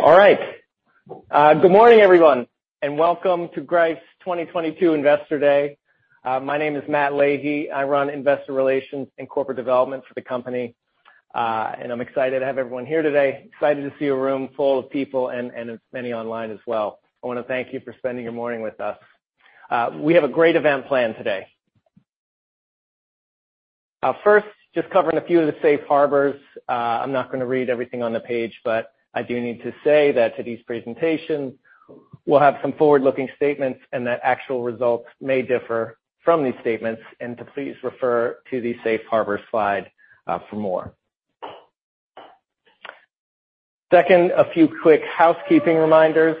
All right. Good morning everyone, and welcome to Greif's 2022 Investor Day. My name is Matt Leahy. I run investor relations and corporate development for the company, and I'm excited to have everyone here today. Excited to see a room full of people and as many online as well. I wanna thank you for spending your morning with us. We have a great event planned today. First, just covering a few of the safe harbors. I'm not gonna read everything on the page, but I do need to say that today's presentation will have some forward-looking statements and that actual results may differ from these statements, and to please refer to the safe harbor slide for more. Second, a few quick housekeeping reminders.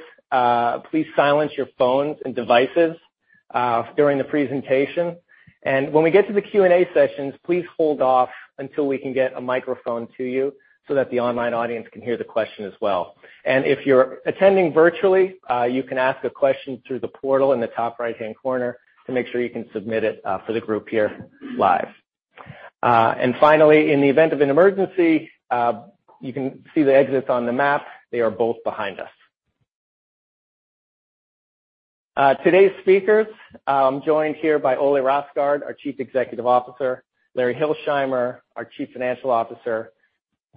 Please silence your phones and devices during the presentation. When we get to the Q&A sessions, please hold off until we can get a microphone to you so that the online audience can hear the question as well. If you're attending virtually, you can ask a question through the portal in the top right-hand corner to make sure you can submit it for the group here live. Finally, in the event of an emergency, you can see the exits on the map. They are both behind us. Today's speakers, I'm joined here by Ole Rosgaard, our Chief Executive Officer, Larry Hilsheimer, our Chief Financial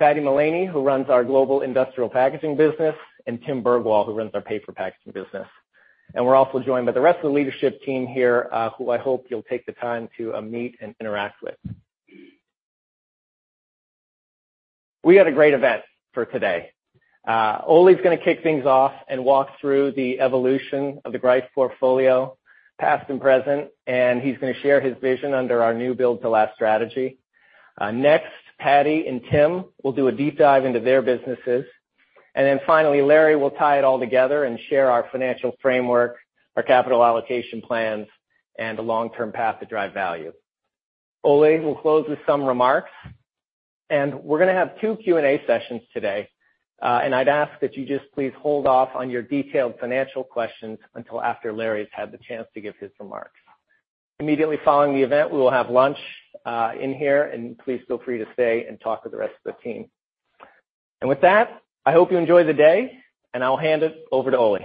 Officer, Paddy Mullaney, who runs our Global Industrial Packaging business, and Tim Bergwall, who runs our Paper Packaging business. We're also joined by the rest of the leadership team here, who I hope you'll take the time to meet and interact with. We have a great event for today. Ole's gonna kick things off and walk through the evolution of the Greif portfolio, past and present, and he's gonna share his vision under our new Build to Last strategy. Next, Paddy and Tim will do a deep dive into their businesses. Finally, Larry will tie it all together and share our financial framework, our capital allocation plans, and the long-term path to drive value. Ole will close with some remarks. We're gonna have two Q&A sessions today, and I'd ask that you just please hold off on your detailed financial questions until after Larry's had the chance to give his remarks. Immediately following the event, we will have lunch in here, and please feel free to stay and talk with the rest of the team. With that, I hope you enjoy the day, and I'll hand it over to Ole.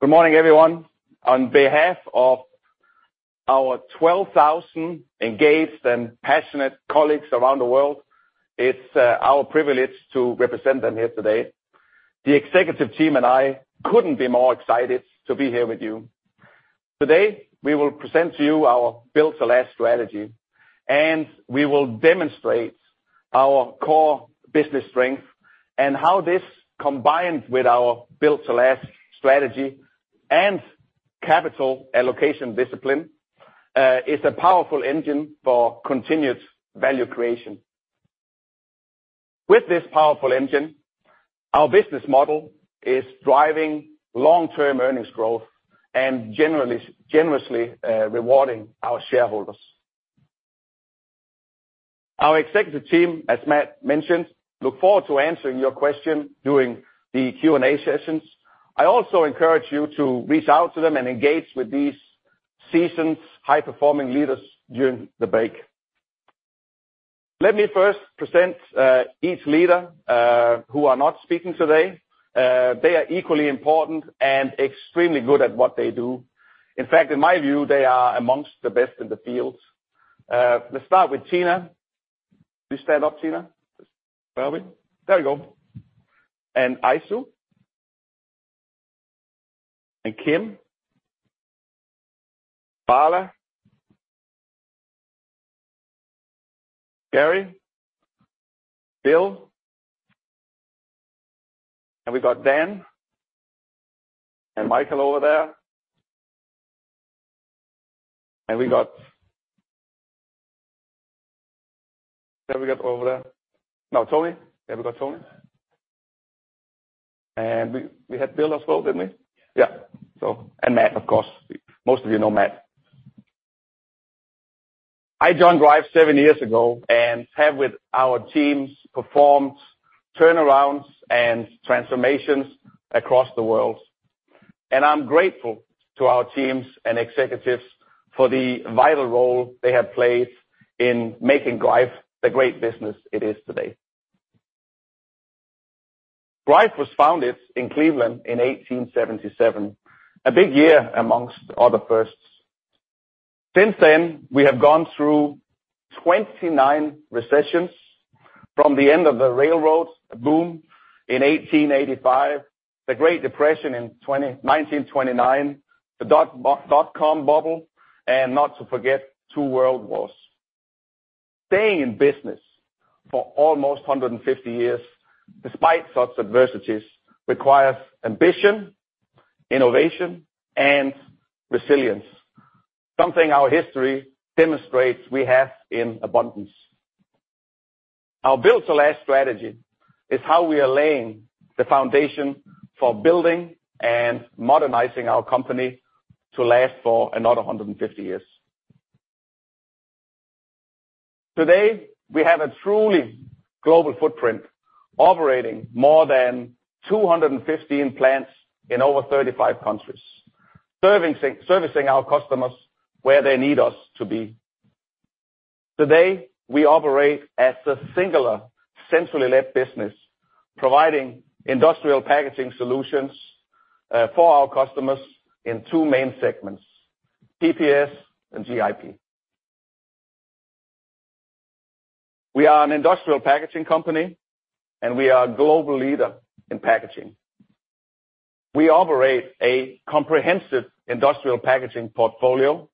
Good morning, everyone. On behalf of our 12,000 engaged and passionate colleagues around the world, it's our privilege to represent them here today. The executive team and I couldn't be more excited to be here with you. Today, we will present to you our Build to Last strategy, and we will demonstrate our core business strength and how this, combined with our Build to Last strategy and capital allocation discipline, is a powerful engine for continued value creation. With this powerful engine, our business model is driving long-term earnings growth and generously rewarding our shareholders. Our executive team, as Matt mentioned, look forward to answering your question during the Q&A sessions. I also encourage you to reach out to them and engage with these seasoned, high-performing leaders during the break. Let me first present each leader who are not speaking today. They are equally important and extremely good at what they do. In fact, in my view, they are among the best in the field. Let's start with Tina. Please stand up, Tina. Where are we? There we go. Aysu. Kim. Paula. Gary. Bill. We got Dan. Michael over there. We got Tony. We had Bill as well, didn't we? Yeah. Matt, of course. Most of you know Matt. I joined Greif seven years ago and have, with our teams, performed turnarounds and transformations across the world. I'm grateful to our teams and executives for the vital role they have played in making Greif the great business it is today. Greif was founded in Cleveland in 1877, a big year among other firsts. Since then, we have gone through 29 recessions from the end of the railroad boom in 1885, the Great Depression in 1929, the dotcom bubble, and not to forget, two world wars. Staying in business for almost 150 years, despite such adversities, requires ambition, innovation, and resilience, something our history demonstrates we have in abundance. Our Build to Last strategy is how we are laying the foundation for building and modernizing our company to last for another 150 years. Today, we have a truly global footprint, operating more than 215 plants in over 35 countries, servicing our customers where they need us to be. Today, we operate as a singular, centrally-led business providing industrial packaging solutions for our customers in two main segments, PPS and GIP. We are an industrial packaging company, and we are a global leader in packaging. We operate a comprehensive industrial packaging portfolio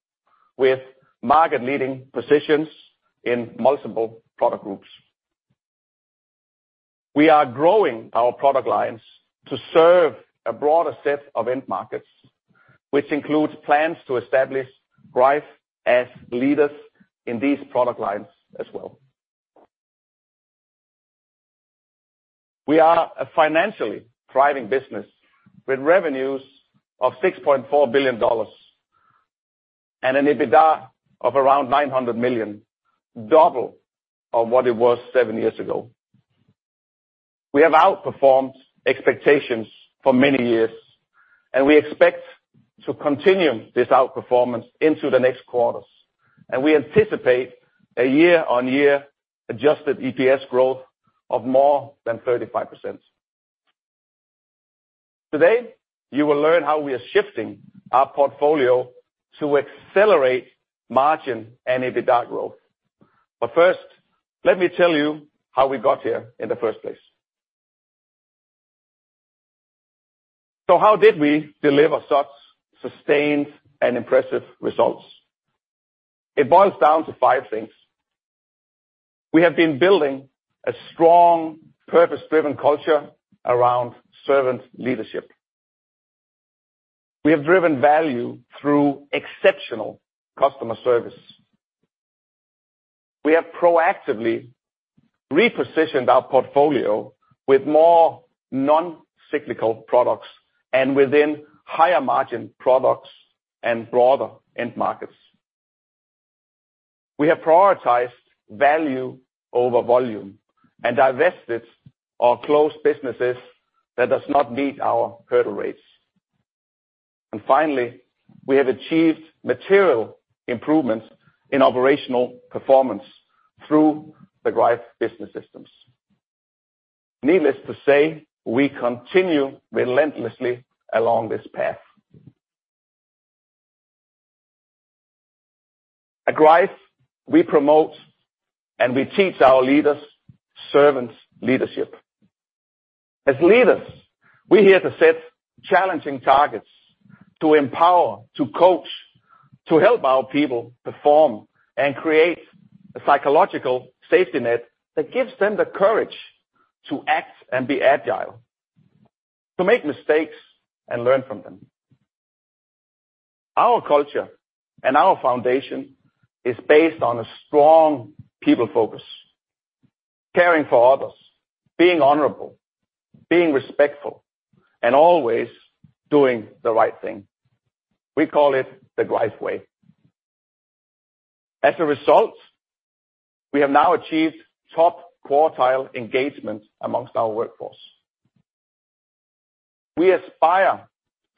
with market-leading positions in multiple product groups. We are growing our product lines to serve a broader set of end markets, which includes plans to establish Greif as leaders in these product lines as well. We are a financially thriving business with revenues of $6.4 billion and an EBITDA of around $900 million, double of what it was seven years ago. We have outperformed expectations for many years, and we expect to continue this outperformance into the next quarters, and we anticipate a year-on-year adjusted EPS growth of more than 35%. Today, you will learn how we are shifting our portfolio to accelerate margin and EBITDA growth. First, let me tell you how we got here in the first place. How did we deliver such sustained and impressive results? It boils down to five things. We have been building a strong, purpose-driven culture around servant leadership. We have driven value through exceptional customer service. We have proactively repositioned our portfolio with more non-cyclical products and within higher margin products and broader end markets. We have prioritized value over volume and divested or closed businesses that does not meet our hurdle rates. And finally, we have achieved material improvements in operational performance through the Greif Business System. Needless to say, we continue relentlessly along this path. At Greif, we promote and we teach our leaders servant leadership. As leaders, we're here to set challenging targets to empower, to coach, to help our people perform and create a psychological safety net that gives them the courage to act and be agile, to make mistakes and learn from them. Our culture and our foundation is based on a strong people focus, caring for others, being honorable, being respectful, and always doing the right thing. We call it the Greif Way. As a result, we have now achieved top quartile engagement among our workforce. We aspire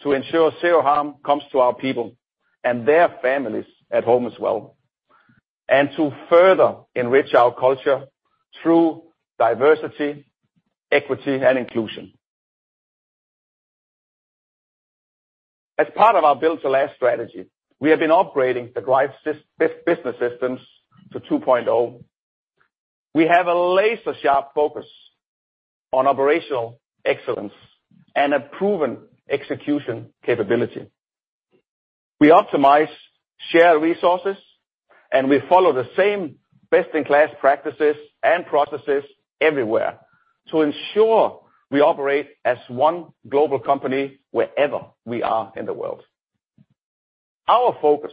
to ensure zero harm comes to our people and their families at home as well, and to further enrich our culture through diversity, equity, and inclusion. As part of our Build to Last strategy, we have been operating the Greif Business System to 2.0. We have a laser-sharp focus on operational excellence and a proven execution capability. We optimize shared resources, and we follow the same best-in-class practices and processes everywhere to ensure we operate as one global company wherever we are in the world. Our focus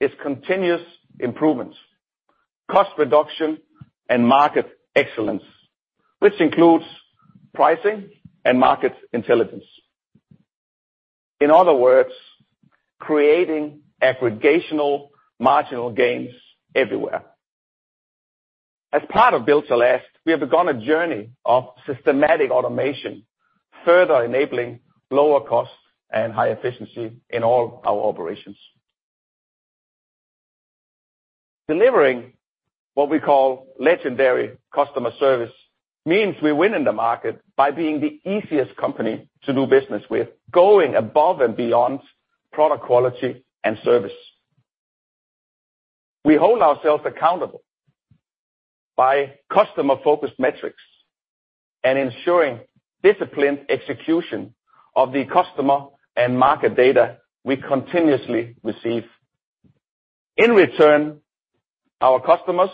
is continuous improvements, cost reduction, and market excellence, which includes pricing and market intelligence. In other words, creating aggregation of marginal gains everywhere. As part of Build to Last, we have begun a journey of systematic automation, further enabling lower costs and high efficiency in all our operations. Delivering what we call legendary customer service means we win in the market by being the easiest company to do business with, going above and beyond product quality and service. We hold ourselves accountable by customer-focused metrics and ensuring disciplined execution of the customer and market data we continuously receive. In return, our customers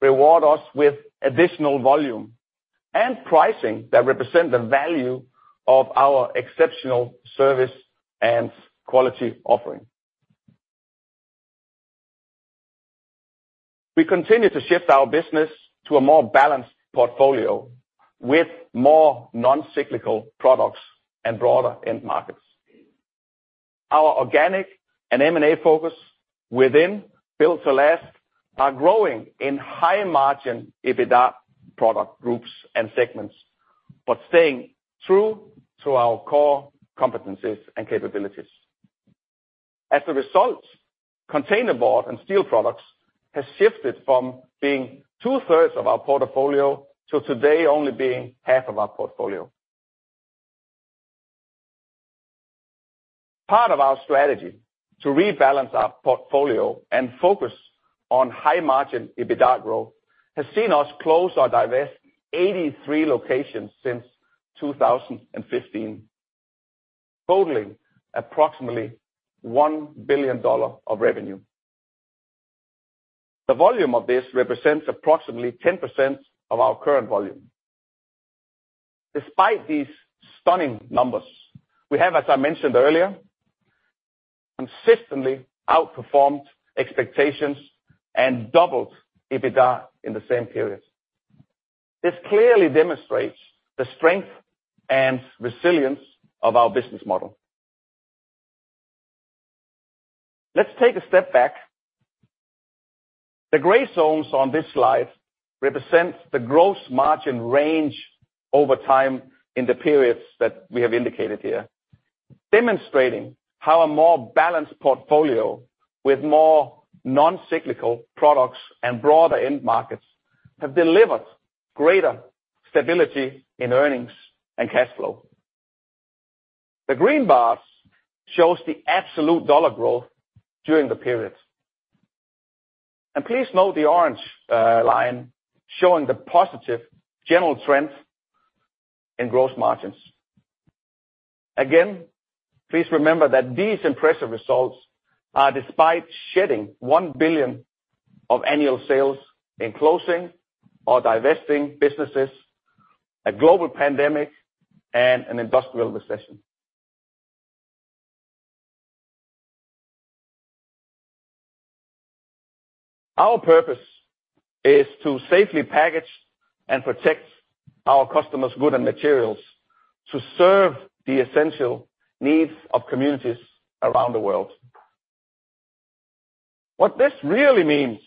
reward us with additional volume and pricing that represent the value of our exceptional service and quality offering. We continue to shift our business to a more balanced portfolio with more non-cyclical products and broader end markets. Our organic and M&A focus within Build to Last are growing in high-margin EBITDA product groups and segments. Staying true to our core competencies and capabilities. As a result, containerboard and steel products has shifted from being 2/3 of our portfolio to today only being 1/2 of our portfolio. Part of our strategy to rebalance our portfolio and focus on high margin EBITDA growth has seen us close or divest 83 locations since 2015, totaling approximately $1 billion of revenue. The volume of this represents approximately 10% of our current volume. Despite these stunning numbers, we have, as I mentioned earlier, consistently outperformed expectations and doubled EBITDA in the same period. This clearly demonstrates the strength and resilience of our business model. Let's take a step back. The gray zones on this slide represent the gross margin range over time in the periods that we have indicated here, demonstrating how a more balanced portfolio with more non-cyclical products and broader end markets have delivered greater stability in earnings and cash flow. The green bars show the absolute dollar growth during the period. Please note the orange line showing the positive general trend in gross margins. Again, please remember that these impressive results are despite shedding $1 billion of annual sales in closing or divesting businesses, a global pandemic, and an industrial recession. Our purpose is to safely package and protect our customers' goods and materials to serve the essential needs of communities around the world. What this really means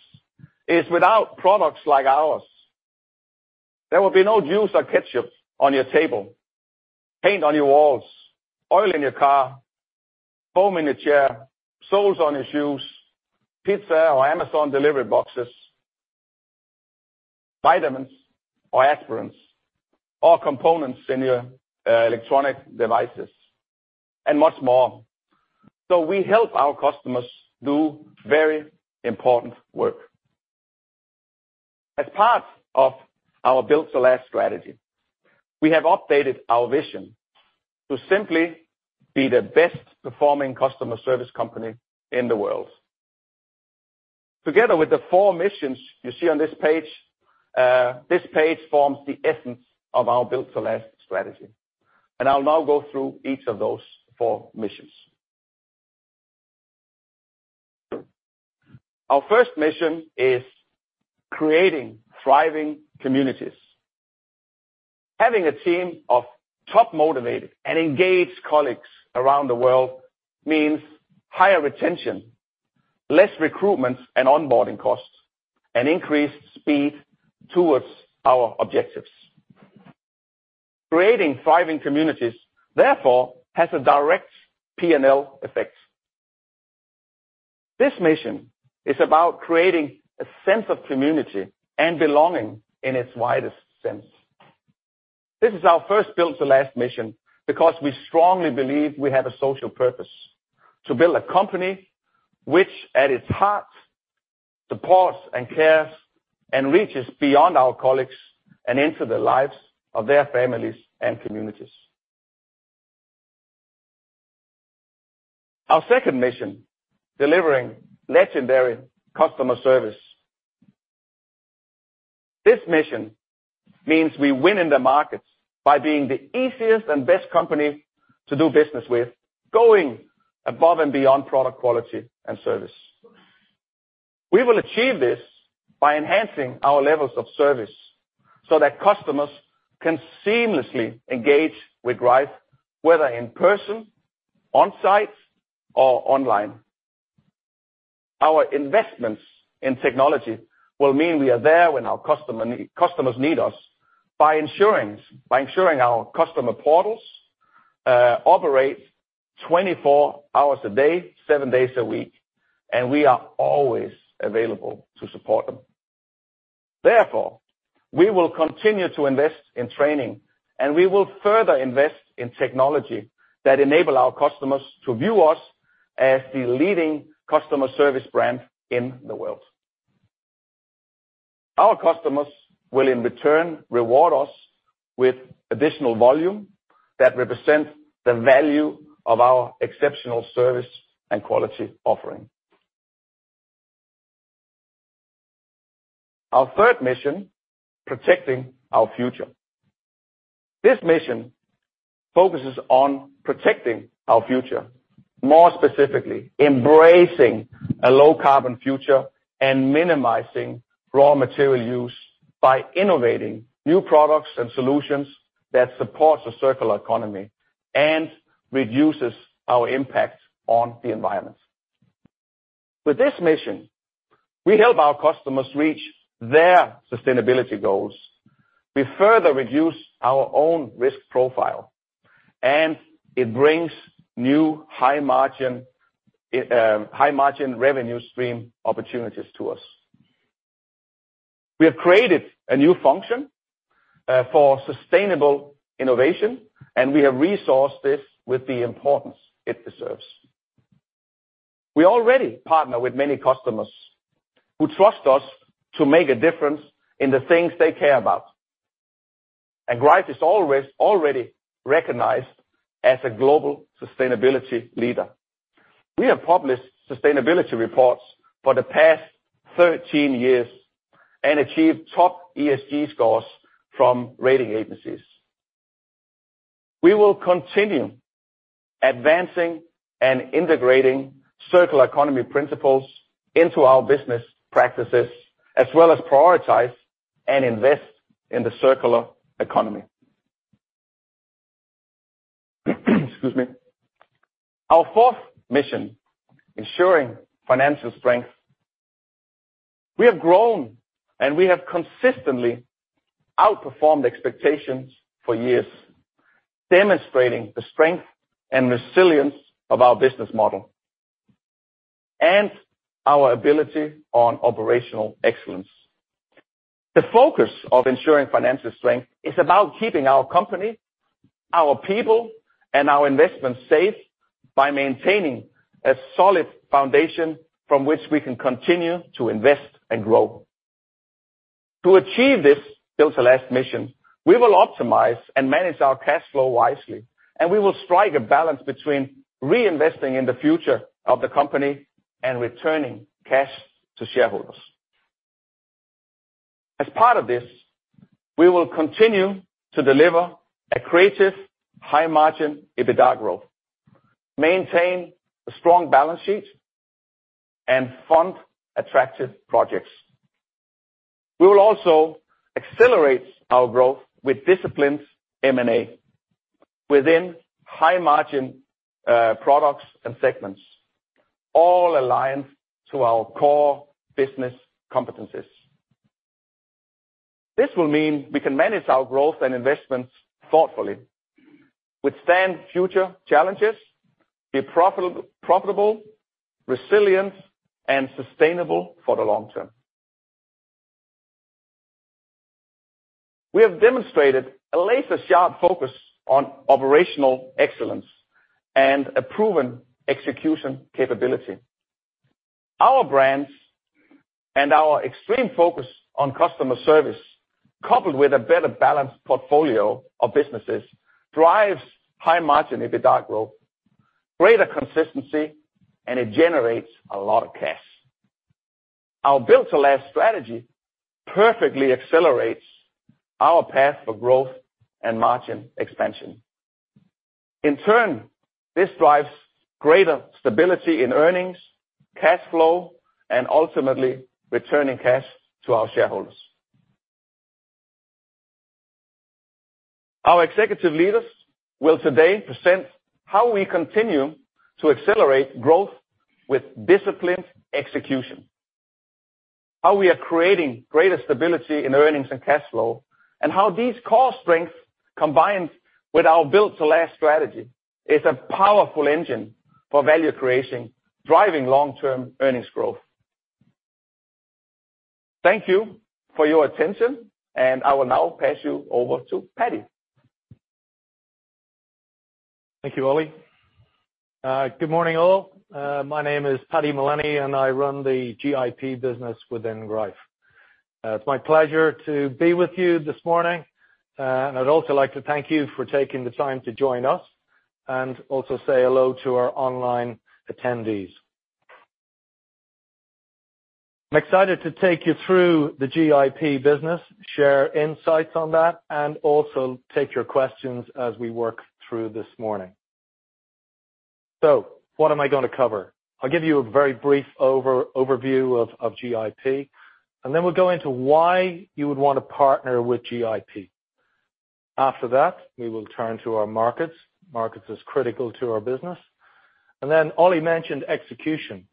is without products like ours, there will be no juice or ketchup on your table, paint on your walls, oil in your car, foam in your chair, soles on your shoes, pizza or Amazon delivery boxes, vitamins or aspirins, or components in your electronic devices, and much more. We help our customers do very important work. As part of our Build to Last strategy, we have updated our vision to simply be the best performing customer service company in the world. Together with the four missions you see on this page, this page forms the essence of our Build to Last strategy, and I'll now go through each of those four missions. Our first mission is creating thriving communities. Having a team of top motivated and engaged colleagues around the world means higher retention, less recruitment and onboarding costs, and increased speed towards our objectives. Creating thriving communities, therefore, has a direct P&L effect. This mission is about creating a sense of community and belonging in its widest sense. This is our first Build to Last mission because we strongly believe we have a social purpose, to build a company which at its heart supports and cares and reaches beyond our colleagues and into the lives of their families and communities. Our second mission, delivering legendary customer service. This mission means we win in the markets by being the easiest and best company to do business with, going above and beyond product quality and service. We will achieve this by enhancing our levels of service so that customers can seamlessly engage with Greif, whether in person, on-site, or online. Our investments in technology will mean we are there when our customers need us by ensuring our customer portals operate 24 hours a day, seven days a week, and we are always available to support them. Therefore, we will continue to invest in training, and we will further invest in technology that enable our customers to view us as the leading customer service brand in the world. Our customers will in return reward us with additional volume that represents the value of our exceptional service and quality offering. Our third mission, protecting our future. This mission focuses on protecting our future, more specifically, embracing a low carbon future and minimizing raw material use by innovating new products and solutions that supports a circular economy and reduces our impact on the environment. With this mission, we help our customers reach their sustainability goals. We further reduce our own risk profile, and it brings new high-margin revenue stream opportunities to us. We have created a new function for sustainable innovation, and we have resourced this with the importance it deserves. We already partner with many customers who trust us to make a difference in the things they care about. Greif is already recognized as a global sustainability leader. We have published sustainability reports for the past 13 years and achieved top ESG scores from rating agencies. We will continue advancing and integrating circular economy principles into our business practices, as well as prioritize and invest in the circular economy. Excuse me. Our fourth mission, ensuring financial strength. We have grown, and we have consistently outperformed expectations for years, demonstrating the strength and resilience of our business model and our ability on operational excellence. The focus of ensuring financial strength is about keeping our company, our people, and our investments safe by maintaining a solid foundation from which we can continue to invest and grow. To achieve this Build to Last mission, we will optimize and manage our cash flow wisely, and we will strike a balance between reinvesting in the future of the company and returning cash to shareholders. As part of this, we will continue to deliver a creative high-margin EBITDA growth, maintain a strong balance sheet, and fund attractive projects. We will also accelerate our growth with disciplined M&A within high-margin products and segments, all aligned to our core business competencies. This will mean we can manage our growth and investments thoughtfully, withstand future challenges, be profitable, resilient, and sustainable for the long term. We have demonstrated a laser-sharp focus on operational excellence and a proven execution capability. Our brands and our extreme focus on customer service, coupled with a better balanced portfolio of businesses, drives high margin EBITDA growth, greater consistency, and it generates a lot of cash. Our Build to Last strategy perfectly accelerates our path for growth and margin expansion. In turn, this drives greater stability in earnings, cash flow, and ultimately returning cash to our shareholders. Our executive leaders will today present how we continue to accelerate growth with disciplined execution, how we are creating greater stability in earnings and cash flow, and how these core strengths, combined with our Build to Last strategy, is a powerful engine for value creation, driving long-term earnings growth. Thank you for your attention, and I will now pass you over to Paddy. Thank you, Ole. Good morning, all. My name is Paddy Mullaney, and I run the GIP business within Greif. It's my pleasure to be with you this morning, and I'd also like to thank you for taking the time to join us, and also say hello to our online attendees. I'm excited to take you through the GIP business, share insights on that, and also take your questions as we work through this morning. What am I gonna cover? I'll give you a very brief overview of GIP, and then we'll go into why you would wanna partner with GIP. After that, we will turn to our markets. Markets is critical to our business. Ole mentioned execution.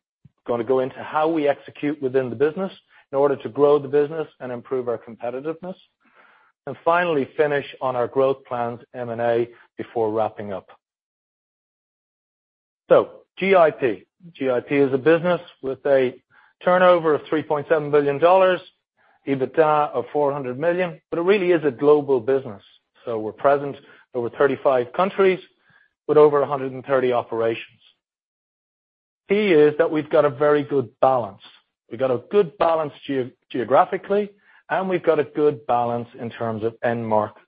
Gonna go into how we execute within the business in order to grow the business and improve our competitiveness. Finally, finish on our growth plans, M&A, before wrapping up. GIP. GIP is a business with a turnover of $3.7 billion, EBITDA of $400 million, but it really is a global business. We're present in over 35 countries with over 130 operations. The key is that we've got a very good balance. We've got a good balance geographically, and we've got a good balance in terms of end markets.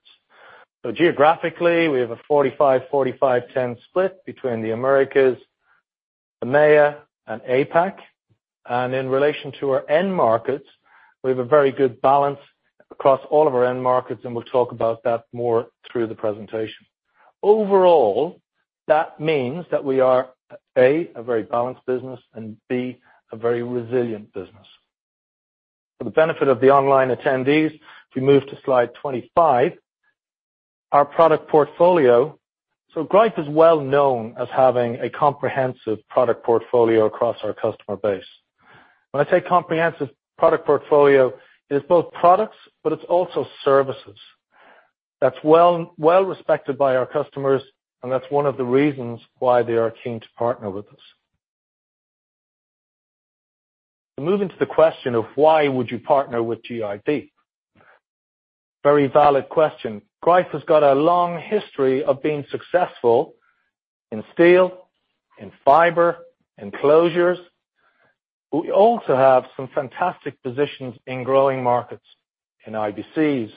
Geographically, we have a 45%, 45%, 10% split between the Americas, EMEA, and APAC. In relation to our end markets, we have a very good balance across all of our end markets, and we'll talk about that more through the presentation. Overall, that means that we are, A, a very balanced business, and B, a very resilient business. For the benefit of the online attendees, if we move to slide 25, our product portfolio. So Greif is well known as having a comprehensive product portfolio across our customer base. When I say comprehensive product portfolio, it is both products, but it's also services. That's well respected by our customers, and that's one of the reasons why they are keen to partner with us. Moving to the question of why would you partner with Greif? Very valid question. Greif has got a long history of being successful in steel, in fiber, in closures. We also have some fantastic positions in growing markets, in IBCs,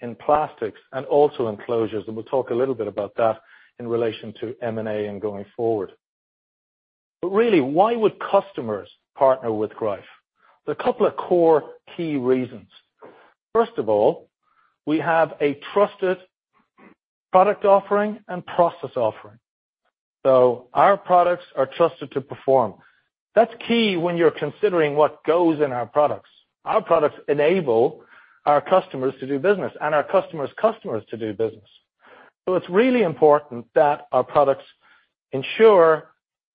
in plastics, and also in closures. We'll talk a little bit about that in relation to M&A and going forward. Really, why would customers partner with Greif? There are a couple of core key reasons. First of all, we have a trusted product offering and process offering. Our products are trusted to perform. That's key when you're considering what goes in our products. Our products enable our customers to do business and our customer's customers to do business. It's really important that our products ensure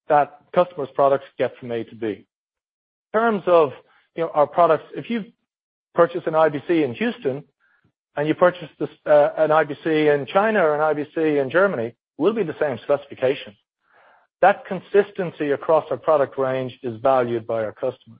that customers' products get from A to B. In terms of, you know, our products, if you purchase an IBC in Houston and you purchase this, an IBC in China or an IBC in Germany, will be the same specification. That consistency across our product range is valued by our customers.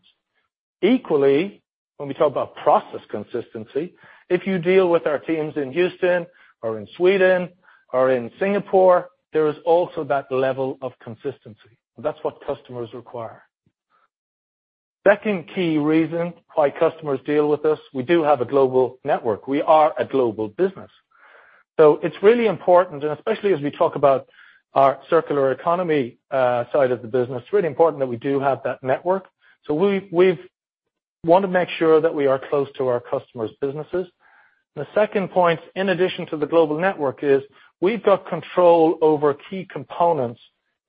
Equally, when we talk about process consistency, if you deal with our teams in Houston or in Sweden or in Singapore, there is also that level of consistency. That's what customers require. Second key reason why customers deal with us, we do have a global network. We are a global business. It's really important, and especially as we talk about our circular economy side of the business, it's really important that we do have that network. We want to make sure that we are close to our customers' businesses. The second point, in addition to the global network, is we've got control over key components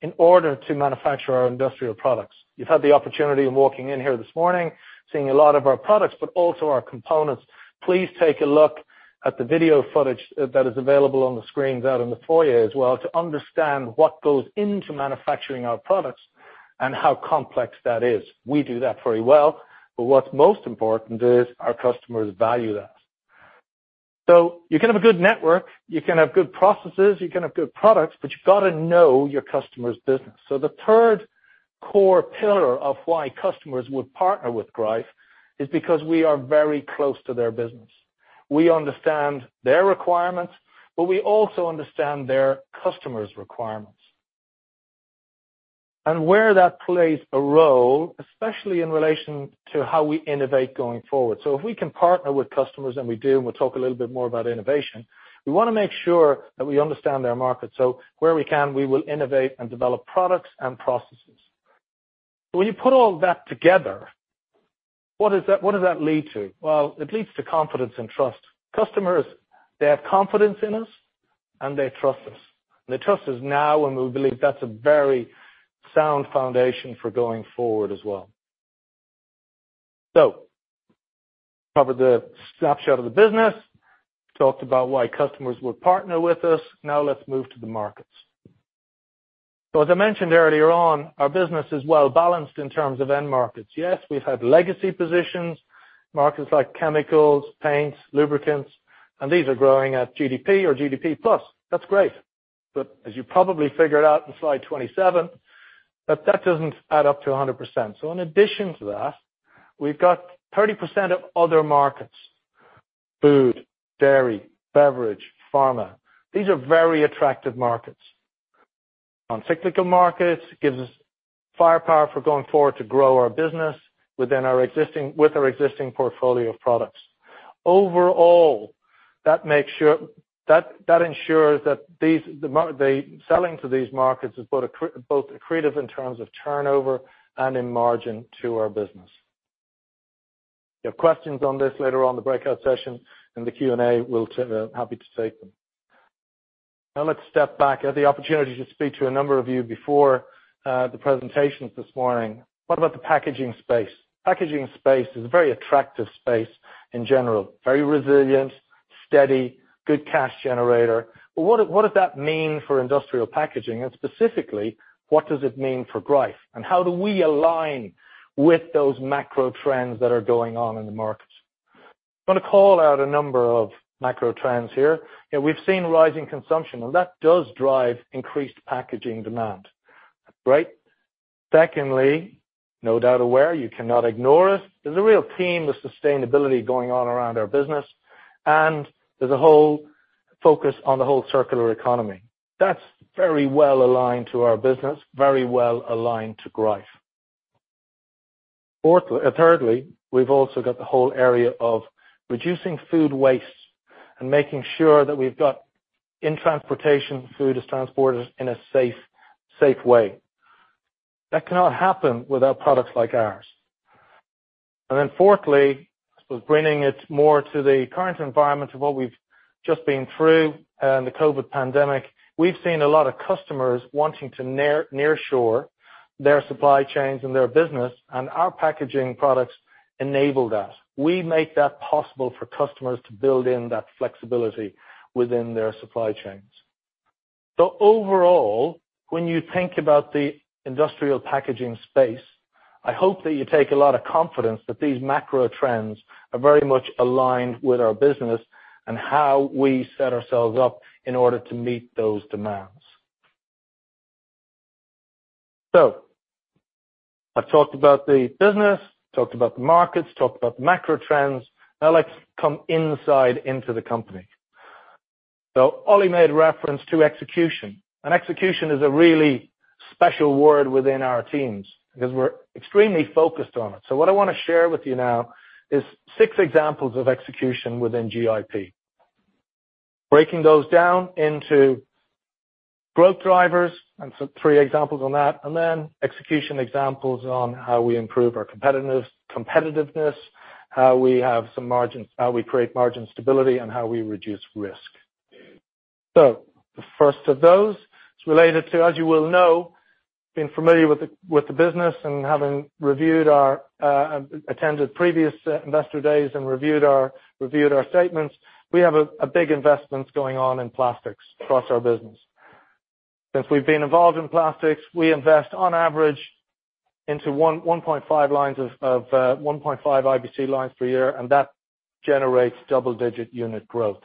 in order to manufacture our industrial products. You've had the opportunity in walking in here this morning, seeing a lot of our products, but also our components. Please take a look at the video footage that is available on the screens out in the foyer as well to understand what goes into manufacturing our products and how complex that is. We do that very well, but what's most important is our customers value that. You can have a good network, you can have good processes, you can have good products, but you've got to know your customer's business. The third core pillar of why customers would partner with Greif is because we are very close to their business. We understand their requirements, but we also understand their customers' requirements. Where that plays a role, especially in relation to how we innovate going forward. If we can partner with customers, and we do, and we'll talk a little bit more about innovation, we wanna make sure that we understand their market. Where we can, we will innovate and develop products and processes. When you put all that together, what does that lead to? Well, it leads to confidence and trust. Customers, they have confidence in us, and they trust us. They trust us now, and we believe that's a very sound foundation for going forward as well. Covered the snapshot of the business, talked about why customers would partner with us. Now let's move to the markets. As I mentioned earlier on, our business is well-balanced in terms of end markets. Yes, we've had legacy positions, markets like chemicals, paints, lubricants, and these are growing at GDP or GDP-plus. That's great. As you probably figured out in slide 27, that doesn't add up to 100%. In addition to that, we've got 30% of other markets, food, dairy, beverage, pharma. These are very attractive markets. Non-cyclical markets gives us firepower for going forward to grow our business within our existing portfolio of products. Overall, that ensures that these, the selling to these markets is both accretive in terms of turnover and in margin to our business. If you have questions on this later on the breakout session in the Q&A, we'll be happy to take them. Now let's step back. I had the opportunity to speak to a number of you before, the presentations this morning. What about the packaging space? Packaging space is a very attractive space in general, very resilient, steady, good cash generator. What does that mean for industrial packaging? And specifically, what does it mean for Greif? And how do we align with those macro trends that are going on in the markets? I'm gonna call out a number of macro trends here. You know, we've seen rising consumption, and that does drive increased packaging demand. Great. Secondly, no doubt aware, you cannot ignore it, there's a real theme with sustainability going on around our business, and there's a whole focus on the whole circular economy. That's very well aligned to our business, very well aligned to Greif. Thirdly, we've also got the whole area of reducing food waste and making sure that we've got in transportation, food is transported in a safe way. That cannot happen without products like ours. Fourthly, bringing it more to the current environment of Just being through the COVID pandemic, we've seen a lot of customers wanting to near shore their supply chains and their business, and our packaging products enable that. We make that possible for customers to build in that flexibility within their supply chains. Overall, when you think about the industrial packaging space, I hope that you take a lot of confidence that these macro trends are very much aligned with our business and how we set ourselves up in order to meet those demands. I've talked about the business, talked about the markets, talked about the macro trends. Now let's come inside into the company. Ole made reference to execution, and execution is a really special word within our teams because we're extremely focused on it. What I wanna share with you now is six examples of execution within GIP. Breaking those down into growth drivers, and so three examples on that, and then execution examples on how we improve our competitiveness, how we have some margins, how we create margin stability, and how we reduce risk. The first of those is related to, as you well know, being familiar with the business and having attended previous investor days and reviewed our statements, we have a big investment going on in plastics across our business. Since we've been involved in plastics, we invest on average into 1.5 IBC lines per year, and that generates double-digit unit growth.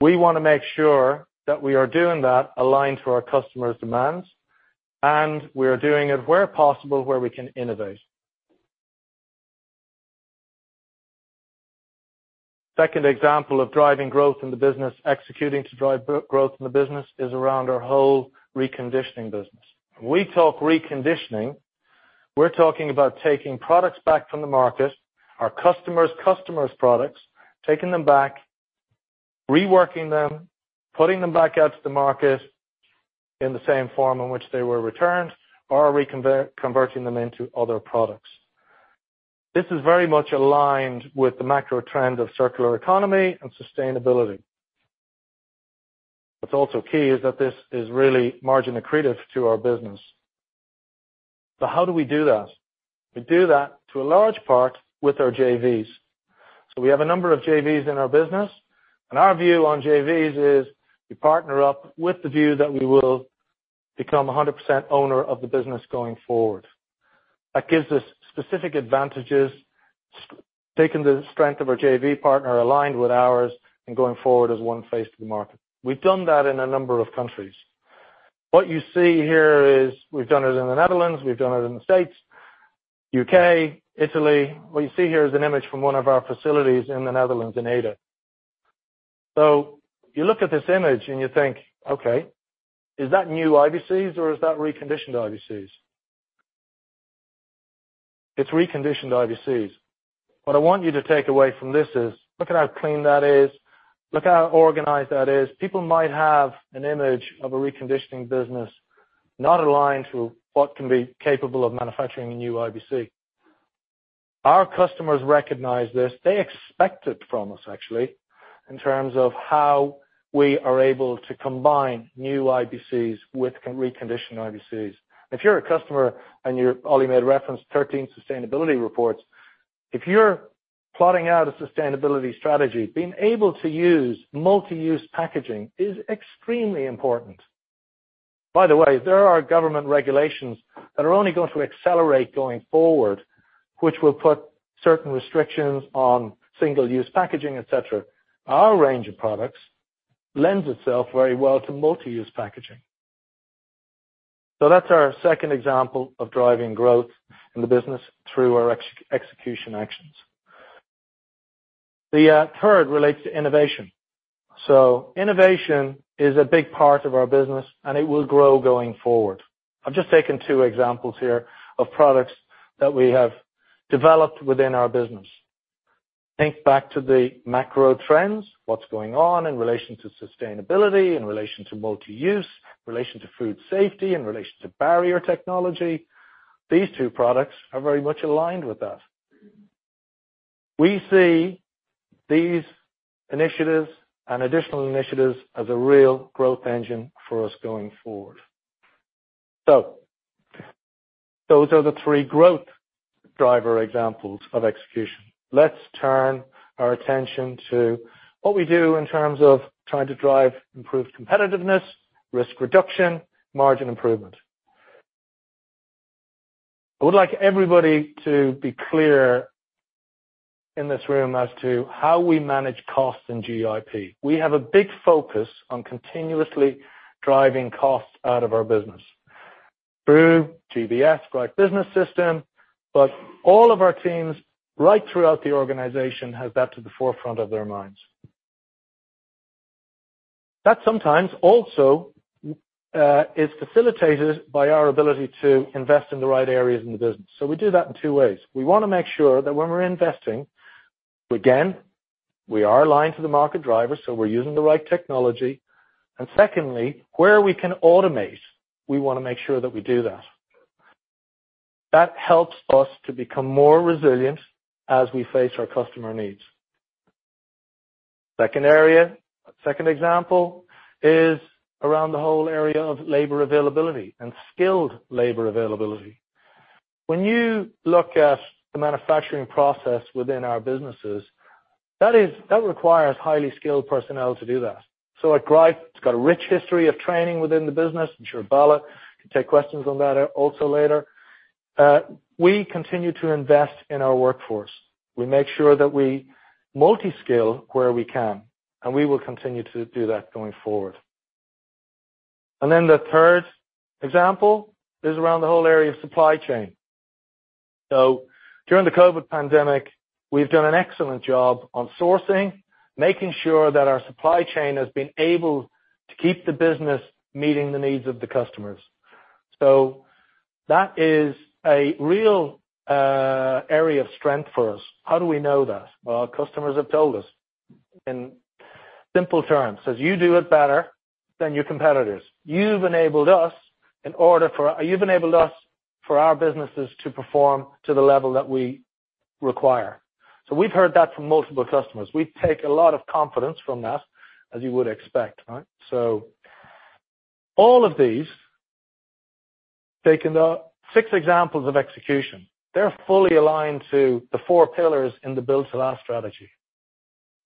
We wanna make sure that we are doing that aligned to our customers' demands, and we are doing it where possible, where we can innovate. Second example of driving growth in the business, executing to drive growth in the business is around our whole reconditioning business. When we talk reconditioning, we're talking about taking products back from the market, our customer's customer's products, taking them back, reworking them, putting them back out to the market in the same form in which they were returned or converting them into other products. This is very much aligned with the macro trend of circular economy and sustainability. What's also key is that this is really margin accretive to our business. How do we do that? We do that to a large part with our JVs. We have a number of JVs in our business, and our view on JVs is we partner up with the view that we will become 100% owner of the business going forward. That gives us specific advantages, taking the strength of our JV partner aligned with ours and going forward as one face to the market. We've done that in a number of countries. What you see here is we've done it in the Netherlands, we've done it in the States, U.K., Italy. What you see here is an image from one of our facilities in the Netherlands in Ede. So you look at this image and you think, okay, is that new IBCs or is that reconditioned IBCs? It's reconditioned IBCs. What I want you to take away from this is, look at how clean that is. Look how organized that is. People might have an image of a reconditioning business not aligned to what can be capable of manufacturing a new IBC. Our customers recognize this. They expect it from us actually, in terms of how we are able to combine new IBCs with reconditioned IBCs. If you're a customer and you're Ole made reference 13 sustainability reports. If you're plotting out a sustainability strategy, being able to use multi-use packaging is extremely important. By the way, there are government regulations that are only going to accelerate going forward, which will put certain restrictions on single-use packaging, et cetera. Our range of products lends itself very well to multi-use packaging. That's our second example of driving growth in the business through our execution actions. The third relates to innovation. Innovation is a big part of our business, and it will grow going forward. I've just taken two examples here of products that we have developed within our business. Think back to the macro trends, what's going on in relation to sustainability, in relation to multi-use, in relation to food safety, in relation to barrier technology. These two products are very much aligned with that. We see these initiatives and additional initiatives as a real growth engine for us going forward. Those are the three growth driver examples of execution. Let's turn our attention to what we do in terms of trying to drive improved competitiveness, risk reduction, margin improvement. I would like everybody to be clear in this room as to how we manage costs in GIP. We have a big focus on continuously driving costs out of our business through GBS, Greif Business System, but all of our teams right throughout the organization have that to the forefront of their minds. That sometimes also is facilitated by our ability to invest in the right areas in the business. We do that in two ways. We wanna make sure that when we're investing, again, we are aligned to the market drivers, so we're using the right technology. Secondly, where we can automate, we wanna make sure that we do that. That helps us to become more resilient as we face our customer needs. Second example is around the whole area of labor availability and skilled labor availability. When you look at the manufacturing process within our businesses, that requires highly skilled personnel to do that. At Greif, it's got a rich history of training within the business. I'm sure Bala can take questions on that, also later. We continue to invest in our workforce. We make sure that we multi-skill where we can, and we will continue to do that going forward. Then the third example is around the whole area of supply chain. During the COVID pandemic, we've done an excellent job on sourcing, making sure that our supply chain has been able to keep the business meeting the needs of the customers. That is a real area of strength for us. How do we know that? Well, our customers have told us in simple terms, they say you do it better than your competitors. You've enabled us for our businesses to perform to the level that we require. We've heard that from multiple customers. We take a lot of confidence from that, as you would expect, right? All of these, taking the six examples of execution, they're fully aligned to the four pillars in the Build to Last strategy.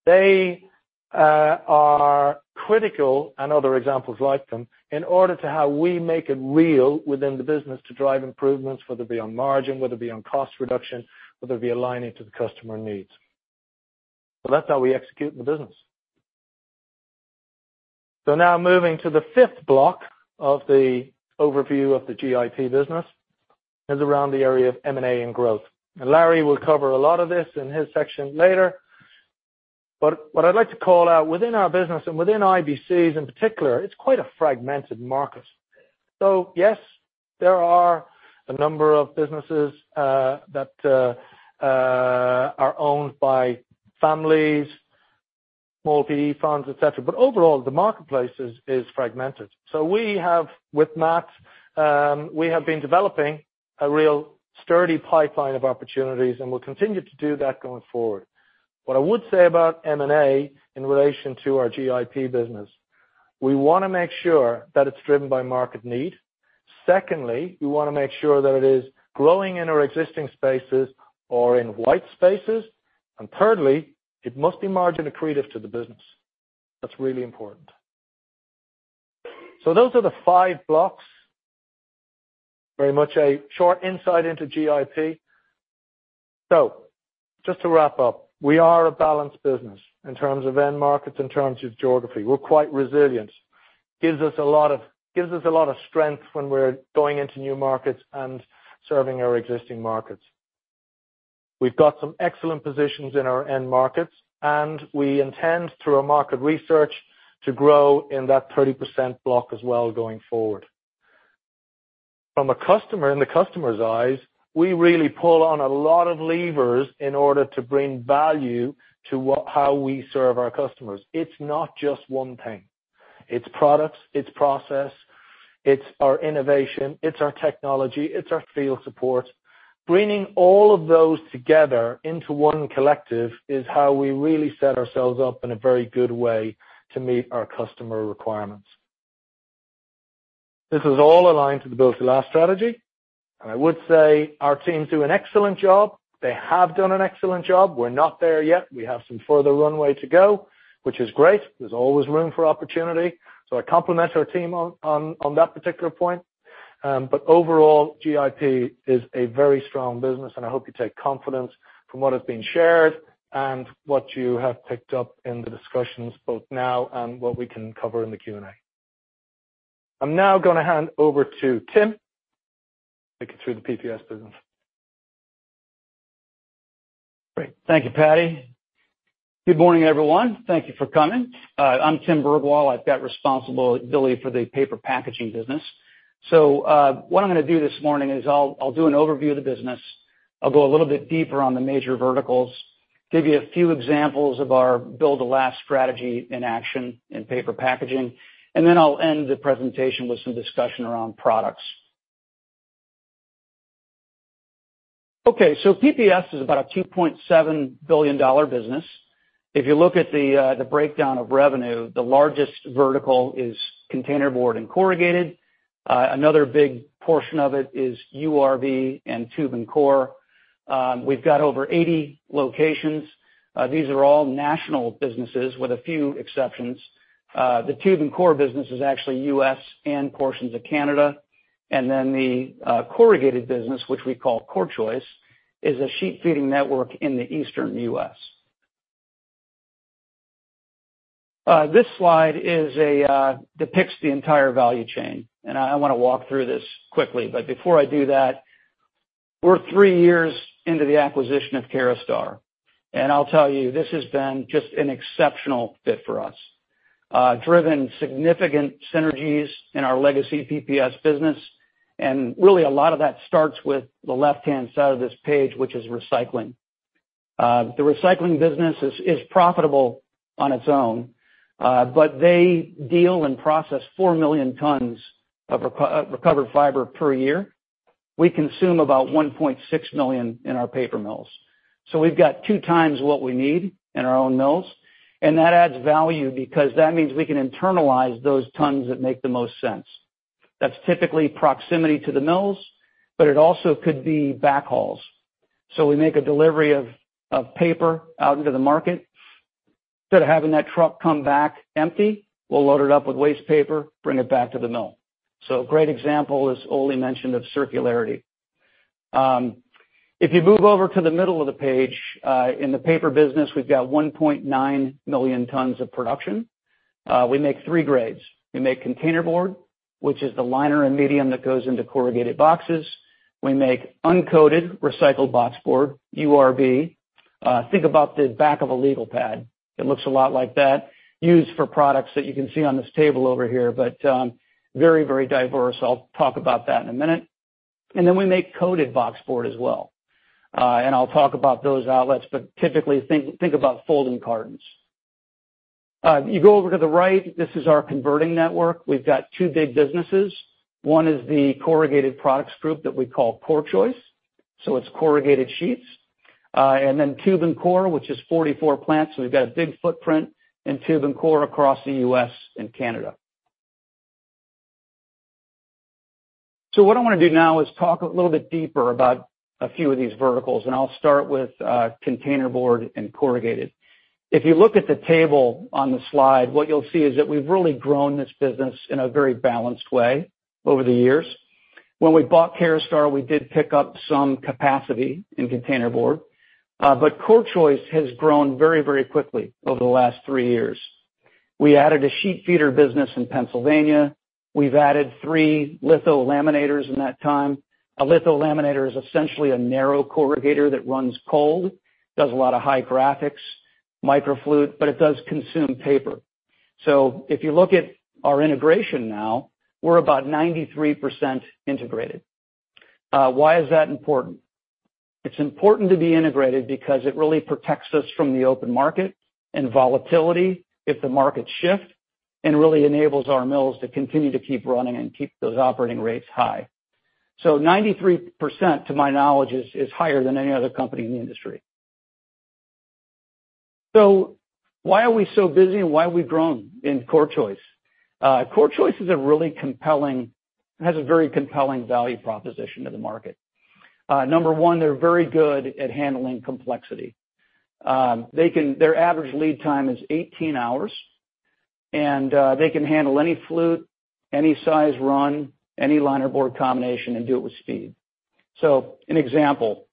They are critical, and other examples like them, in order to how we make it real within the business to drive improvements, whether it be on margin, whether it be on cost reduction, whether it be aligning to the customer needs. That's how we execute in the business. Now moving to the fifth block of the overview of the GIP business is around the area of M&A and growth. Larry will cover a lot of this in his section later. What I'd like to call out within our business and within IBCs in particular, it's quite a fragmented market. Yes, there are a number of businesses that are owned by families, small PE funds, et cetera, but overall, the marketplace is fragmented. We have, with Matt, been developing a real sturdy pipeline of opportunities, and we'll continue to do that going forward. What I would say about M&A in relation to our GIP business, we wanna make sure that it's driven by market need. Secondly, we wanna make sure that it is growing in our existing spaces or in white spaces. Thirdly, it must be margin accretive to the business. That's really important. Those are the five blocks. Very much a short insight into GIP. Just to wrap up, we are a balanced business in terms of end markets, in terms of geography. We're quite resilient. Gives us a lot of strength when we're going into new markets and serving our existing markets. We've got some excellent positions in our end markets, and we intend through our market research to grow in that 30% block as well going forward. In the customer's eyes, we really pull on a lot of levers in order to bring value to how we serve our customers. It's not just one thing. It's products, it's process, it's our innovation, it's our technology, it's our field support. Bringing all of those together into one collective is how we really set ourselves up in a very good way to meet our customer requirements. This is all aligned to the Build to Last strategy. I would say our teams do an excellent job. They have done an excellent job. We're not there yet. We have some further runway to go, which is great. There's always room for opportunity. I compliment our team on that particular point. Overall, GIP is a very strong business, and I hope you take confidence from what has been shared and what you have picked up in the discussions both now and what we can cover in the Q&A. I'm now gonna hand over to Tim, take you through the PPS business. Great. Thank you, Paddy. Good morning, everyone. Thank you for coming. I'm Tim Bergwall. I've got responsibility for the Paper Packaging business. What I'm gonna do this morning is I'll do an overview of the business. I'll go a little bit deeper on the major verticals, give you a few examples of our Build to Last strategy in action in paper packaging, and then I'll end the presentation with some discussion around products. Okay, PPS is about a $2.7 billion business. If you look at the breakdown of revenue, the largest vertical is containerboard and corrugated. Another big portion of it is URB and tube and core. We've got over 80 locations. These are all national businesses with a few exceptions. The tube and core business is actually U.S. and portions of Canada. Then the corrugated business, which we call CorrChoice, is a sheet feeding network in the Eastern U.S. This slide depicts the entire value chain, and I wanna walk through this quickly. Before I do that, we're three years into the acquisition of Caraustar. I'll tell you, this has been just an exceptional fit for us, driven significant synergies in our legacy PPS business. Really a lot of that starts with the left-hand side of this page, which is recycling. The recycling business is profitable on its own, but they deal and process 4 million tons of recovered fiber per year. We consume about 1.6 million in our paper mills. We've got 2x what we need in our own mills, and that adds value because that means we can internalize those tons that make the most sense. That's typically proximity to the mills, but it also could be backhauls. We make a delivery of paper out into the market. Instead of having that truck come back empty, we'll load it up with waste paper, bring it back to the mill. Great example, as Ole mentioned, of circularity. If you move over to the middle of the page, in the paper business, we've got 1.9 million tons of production. We make three grades. We make containerboard, which is the liner and medium that goes into corrugated boxes. We make uncoated recycled boxboard, URB. Think about the back of a legal pad. It looks a lot like that, used for products that you can see on this table over here, but very, very diverse. I'll talk about that in a minute. We make coated boxboard as well. I'll talk about those outlets, but typically think about folding cartons. If you go over to the right, this is our converting network. We've got two big businesses. One is the corrugated products group that we call CorrChoice. It's corrugated sheets. Then tube and core, which is 44 plants. We've got a big footprint in tube and core across the U.S. and Canada. What I wanna do now is talk a little bit deeper about a few of these verticals, and I'll start with containerboard and corrugated. If you look at the table on the slide, what you'll see is that we've really grown this business in a very balanced way over the years. When we bought Caraustar, we did pick up some capacity in containerboard, but CorrChoice has grown very, very quickly over the last three years. We added a sheet feeder business in Pennsylvania. We've added three litho laminators in that time. A litho-laminator is essentially a narrow corrugator that runs cold, does a lot of high graphics, micro-flute, but it does consume paper. If you look at our integration now, we're about 93% integrated. Why is that important? It's important to be integrated because it really protects us from the open market and volatility if the markets shift, and really enables our mills to continue to keep running and keep those operating rates high. 93%, to my knowledge, is higher than any other company in the industry. Why are we so busy, and why have we grown in CorrChoice? CorrChoice has a very compelling value proposition to the market. Number one, they're very good at handling complexity. Their average lead time is 18 hours, and they can handle any flute, any size run, any linerboard combination and do it with speed. An example,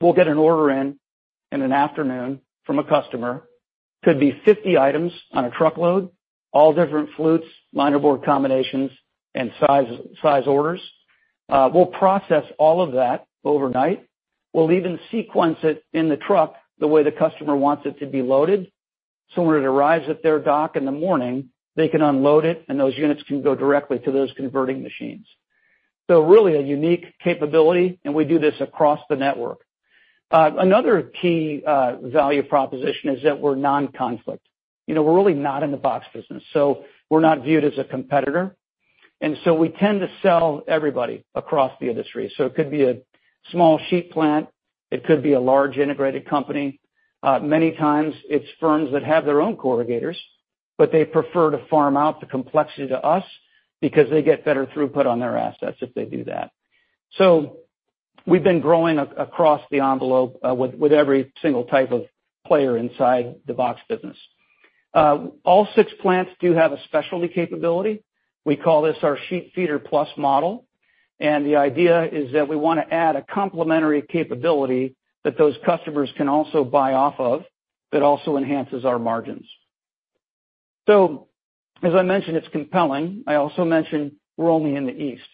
we'll get an order in an afternoon from a customer. Could be 50 items on a truckload, all different flutes, linerboard combinations, and size orders. We'll process all of that overnight. We'll even sequence it in the truck the way the customer wants it to be loaded, so when it arrives at their dock in the morning, they can unload it, and those units can go directly to those converting machines. Really a unique capability, and we do this across the network. Another key value proposition is that we're non-conflict. You know, we're really not in the box business, so we're not viewed as a competitor. We tend to sell everybody across the industry. It could be a small sheet plant, it could be a large integrated company. Many times it's firms that have their own corrugators, but they prefer to farm out the complexity to us because they get better throughput on their assets if they do that. We've been growing across the envelope, with every single type of player inside the box business. All six plants do have a specialty capability. We call this our sheet feeder plus model, and the idea is that we wanna add a complementary capability that those customers can also buy off of that also enhances our margins. As I mentioned, it's compelling. I also mentioned we're only in the East,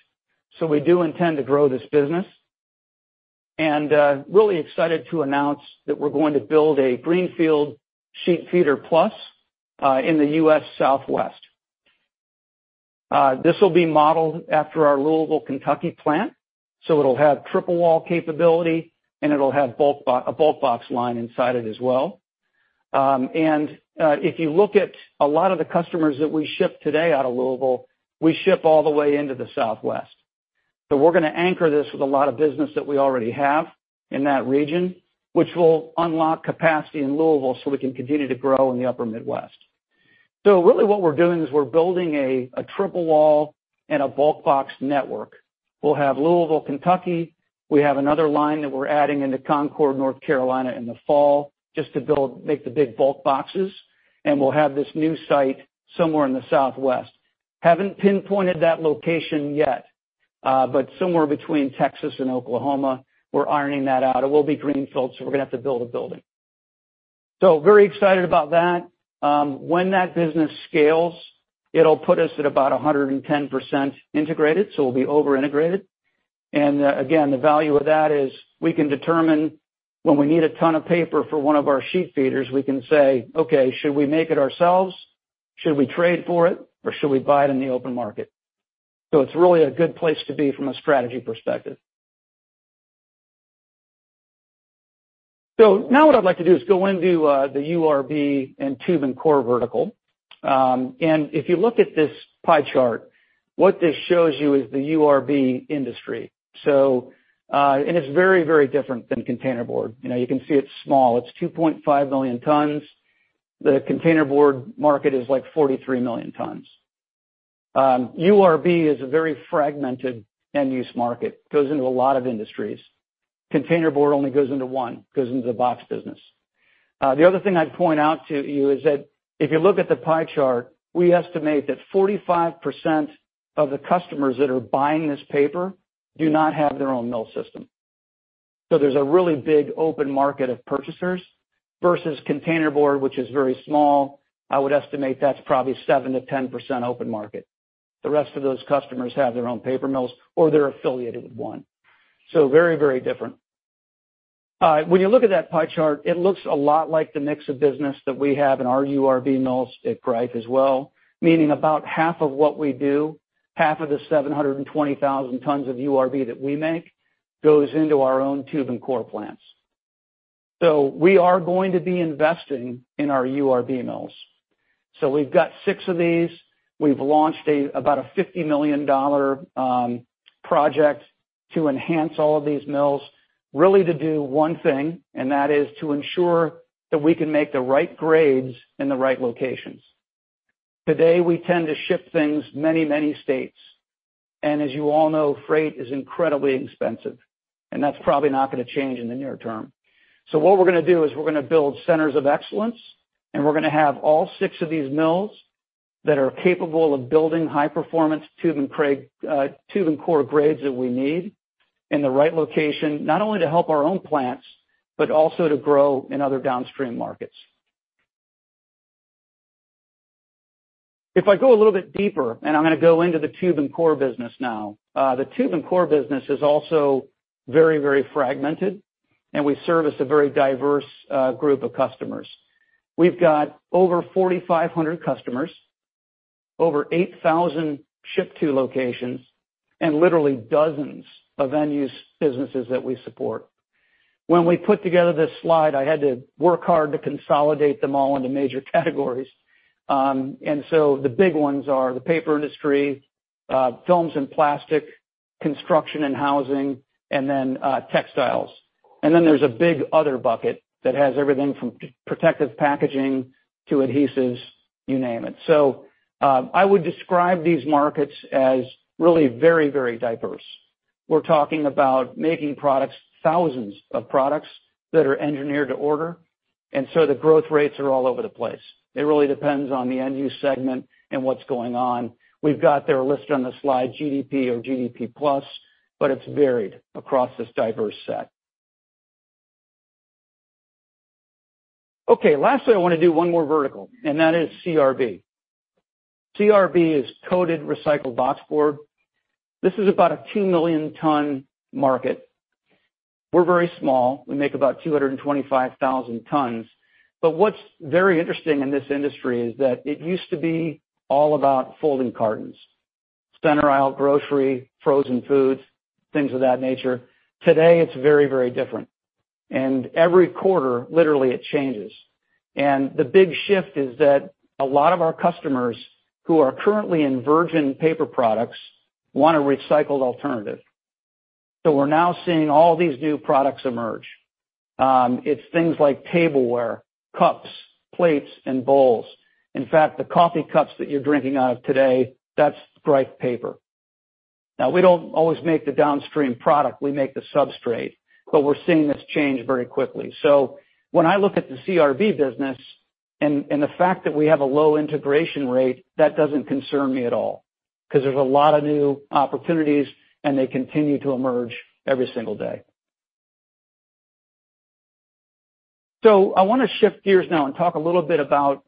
so we do intend to grow this business. Really excited to announce that we're going to build a greenfield sheet feeder plus in the U.S. Southwest. This will be modeled after our Louisville, Kentucky plant, so it'll have triple wall capability, and it'll have a bulk box line inside it as well. If you look at a lot of the customers that we ship today out of Louisville, we ship all the way into the Southwest. We're gonna anchor this with a lot of business that we already have in that region, which will unlock capacity in Louisville so we can continue to grow in the upper Midwest. Really what we're doing is we're building a triple wall and a bulk box network. We'll have Louisville, Kentucky. We have another line that we're adding into Concord, North Carolina in the fall just to make the big bulk boxes. We'll have this new site somewhere in the Southwest. Haven't pinpointed that location yet, but somewhere between Texas and Oklahoma. We're ironing that out. It will be greenfield, so we're gonna have to build a building. Very excited about that. When that business scales, it'll put us at about 110% integrated, so we'll be over-integrated. Again, the value of that is we can determine when we need a ton of paper for one of our sheet feeders, we can say, "Okay, should we make it ourselves? Should we trade for it, or should we buy it in the open market?" It's really a good place to be from a strategy perspective. Now what I'd like to do is go into the URB and tube and core vertical. If you look at this pie chart, what this shows you is the URB industry. It's very, very different than containerboard. You know, you can see it's small. It's 2.5 million tons. The containerboard market is like 43 million tons. URB is a very fragmented end-use market, goes into a lot of industries. Containerboard only goes into one, goes into the box business. The other thing I'd point out to you is that if you look at the pie chart, we estimate that 45% of the customers that are buying this paper do not have their own mill system. There's a really big open market of purchasers versus containerboard, which is very small. I would estimate that's probably 7%-10% open market. The rest of those customers have their own paper mills or they're affiliated with one. Very, very different. When you look at that pie chart, it looks a lot like the mix of business that we have in our URB mills at Greif as well, meaning about half of what we do, half of the 720,000 tons of URB that we make goes into our own tube and core plants. We are going to be investing in our URB mills. We've got six of these. We've launched a $50 million project to enhance all of these mills, really to do one thing, and that is to ensure that we can make the right grades in the right locations. Today, we tend to ship things many, many states, and as you all know, freight is incredibly expensive, and that's probably not gonna change in the near term. What we're gonna do is we're gonna build centers of excellence, and we're gonna have all six of these mills that are capable of building high-performance tube and core grades that we need in the right location, not only to help our own plants, but also to grow in other downstream markets. If I go a little bit deeper, and I'm gonna go into the tube and core business now. The tube and core business is also very, very fragmented, and we service a very diverse group of customers. We've got over 4,500 customers, over 8,000 ship to locations, and literally dozens of end-use businesses that we support. When we put together this slide, I had to work hard to consolidate them all into major categories. The big ones are the paper industry, films and plastic, construction and housing, and then, textiles. There's a big other bucket that has everything from protective packaging to adhesives, you name it. I would describe these markets as really very, very diverse. We're talking about making products, thousands of products, that are engineered to order, and so the growth rates are all over the place. It really depends on the end-use segment and what's going on. We've got there a list on the slide, GDP or GDP Plus, but it's varied across this diverse set. Okay, lastly, I wanna do one more vertical, and that is CRB. CRB is Coated Recycled Boxboard. This is about a 2 million ton market. We're very small. We make about 225,000 tons. What's very interesting in this industry is that it used to be all about folding cartons, center aisle grocery, frozen foods, things of that nature. Today, it's very, very different. Every quarter, literally, it changes. The big shift is that a lot of our customers who are currently in virgin paper products want a recycled alternative. We're now seeing all these new products emerge. It's things like tableware, cups, plates, and bowls. In fact, the coffee cups that you're drinking out of today, that's Greif paper. Now, we don't always make the downstream product, we make the substrate, but we're seeing this change very quickly. When I look at the CRB business and the fact that we have a low integration rate, that doesn't concern me at all, 'cause there's a lot of new opportunities, and they continue to emerge every single day. I wanna shift gears now and talk a little bit about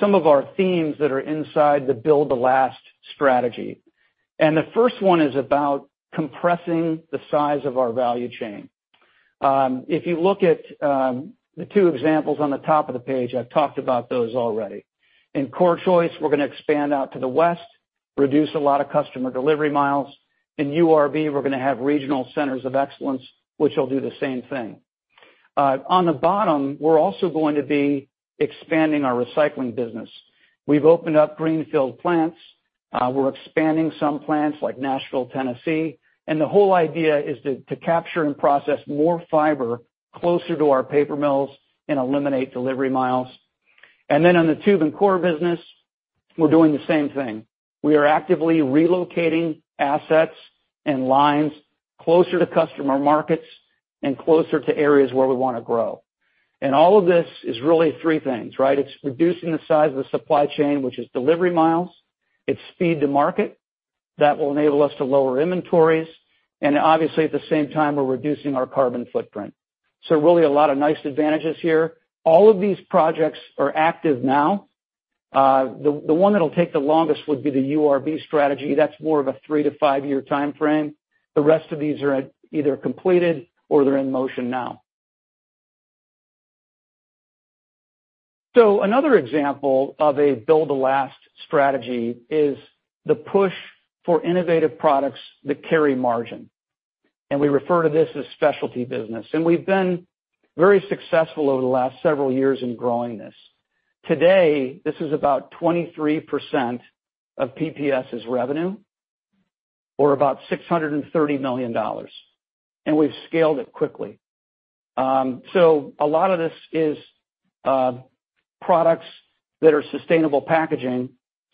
some of our themes that are inside the Build to Last strategy. The first one is about compressing the size of our value chain. If you look at the two examples on the top of the page, I've talked about those already. In CorrChoice, we're gonna expand out to the west, reduce a lot of customer delivery miles. In URB, we're gonna have regional centers of excellence, which will do the same thing. On the bottom, we're also going to be expanding our recycling business. We've opened up greenfield plants. We're expanding some plants like Nashville, Tennessee. The whole idea is to capture and process more fiber closer to our paper mills and eliminate delivery miles. Then on the tube and core business, we're doing the same thing. We are actively relocating assets and lines closer to customer markets and closer to areas where we wanna grow. All of this is really three things, right? It's reducing the size of the supply chain, which is delivery miles. It's speed to market that will enable us to lower inventories. Obviously, at the same time, we're reducing our carbon footprint. Really a lot of nice advantages here. All of these projects are active now. The one that'll take the longest would be the URB strategy. That's more of a three to five-year timeframe. The rest of these are at either completed or they're in motion now. Another example of a Build to Last strategy is the push for innovative products that carry margin. We refer to this as specialty business, and we've been very successful over the last several years in growing this. Today, this is about 23% of PPS's revenue or about $630 million, and we've scaled it quickly. A lot of this is products that are sustainable packaging.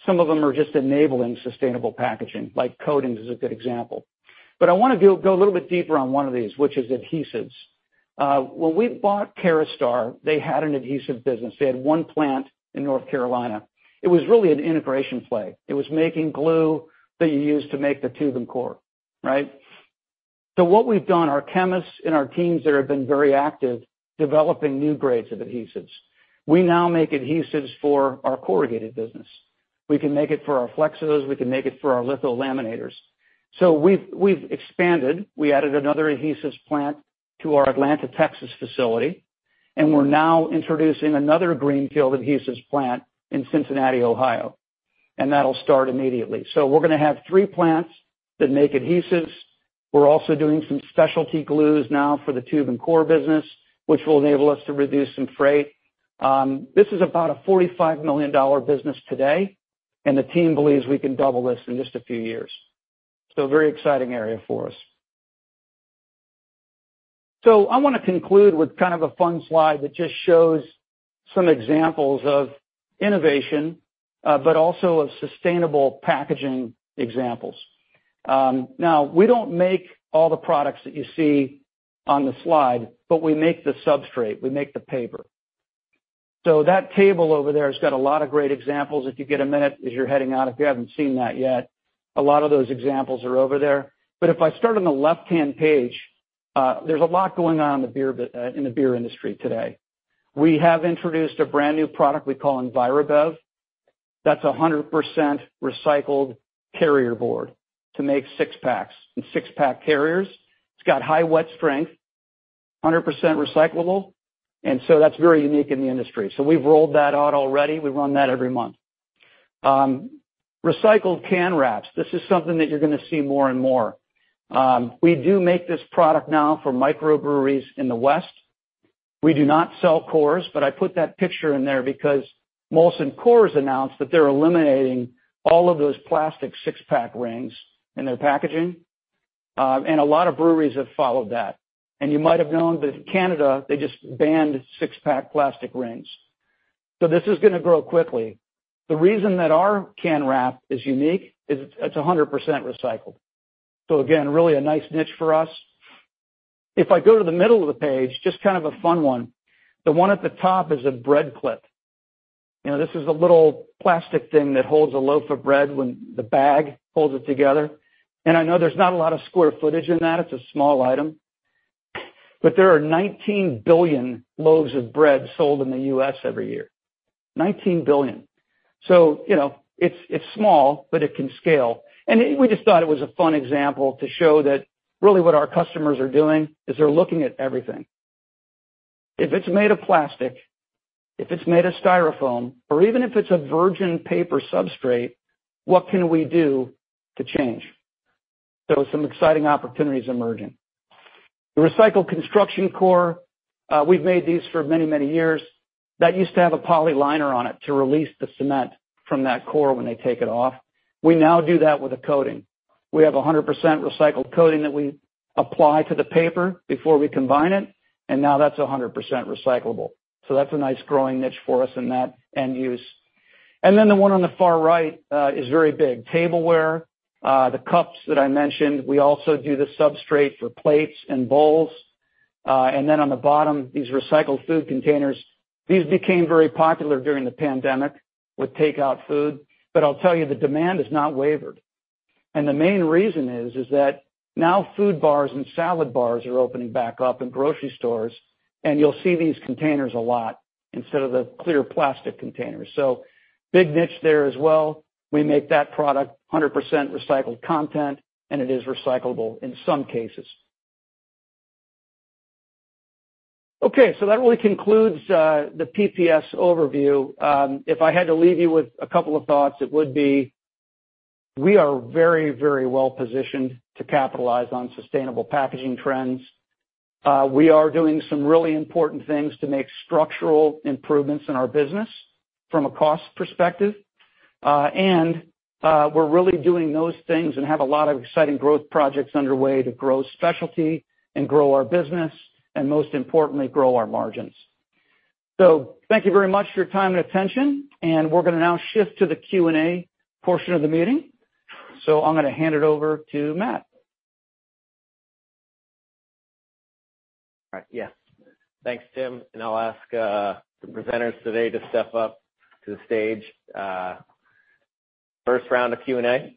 Some of them are just enabling sustainable packaging, like coatings is a good example. I wanna go a little bit deeper on one of these, which is adhesives. When we bought Caraustar, they had an adhesive business. They had one plant in North Carolina. It was really an integration play. It was making glue that you use to make the tube and core, right? What we've done, our chemists and our teams there have been very active developing new grades of adhesives. We now make adhesives for our corrugated business. We can make it for our flexos, we can make it for our litho laminators. We've expanded. We added another adhesives plant to our Atlanta, Texas facility, and we're now introducing another greenfield adhesives plant in Cincinnati, Ohio, and that'll start immediately. We're gonna have three plants that make adhesives. We're also doing some specialty glues now for the tube and core business, which will enable us to reduce some freight. This is about a $45 million business today, and the team believes we can double this in just a few years. A very exciting area for us. I wanna conclude with kind of a fun slide that just shows some examples of innovation, but also of sustainable packaging examples. Now we don't make all the products that you see on the slide, but we make the substrate, we make the paper. That table over there has got a lot of great examples if you get a minute as you're heading out, if you haven't seen that yet. A lot of those examples are over there. If I start on the left-hand page, there's a lot going on in the beer industry today. We have introduced a brand-new product we call EnviroBev. That's 100% recycled carrier board to make six packs and six-pack carriers. It's got high wet strength, 100% recyclable, and so that's very unique in the industry. We've rolled that out already. We run that every month. Recycled can wraps, this is something that you're gonna see more and more. We do make this product now for microbreweries in the West. We do not sell Coors, but I put that picture in there because Molson Coors announced that they're eliminating all of those plastic six-pack rings in their packaging, and a lot of breweries have followed that. You might have known that Canada, they just banned six-pack plastic rings. This is gonna grow quickly. The reason that our can wrap is unique is it's 100% recycled. Again, really a nice niche for us. If I go to the middle of the page, just kind of a fun one. The one at the top is a bread clip. You know, this is a little plastic thing that holds a loaf of bread when the bag holds it together. I know there's not a lot of square footage in that, it's a small item, but there are 19 billion loaves of bread sold in the U.S. every year. 19 billion. You know, it's small, but it can scale. We just thought it was a fun example to show that really what our customers are doing is they're looking at everything. If it's made of plastic, if it's made of Styrofoam, or even if it's a virgin paper substrate, what can we do to change? Some exciting opportunities emerging. The recycled construction core, we've made these for many, many years. That used to have a poly liner on it to release the cement from that core when they take it off. We now do that with a coating. We have 100% recycled coating that we apply to the paper before we combine it, and now that's 100% recyclable. That's a nice growing niche for us in that end use. The one on the far right is very big. Tableware, the cups that I mentioned, we also do the substrate for plates and bowls. On the bottom, these recycled food containers. These became very popular during the pandemic with takeout food. I'll tell you, the demand has not wavered. The main reason is that now food bars and salad bars are opening back up in grocery stores, and you'll see these containers a lot instead of the clear plastic containers. Big niche there as well. We make that product 100% recycled content, and it is recyclable in some cases. Okay, that really concludes the PPS overview. If I had to leave you with a couple of thoughts, it would be. We are very, very well positioned to capitalize on sustainable packaging trends. We are doing some really important things to make structural improvements in our business from a cost perspective. We're really doing those things and have a lot of exciting growth projects underway to grow specialty and grow our business, and most importantly, grow our margins. Thank you very much for your time and attention, and we're gonna now shift to the Q&A portion of the meeting. I'm gonna hand it over to Matt. All right. Yes. Thanks, Tim. I'll ask the presenters today to step up to the stage. First round of Q&A.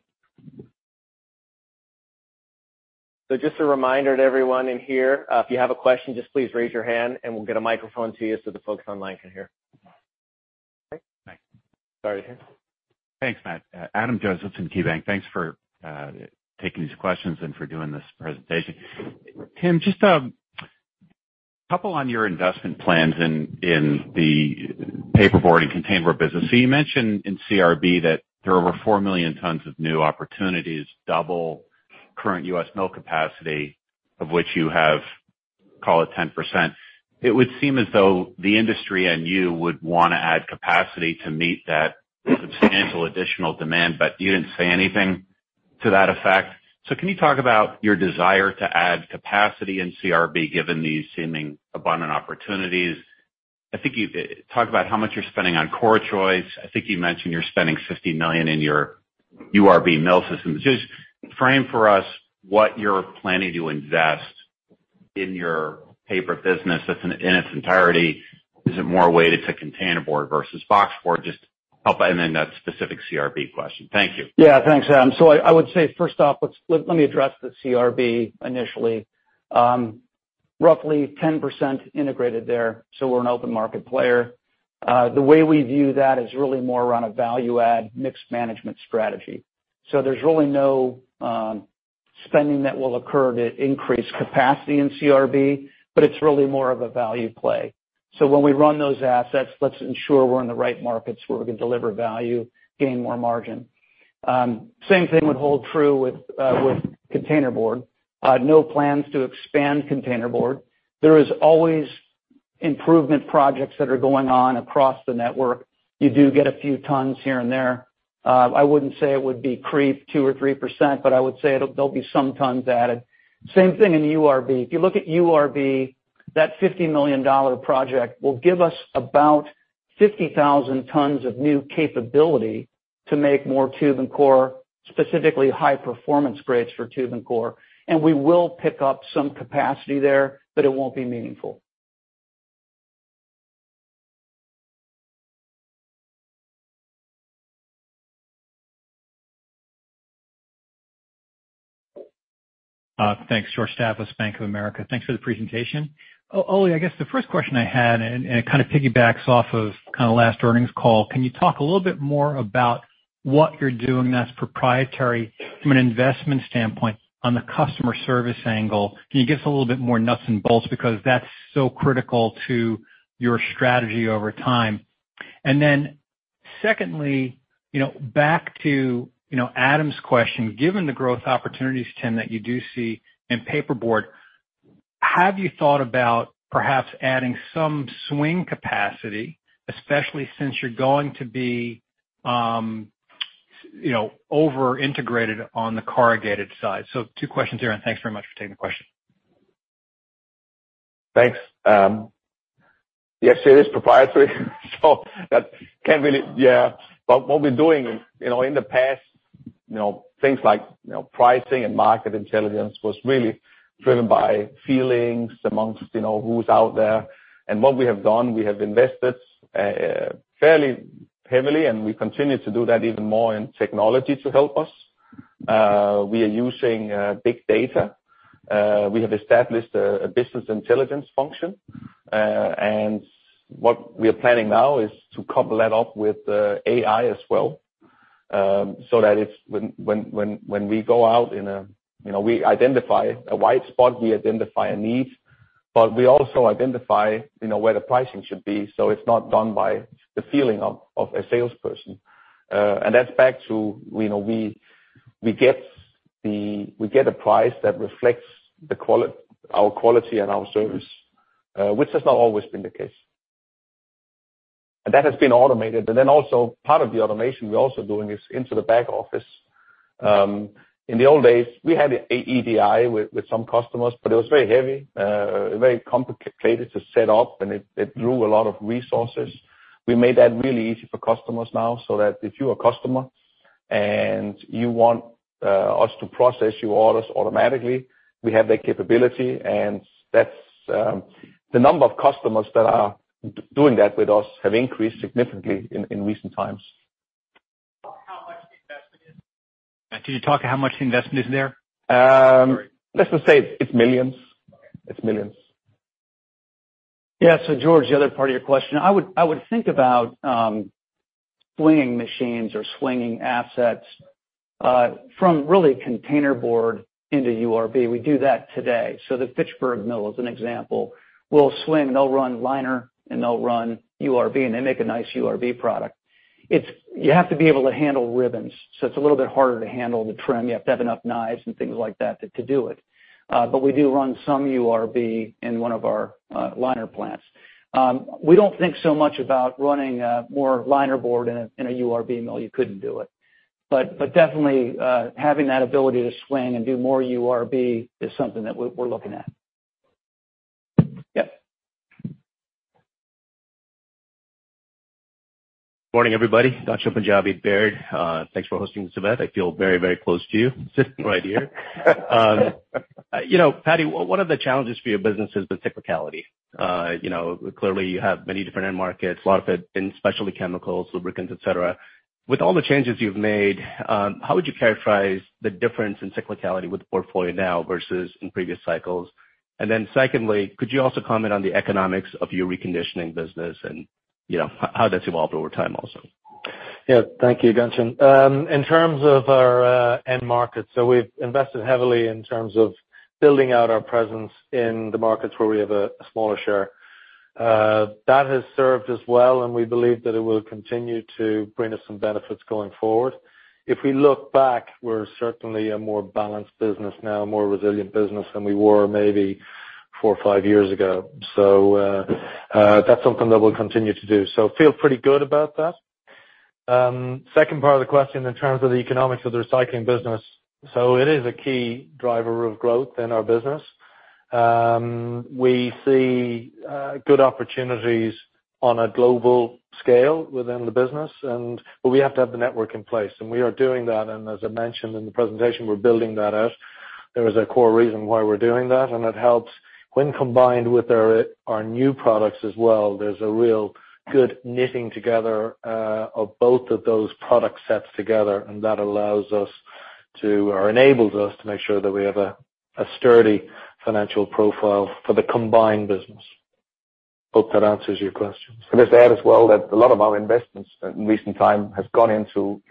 Just a reminder to everyone in here, if you have a question, just please raise your hand and we'll get a microphone to you so the folks online can hear. Okay? Thanks. Start right here. Thanks, Matt. Adam Josephson from KeyBanc, thanks for taking these questions and for doing this presentation. Tim, just couple on your investment plans in the Paperboard, Containerboard business. You mentioned in CRB that there are over 4 million tons of new opportunities, double current U.S. mill capacity, of which you have, call it 10%. It would seem as though the industry and you would wanna add capacity to meet that substantial additional demand, but you didn't say anything to that effect. Can you talk about your desire to add capacity in CRB given these seeming abundant opportunities? I think you talked about how much you're spending on CorrChoice. I think you mentioned you're spending $50 million in your URB mill system. Just frame for us what you're planning to invest in your paper business that's in its entirety. Is it more weighted to containerboard versus boxboard? Just help and then that specific CRB question. Thank you. Yeah. Thanks, Adam. I would say first off, let me address the CRB initially. Roughly 10% integrated there, so we're an open market player. The way we view that is really more around a value add mixed management strategy. There's really no spending that will occur to increase capacity in CRB, but it's really more of a value play. When we run those assets, let's ensure we're in the right markets where we can deliver value, gain more margin. Same thing would hold true with containerboard. No plans to expand containerboard. There is always improvement projects that are going on across the network. You do get a few tons here and there. I wouldn't say it would be creep 2% or 3%, but I would say there'll be some tons added. Same thing in URB. If you look at URB, that $50 million project will give us about 50,000 tons of new capability to make more tube and core, specifically high-performance grades for tube and core. We will pick up some capacity there, but it won't be meaningful. Thanks. George Staphos, Bank of America, thanks for the presentation. Oh, Ole, I guess the first question I had, and it kind of piggybacks off of kinda last earnings call. Can you talk a little bit more about what you're doing that's proprietary from an investment standpoint on the customer service angle? Can you give us a little bit more nuts and bolts, because that's so critical to your strategy over time. Then secondly, you know, back to, you know, Adam's question, given the growth opportunities, Tim, that you do see in paperboard, have you thought about perhaps adding some swing capacity, especially since you're going to be, you know, over-integrated on the corrugated side? Two questions here, and thanks very much for taking the question. Thanks. Yes, it is proprietary, so that can't really. Yeah. What we're doing, you know, in the past, you know, things like, you know, pricing and market intelligence was really driven by feelings amongst, you know, who's out there. What we have done, we have invested fairly heavily, and we continue to do that even more in technology to help us. We are using big data. We have established a business intelligence function. What we are planning now is to couple that up with AI as well, so that when we go out in a white space. You know, we identify a white space, we identify a need, but we also identify, you know, where the pricing should be, so it's not done by the feeling of a salesperson. That's back to we get a price that reflects our quality and our service, which has not always been the case. That has been automated. Also part of the automation we're also doing is into the back office. In the old days, we had EDI with some customers, but it was very heavy, very complicated to set up, and it drew a lot of resources. We made that really easy for customers now, so that if you're a customer and you want us to process your orders automatically, we have that capability. That's the number of customers that are doing that with us have increased significantly in recent times. How much the investment is? Can you talk how much the investment is there? Sorry. Let's just say it's millions. Okay. It's millions. Yeah. George, the other part of your question, I would think about swinging machines or swinging assets from really containerboard into URB. We do that today. The Fitchburg Mill, as an example, will swing and they'll run linerboard, and they'll run URB, and they make a nice URB product. It's. You have to be able to handle ribbons, so it's a little bit harder to handle the trim. You have to have enough knives and things like that to do it. We do run some URB in one of our linerboard plants. We don't think so much about running more linerboard in a URB mill. You couldn't do it. Definitely, having that ability to swing and do more URB is something that we're looking at. Yeah. Morning, everybody. Ghansham Panjabi, Baird. Thanks for hosting this event. I feel very close to you sitting right here. You know, Paddy, one of the challenges for your business has been cyclicality. You know, clearly you have many different end markets, a lot of it in specialty chemicals, lubricants, et cetera. With all the changes you've made, how would you characterize the difference in cyclicality with the portfolio now versus in previous cycles? Secondly, could you also comment on the economics of your reconditioning business and, you know, how that's evolved over time also? Yeah. Thank you, Ghansham. In terms of our end markets, we've invested heavily in terms of building out our presence in the markets where we have a smaller share. That has served us well, and we believe that it will continue to bring us some benefits going forward. If we look back, we're certainly a more balanced business now, a more resilient business than we were maybe four or five years ago. That's something that we'll continue to do. Feel pretty good about that. Second part of the question, in terms of the economics of the recycling business, it is a key driver of growth in our business. We see good opportunities on a global scale within the business, but we have to have the network in place, and we are doing that. As I mentioned in the presentation, we're building that out. There is a core reason why we're doing that, and it helps when combined with our new products as well. There's a real good knitting together of both of those product sets together, and that allows us to, or enables us to make sure that we have a sturdy financial profile for the combined business. Hope that answers your question. Can I just add as well that a lot of our investments in recent time has gone into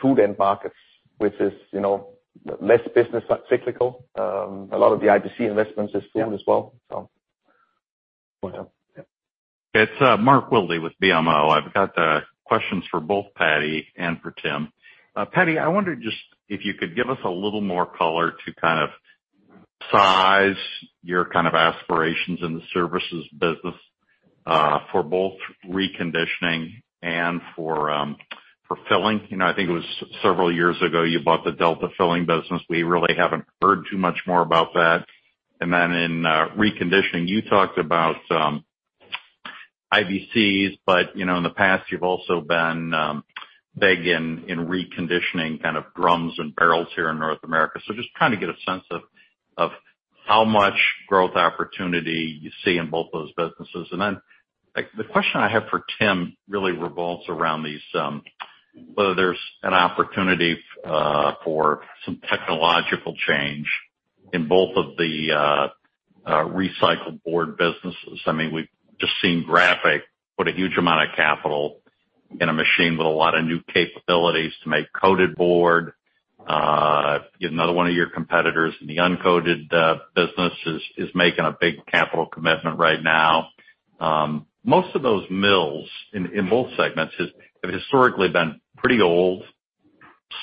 food end markets, which is, you know, less business cyclical. A lot of the IBC investments is food as well, so. Go ahead. Yeah. It's Mark Wilde with BMO. I've got questions for both Paddy and for Tim. Paddy, I wonder just if you could give us a little more color to kind of size your kind of aspirations in the services business, for both reconditioning and for filling. You know, I think it was several years ago you bought the Delta Filling business. We really haven't heard too much more about that. And then in reconditioning, you talked about IBCs, but you know, in the past you've also been big in reconditioning kind of drums and barrels here in North America. Just try to get a sense of how much growth opportunity you see in both those businesses. The question I have for Tim really revolves around these, whether there's an opportunity for some technological change in both of the recycled board businesses. I mean, we've just seen Graphic Packaging put a huge amount of capital in a machine with a lot of new capabilities to make coated board. Yet another one of your competitors in the uncoated business is making a big capital commitment right now. Most of those mills in both segments have historically been pretty old,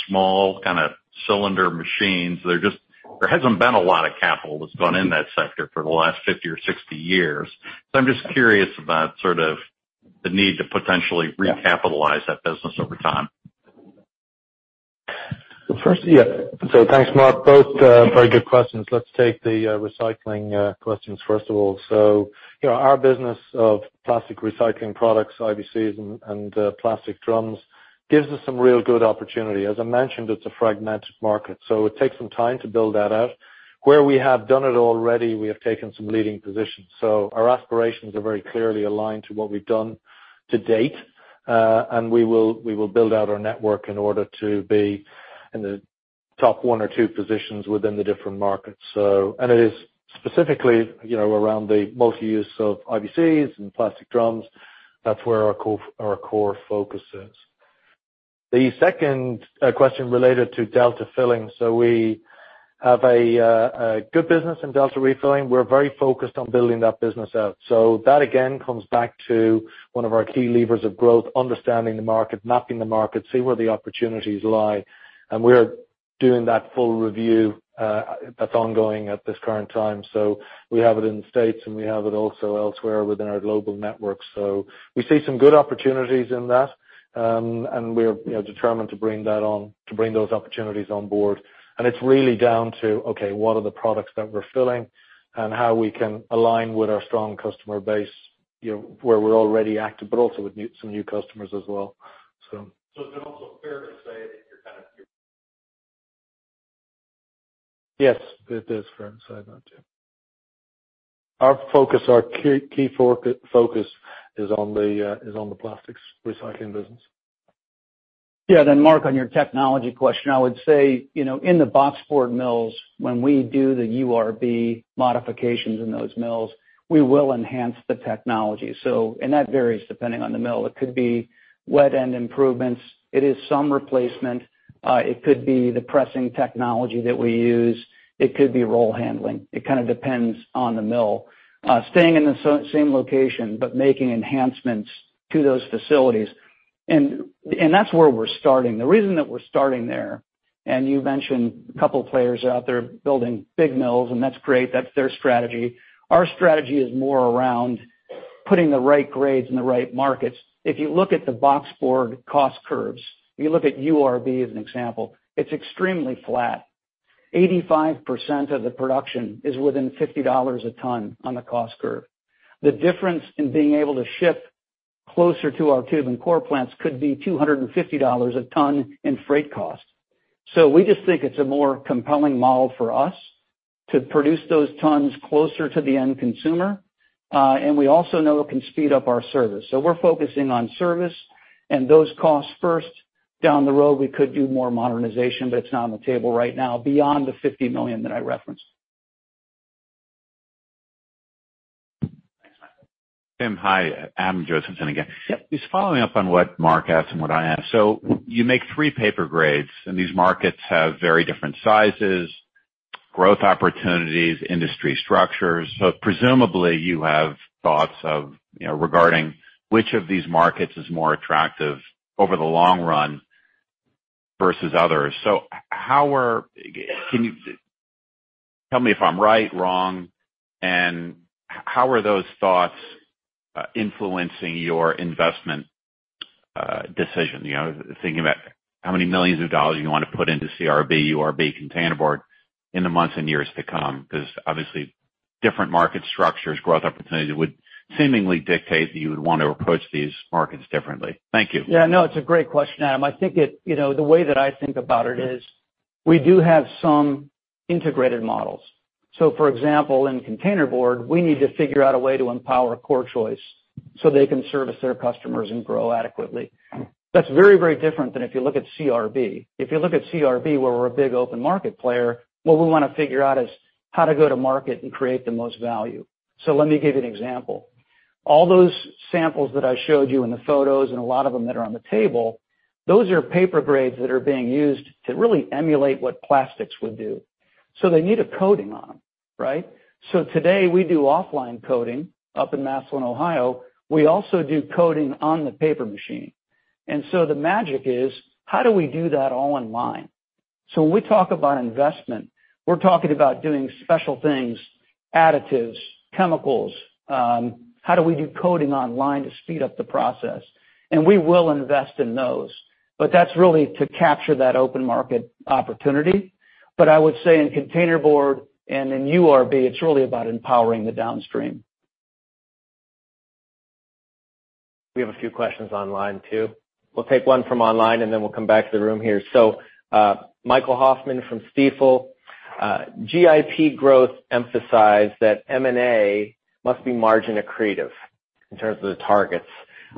small kinda cylinder machines. There hasn't been a lot of capital that's gone in that sector for the last 50 years or 60 years. I'm just curious about sort of the need to potentially recapitalize that business over time. Thanks, Mark. Both very good questions. Let's take the recycling questions first of all. You know, our business of plastic recycling products, IBCs and plastic drums, gives us some real good opportunity. As I mentioned, it's a fragmented market, so it takes some time to build that out. Where we have done it already, we have taken some leading positions. Our aspirations are very clearly aligned to what we've done to date, and we will build out our network in order to be in the top one or two positions within the different markets. It is specifically, you know, around the multi-use of IBCs and plastic drums. That's where our core focus is. The second question related to Delta Filling. We have a good business in Delta Refilling. We're very focused on building that business out. That, again, comes back to one of our key levers of growth, understanding the market, mapping the market, see where the opportunities lie. We're doing that full review, that's ongoing at this current time. We have it in the States, and we have it also elsewhere within our global network. We see some good opportunities in that, and we're, you know, determined to bring that on, to bring those opportunities on board. It's really down to, okay, what are the products that we're filling and how we can align with our strong customer base, you know, where we're already active, but also with new, some new customers as well, so. Is it also fair to say that you're kind of? Yes, it is fair to say that, too. Our focus, our key focus is on the plastics recycling business. Yeah. Mark Wilde, on your technology question, I would say, you know, in the boxboard mills, when we do the URB modifications in those mills, we will enhance the technology. That varies depending on the mill. It could be wet end improvements. It is some replacement. It could be the pressing technology that we use. It could be roll handling. It kind of depends on the mill. Staying in the same location, but making enhancements to those facilities. That's where we're starting. The reason that we're starting there, and you mentioned a couple players out there building big mills, and that's great, that's their strategy. Our strategy is more around putting the right grades in the right markets. If you look at the boxboard cost curves, if you look at URB as an example, it's extremely flat. 85% of the production is within $50 a ton on the cost curve. The difference in being able to ship closer to our tube and core plants could be $250 a ton in freight costs. We just think it's a more compelling model for us to produce those tons closer to the end consumer. We also know it can speed up our service. We're focusing on service and those costs first. Down the road, we could do more modernization, but it's not on the table right now beyond the $50 million that I referenced. Tim, hi. Adam Josephson again. Yep. Just following up on what Mark asked and what I asked. You make three paper grades, and these markets have very different sizes, growth opportunities, industry structures. Presumably, you have thoughts of, you know, regarding which of these markets is more attractive over the long run versus others. Tell me if I'm right, wrong, and how are those thoughts influencing your investment decision? You know, thinking about how many millions of dollars you wanna put into CRB, URB, Containerboard in the months and years to come, 'cause obviously, different market structures, growth opportunities would seemingly dictate that you would want to approach these markets differently. Thank you. Yeah, no, it's a great question, Adam. I think it, you know, the way that I think about it is we do have some integrated models. For example, in containerboard, we need to figure out a way to empower CorrChoice so they can service their customers and grow adequately. That's very, very different than if you look at CRB. If you look at CRB, where we're a big open market player, what we wanna figure out is how to go to market and create the most value. Let me give you an example. All those samples that I showed you in the photos, and a lot of them that are on the table, those are paper grades that are being used to really emulate what plastics would do. They need a coating on them, right? Today, we do offline coating up in Massillon, Ohio. We also do coating on the paper machine. The magic is, how do we do that all online? When we talk about investment, we're talking about doing special things, additives, chemicals, how do we do coating online to speed up the process? We will invest in those. That's really to capture that open market opportunity. I would say in containerboard and in URB, it's really about empowering the downstream. We have a few questions online too. We'll take one from online, and then we'll come back to the room here. Michael Hoffman from Stifel. GIP growth emphasized that M&A must be margin accretive in terms of the targets.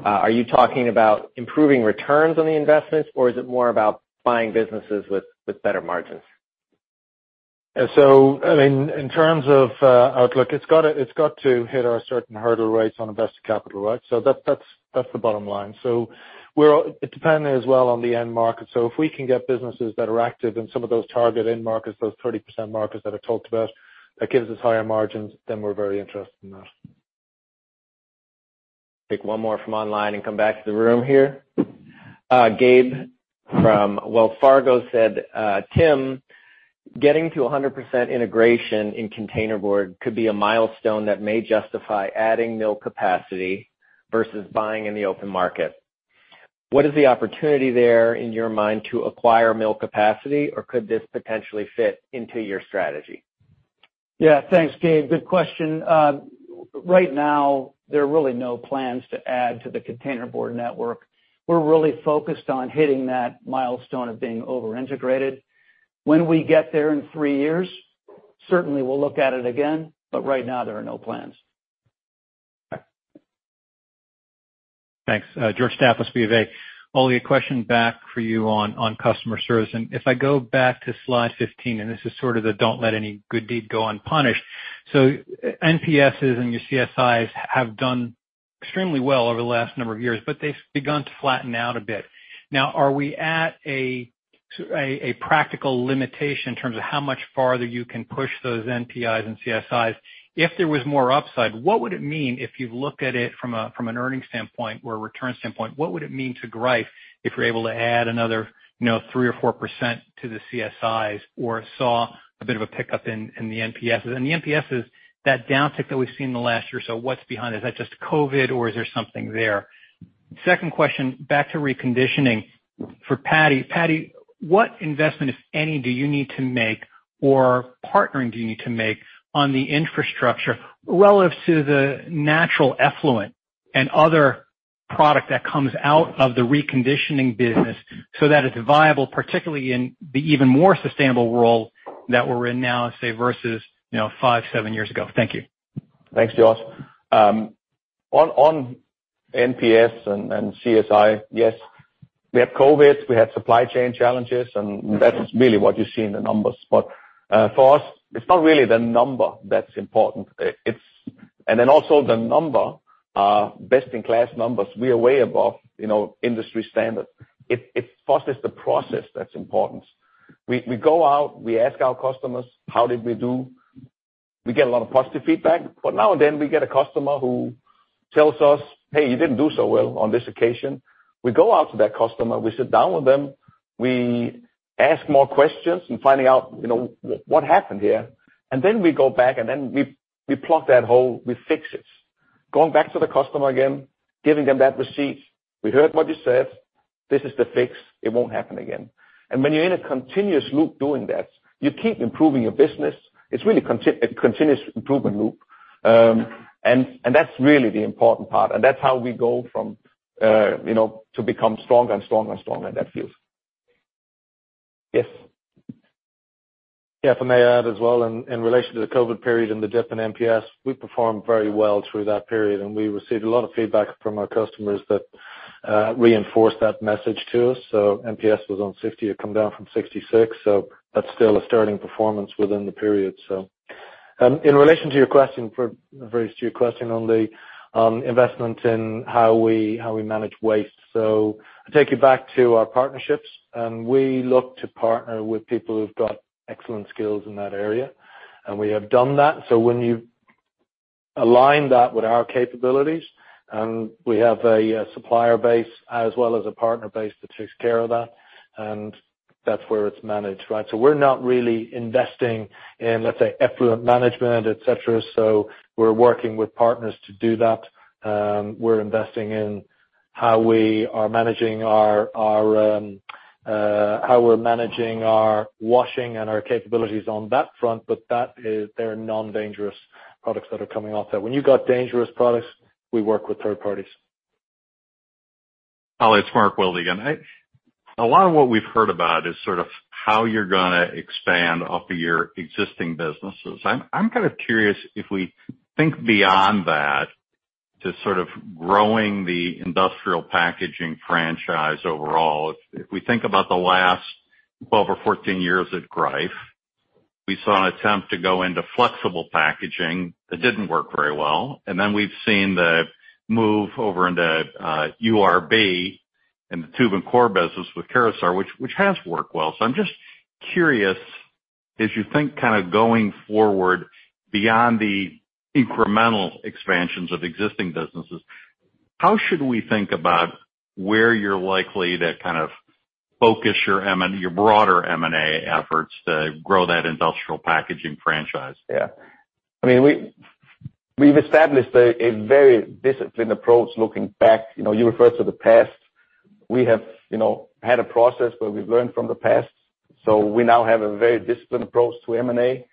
Are you talking about improving returns on the investments, or is it more about buying businesses with better margins? Yeah. I mean, in terms of outlook, it's got to hit our certain hurdle rates on invested capital, right? That's the bottom line. It depends as well on the end market. If we can get businesses that are active in some of those target end markets, those 30% markets that I talked about, that gives us higher margins, then we're very interested in that. Take one more from online and come back to the room here. Gabe from Wells Fargo said, "Tim, getting to 100% integration in containerboard could be a milestone that may justify adding mill capacity versus buying in the open market. What is the opportunity there in your mind to acquire mill capacity, or could this potentially fit into your strategy? Yeah. Thanks, Gabe. Good question. Right now, there are really no plans to add to the Containerboard network. We're really focused on hitting that milestone of being over-integrated. When we get there in three years, certainly we'll look at it again, but right now there are no plans. Okay. Thanks. George Staphos, BofA. Ole, a question back for you on customer service. If I go back to slide 15, this is sort of the, "Don't let any good deed go unpunished." NPSs and your CSIs have done extremely well over the last a number of years, but they've begun to flatten out a bit. Now, are we at a practical limitation in terms of how much farther you can push those NPSs and CSIs? If there was more upside, what would it mean if you've looked at it from an earnings standpoint or a return standpoint? What would it mean to Greif if we're able to add another, you know, 3% or 4% to the CSIs or saw a bit of a pickup in the NPSs? The NPSs, that downtick that we've seen in the last year or so, what's behind it? Is that just COVID or is there something there? Second question, back to reconditioning. For Paddy. Paddy, what investment, if any, do you need to make or partnering do you need to make on the infrastructure relative to the natural effluent and other product that comes out of the reconditioning business so that it's viable, particularly in the even more sustainable world that we're in now, say versus, you know, five years, seven years ago? Thank you. Thanks, George. On NPS and CSI, yes, we had COVID, we had supply chain challenges, and that's really what you see in the numbers. For us, it's not really the number that's important. The number, best in class numbers, we are way above, you know, industry standard. For us it's the process that's important. We go out, we ask our customers, how did we do? We get a lot of positive feedback. Now and then we get a customer who tells us, "Hey, you didn't do so well on this occasion." We go out to that customer, we sit down with them, we ask more questions and finding out, you know, what happened here. We go back and then we plug that hole, we fix it. Going back to the customer again, giving them that receipt. We heard what you said, this is the fix, it won't happen again. When you're in a continuous loop doing that, you keep improving your business. It's really a continuous improvement loop. That's really the important part. That's how we go from, you know, to become stronger and stronger and stronger in that field. Yes. Yeah, if I may add as well in relation to the COVID period and the dip in NPS, we performed very well through that period, and we received a lot of feedback from our customers that reinforced that message to us. NPS was on 50%, it come down from 66%, so that's still a sterling performance within the period. In relation to your question, very astute question on the investment in how we manage waste. I take you back to our partnerships, and we look to partner with people who've got excellent skills in that area, and we have done that. When you align that with our capabilities, and we have a supplier base as well as a partner base that takes care of that, and that's where it's managed, right? We're not really investing in, let's say, effluent management, et cetera. We're working with partners to do that. We're investing in how we're managing our washing and our capabilities on that front, but that is. They're non-dangerous products that are coming off that. When you got dangerous products, we work with third parties. Ole, it's Mark Wilde again. A lot of what we've heard about is sort of how you're gonna expand off of your existing businesses. I'm kind of curious if we think beyond that to sort of growing the industrial packaging franchise overall. If we think about the last 12 years or 14 years at Greif, we saw an attempt to go into flexible packaging that didn't work very well, and then we've seen the move over into URB and the tube and core business with Caraustar, which has worked well. I'm just curious, as you think kind of going forward beyond the incremental expansions of existing businesses, how should we think about where you're likely to kind of focus your M&A efforts to grow that industrial packaging franchise? Yeah. I mean, we've established a very disciplined approach looking back. You know, you referred to the past. We have, you know, had a process where we've learned from the past. We now have a very disciplined approach to M&A.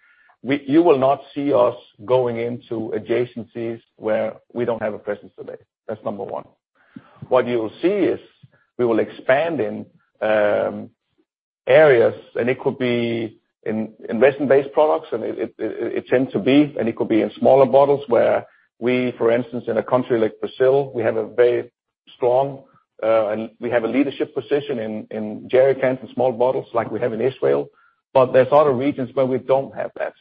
You will not see us going into adjacencies where we don't have a presence today. That's number one. What you'll see is we will expand in areas and it could be in resin-based products, and it tends to be, and it could be in smaller bottles where we, for instance, in a country like Brazil, we have a very strong and we have a leadership position in jerrycans and small bottles like we have in Israel. But there's other regions where we don't have that.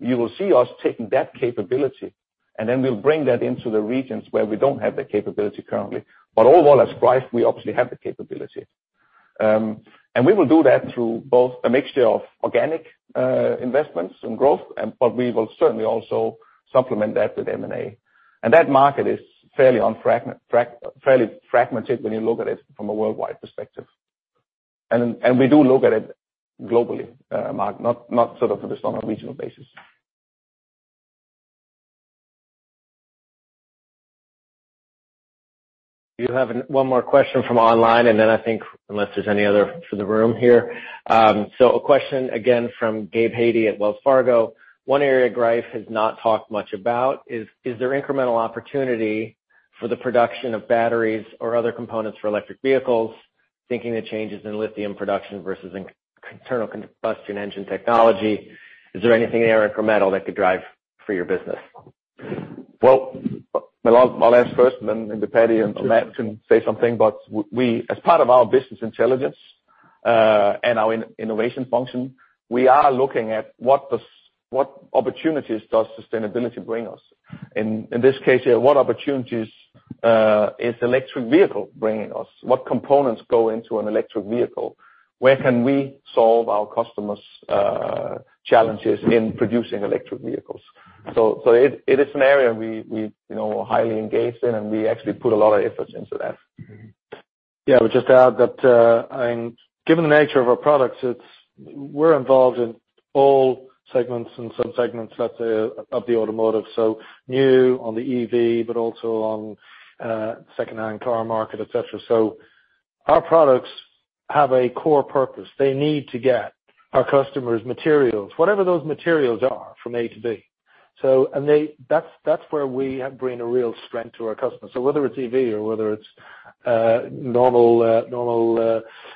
You will see us taking that capability, and then we'll bring that into the regions where we don't have the capability currently. Overall, as Greif, we obviously have the capability. We will do that through both a mixture of organic investments and growth, but we will certainly also supplement that with M&A. That market is fairly fragmented when you look at it from a worldwide perspective. We do look at it globally, Mark, not sort of just on a regional basis. You have one more question from online, and then I think, unless there's any other from the room here. A question again from Gabe Hajde at Wells Fargo. One area Greif has not talked much about is there incremental opportunity for the production of batteries or other components for electric vehicles, thinking the changes in lithium production versus in internal combustion engine technology? Is there anything there incremental that could drive for your business? Well, I'll answer first, and then Paddy and Matt can say something. We, as part of our business intelligence, and our innovation function, we are looking at what opportunities does sustainability bring us? In this case here, what opportunities is electric vehicle bringing us? What components go into an electric vehicle? Where can we solve our customers' challenges in producing electric vehicles? It is an area we, you know, are highly engaged in, and we actually put a lot of efforts into that. Yeah. I would just add that, and given the nature of our products, we're involved in all segments and sub-segments, let's say, of the automotive. So new on the EV, but also on secondhand car market, et cetera. So our products have a core purpose. They need to get our customers materials, whatever those materials are, from A to B. So that's where we bring a real strength to our customers. So whether it's EV or whether it's normal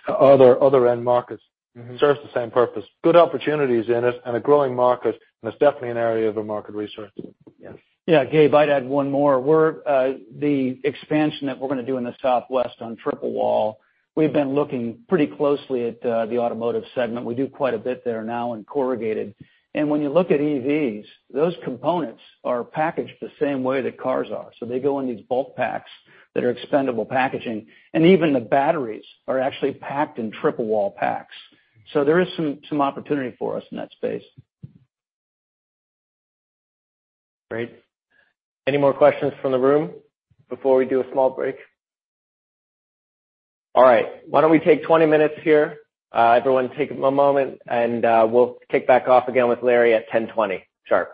other end markets, it serves the same purpose. Good opportunities in it and a growing market, and it's definitely an area of a market research. Yes. Yeah, Gabe, I'd add one more. We're the expansion that we're gonna do in the Southwest on triple wall; we've been looking pretty closely at the automotive segment. We do quite a bit there now in corrugated. When you look at EVs, those components are packaged the same way that cars are. They go in these bulk packs that are expendable packaging, and even the batteries are actually packed in triple wall packs. There is some opportunity for us in that space. Great. Any more questions from the room before we do a small break? All right. Why don't we take 20 minutes here? Everyone take a moment and we'll kick back off again with Larry at 10:20 sharp.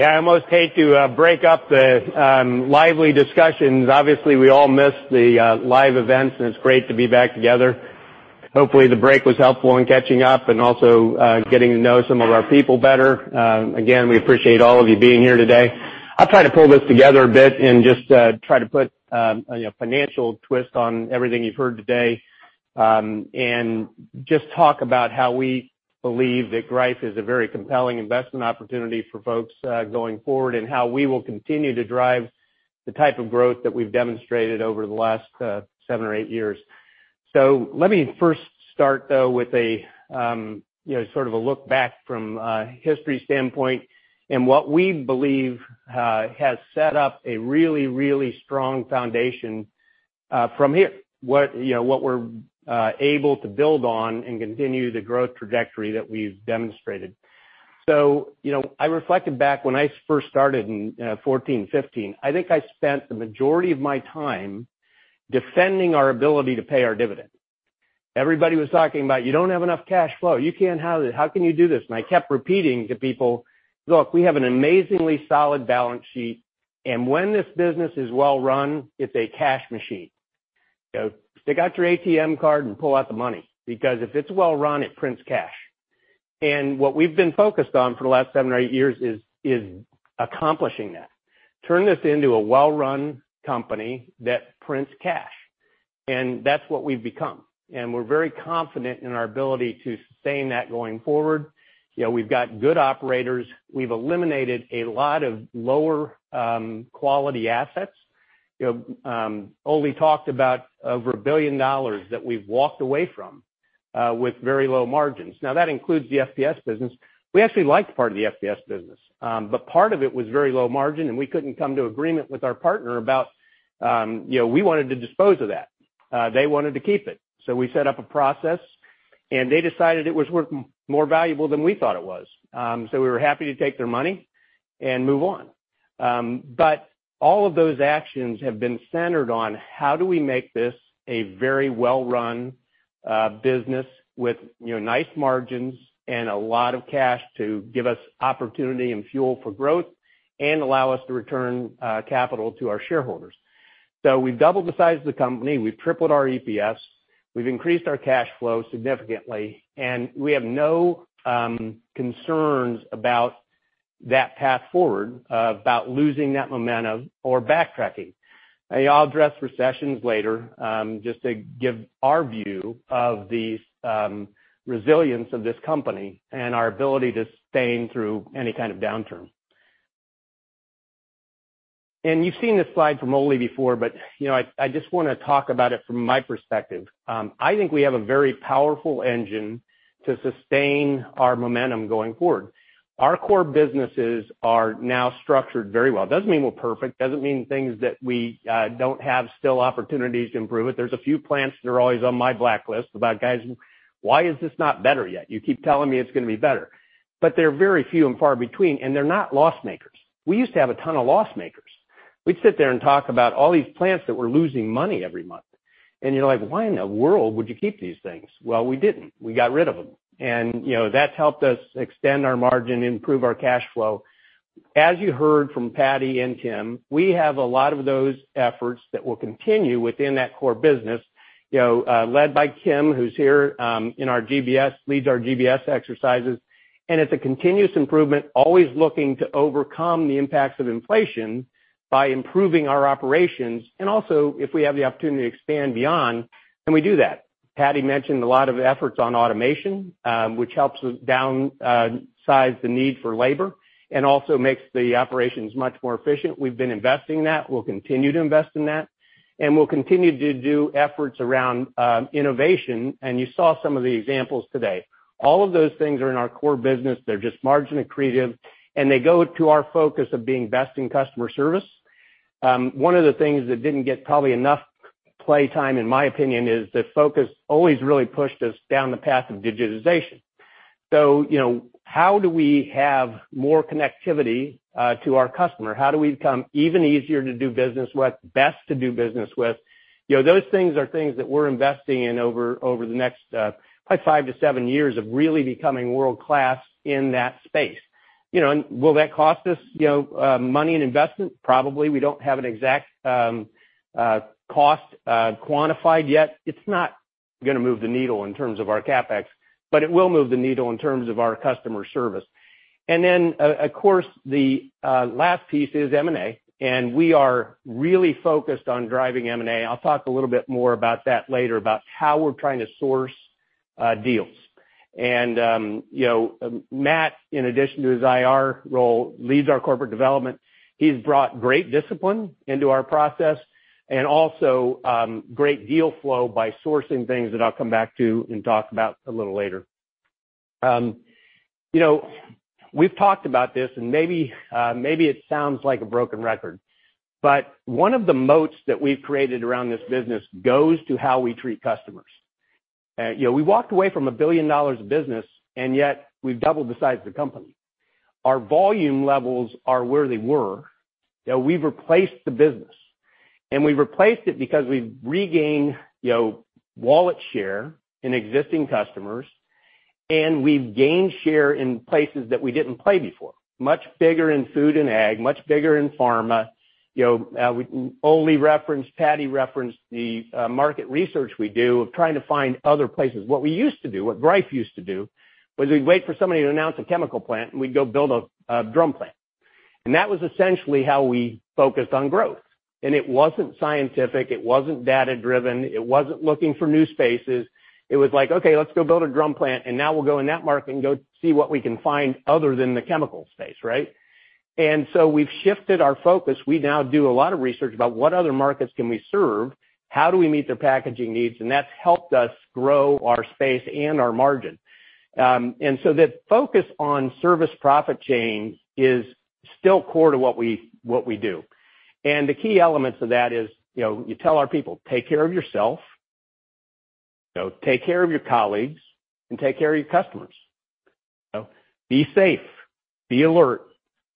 Yeah, I almost hate to break up the lively discussions. Obviously we all miss the live events and it's great to be back together. Hopefully the break was helpful in catching up and also getting to know some of our people better. Again, we appreciate all of you being here today. I'll try to pull this together a bit and just try to put, you know, financial twist on everything you've heard today. Just talk about how we believe that Greif is a very compelling investment opportunity for folks going forward, and how we will continue to drive the type of growth that we've demonstrated over the last seven or eight years. Let me first start though with a you know sort of a look back from a history standpoint and what we believe has set up a really really strong foundation from here. What we're able to build on and continue the growth trajectory that we've demonstrated. You know I reflected back when I first started in 2014 2015 I think I spent the majority of my time defending our ability to pay our dividend. Everybody was talking about "You don't have enough cash flow. You can't have it. How can you do this?" I kept repeating to people "Look we have an amazingly solid balance sheet and when this business is well-run it's a cash machine. So stick out your ATM card and pull out the money, because if it's well-run, it prints cash." What we've been focused on for the last seven or eight years is accomplishing that. Turn this into a well-run company that prints cash. That's what we've become. We're very confident in our ability to sustain that going forward. You know, we've got good operators. We've eliminated a lot of lower quality assets. You know, Ole talked about over $1 billion that we've walked away from with very low margins. Now that includes the FPS business. We actually liked part of the FPS business. But part of it was very low margin, and we couldn't come to agreement with our partner about, you know, we wanted to dispose of that. They wanted to keep it. We set up a process, and they decided it was more valuable than we thought it was. We were happy to take their money and move on. All of those actions have been centered on how do we make this a very well-run business with, you know, nice margins and a lot of cash to give us opportunity and fuel for growth and allow us to return capital to our shareholders. We've doubled the size of the company, we've tripled our EPS, we've increased our cash flow significantly, and we have no concerns about that path forward, about losing that momentum or backtracking. I'll address recessions later, just to give our view of the resilience of this company and our ability to sustain through any kind of downturn. You've seen this slide from Ole before, but, you know, I just wanna talk about it from my perspective. I think we have a very powerful engine to sustain our momentum going forward. Our core businesses are now structured very well. Doesn't mean we're perfect, doesn't mean things that we don't have still opportunities to improve it. There's a few plants that are always on my blacklist about, "Guys, why is this not better yet? You keep telling me it's gonna be better." They're very few and far between, and they're not loss makers. We used to have a ton of loss makers. We'd sit there and talk about all these plants that were losing money every month. You're like, "Why in the world would you keep these things?" Well, we didn't. We got rid of them. You know, that's helped us extend our margin, improve our cash flow. As you heard from Paddy and Tim, we have a lot of those efforts that will continue within that core business, you know, led by Kim, who's here, in our GBS, leads our GBS exercises. It's a continuous improvement, always looking to overcome the impacts of inflation by improving our operations, and also if we have the opportunity to expand beyond, then we do that. Paddy mentioned a lot of efforts on automation, which helps us downsize the need for labor and also makes the operations much more efficient. We've been investing in that. We'll continue to invest in that, and we'll continue to do efforts around innovation, and you saw some of the examples today. All of those things are in our core business. They're just margin accretive, and they go to our focus of being best in customer service. One of the things that didn't get probably enough play time, in my opinion, is the focus always really pushed us down the path of digitization. You know, how do we have more connectivity to our customer? How do we become even easier to do business with, best to do business with? You know, those things are things that we're investing in over the next probably five to seven years of really becoming world-class in that space. You know, will that cost us, you know, money and investment? Probably. We don't have an exact cost quantified yet. It's not gonna move the needle in terms of our CapEx, but it will move the needle in terms of our customer service. Of course, the last piece is M&A, and we are really focused on driving M&A. I'll talk a little bit more about that later, about how we're trying to source deals. You know, Matt, in addition to his IR role, leads our corporate development. He's brought great discipline into our process and also great deal flow by sourcing things that I'll come back to and talk about a little later. You know, we've talked about this and maybe it sounds like a broken record, but one of the moats that we've created around this business goes to how we treat customers. You know, we walked away from $1 billion of business, and yet we've doubled the size of the company. Our volume levels are where they were. You know, we've replaced the business, and we've replaced it because we've regained, you know, wallet share in existing customers, and we've gained share in places that we didn't play before. Much bigger in food and ag, much bigger in pharma. You know, Ole referenced, Paddy referenced the market research we do of trying to find other places. What we used to do, what Greif used to do, was we'd wait for somebody to announce a chemical plant, and we'd go build a drum plant. That was essentially how we focused on growth. It wasn't scientific, it wasn't data-driven, it wasn't looking for new spaces. It was like, "Okay, let's go build a drum plant, and now we'll go in that market and go see what we can find other than the chemical space," right? We've shifted our focus. We now do a lot of research about what other markets can we serve, how do we meet their packaging needs, and that's helped us grow our space and our margin. The focus on service profit chain is still core to what we do. The key elements of that is, you know, you tell our people, "Take care of yourself, you know, take care of your colleagues, and take care of your customers. You know, be safe, be alert.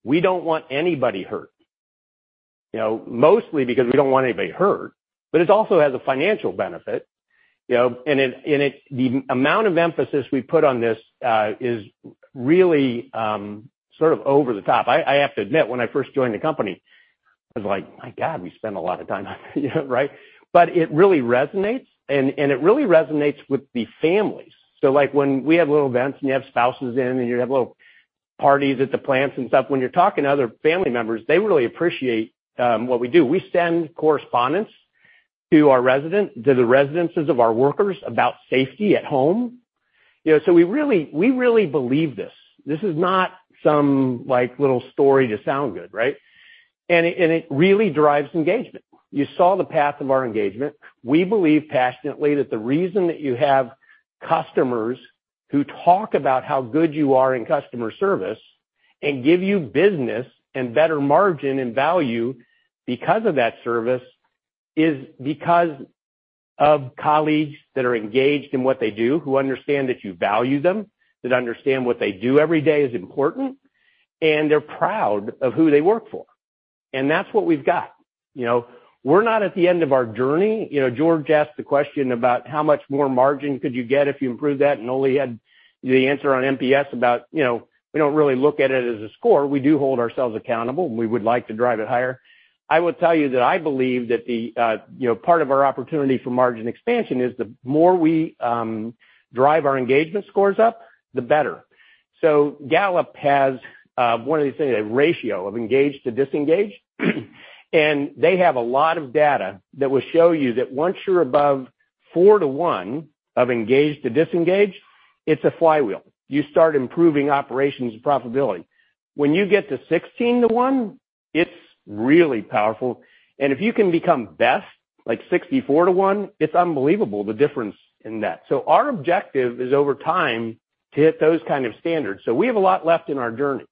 We don't want anybody hurt." You know, mostly because we don't want anybody hurt, but it also has a financial benefit, you know, and it. The amount of emphasis we put on this is really sort of over the top. I have to admit, when I first joined the company, I was like, "My God, we spend a lot of time on it," right? It really resonates, and it really resonates with the families. Like, when we have little events and you have spouses in, and you have little parties at the plants and stuff, when you're talking to other family members, they really appreciate what we do. We send correspondence to the residences of our workers about safety at home. You know, we really believe this. This is not some, like, little story to sound good, right? It really drives engagement. You saw the path of our engagement. We believe passionately that the reason that you have customers who talk about how good you are in customer service and give you business and better margin and value because of that service is because of colleagues that are engaged in what they do, who understand that you value them, that understand what they do every day is important, and they're proud of who they work for. That's what we've got. You know, we're not at the end of our journey. You know, George asked the question about how much more margin could you get if you improve that, and Ole had the answer on NPS about, you know, we don't really look at it as a score. We do hold ourselves accountable, and we would like to drive it higher. I will tell you that I believe that the, you know, part of our opportunity for margin expansion is the more we drive our engagement scores up, the better. Gallup has one of these things, a ratio of engaged to disengaged. They have a lot of data that will show you that once you're above 4:1 of engaged to disengaged, it's a flywheel. You start improving operations profitability. When you get to 16:1, it's really powerful. If you can become best, like 64:1, it's unbelievable the difference in that. Our objective is, over time, to hit those kind of standards. We have a lot left in our journey,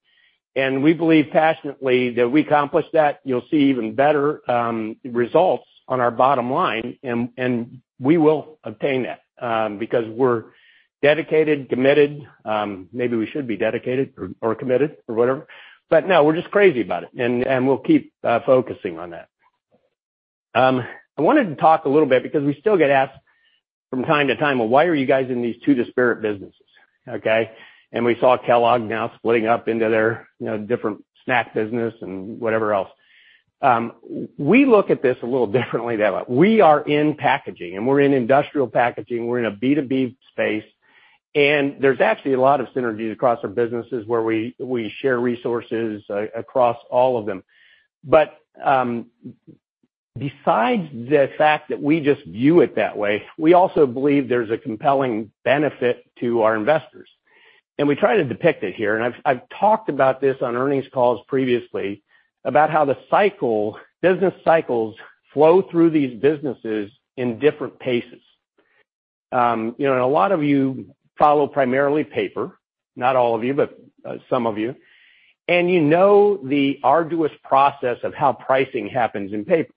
and we believe passionately that we accomplish that. You'll see even better results on our bottom line, and we will obtain that because we're dedicated, committed, maybe we should be dedicated or committed or whatever. No, we're just crazy about it, and we'll keep focusing on that. I wanted to talk a little bit because we still get asked from time to time, "Well, why are you guys in these two disparate businesses?" Okay. We saw Kellogg now splitting up into their, you know, different snack business and whatever else. We look at this a little differently than that. We are in packaging, and we're in industrial packaging. We're in a B2B space, and there's actually a lot of synergies across our businesses where we share resources across all of them. Besides the fact that we just view it that way, we also believe there's a compelling benefit to our investors. We try to depict it here, and I've talked about this on earnings calls previously about how the cycle, business cycles flow through these businesses in different paces. You know, and a lot of you follow primarily paper, not all of you, but some of you. You know the arduous process of how pricing happens in paper.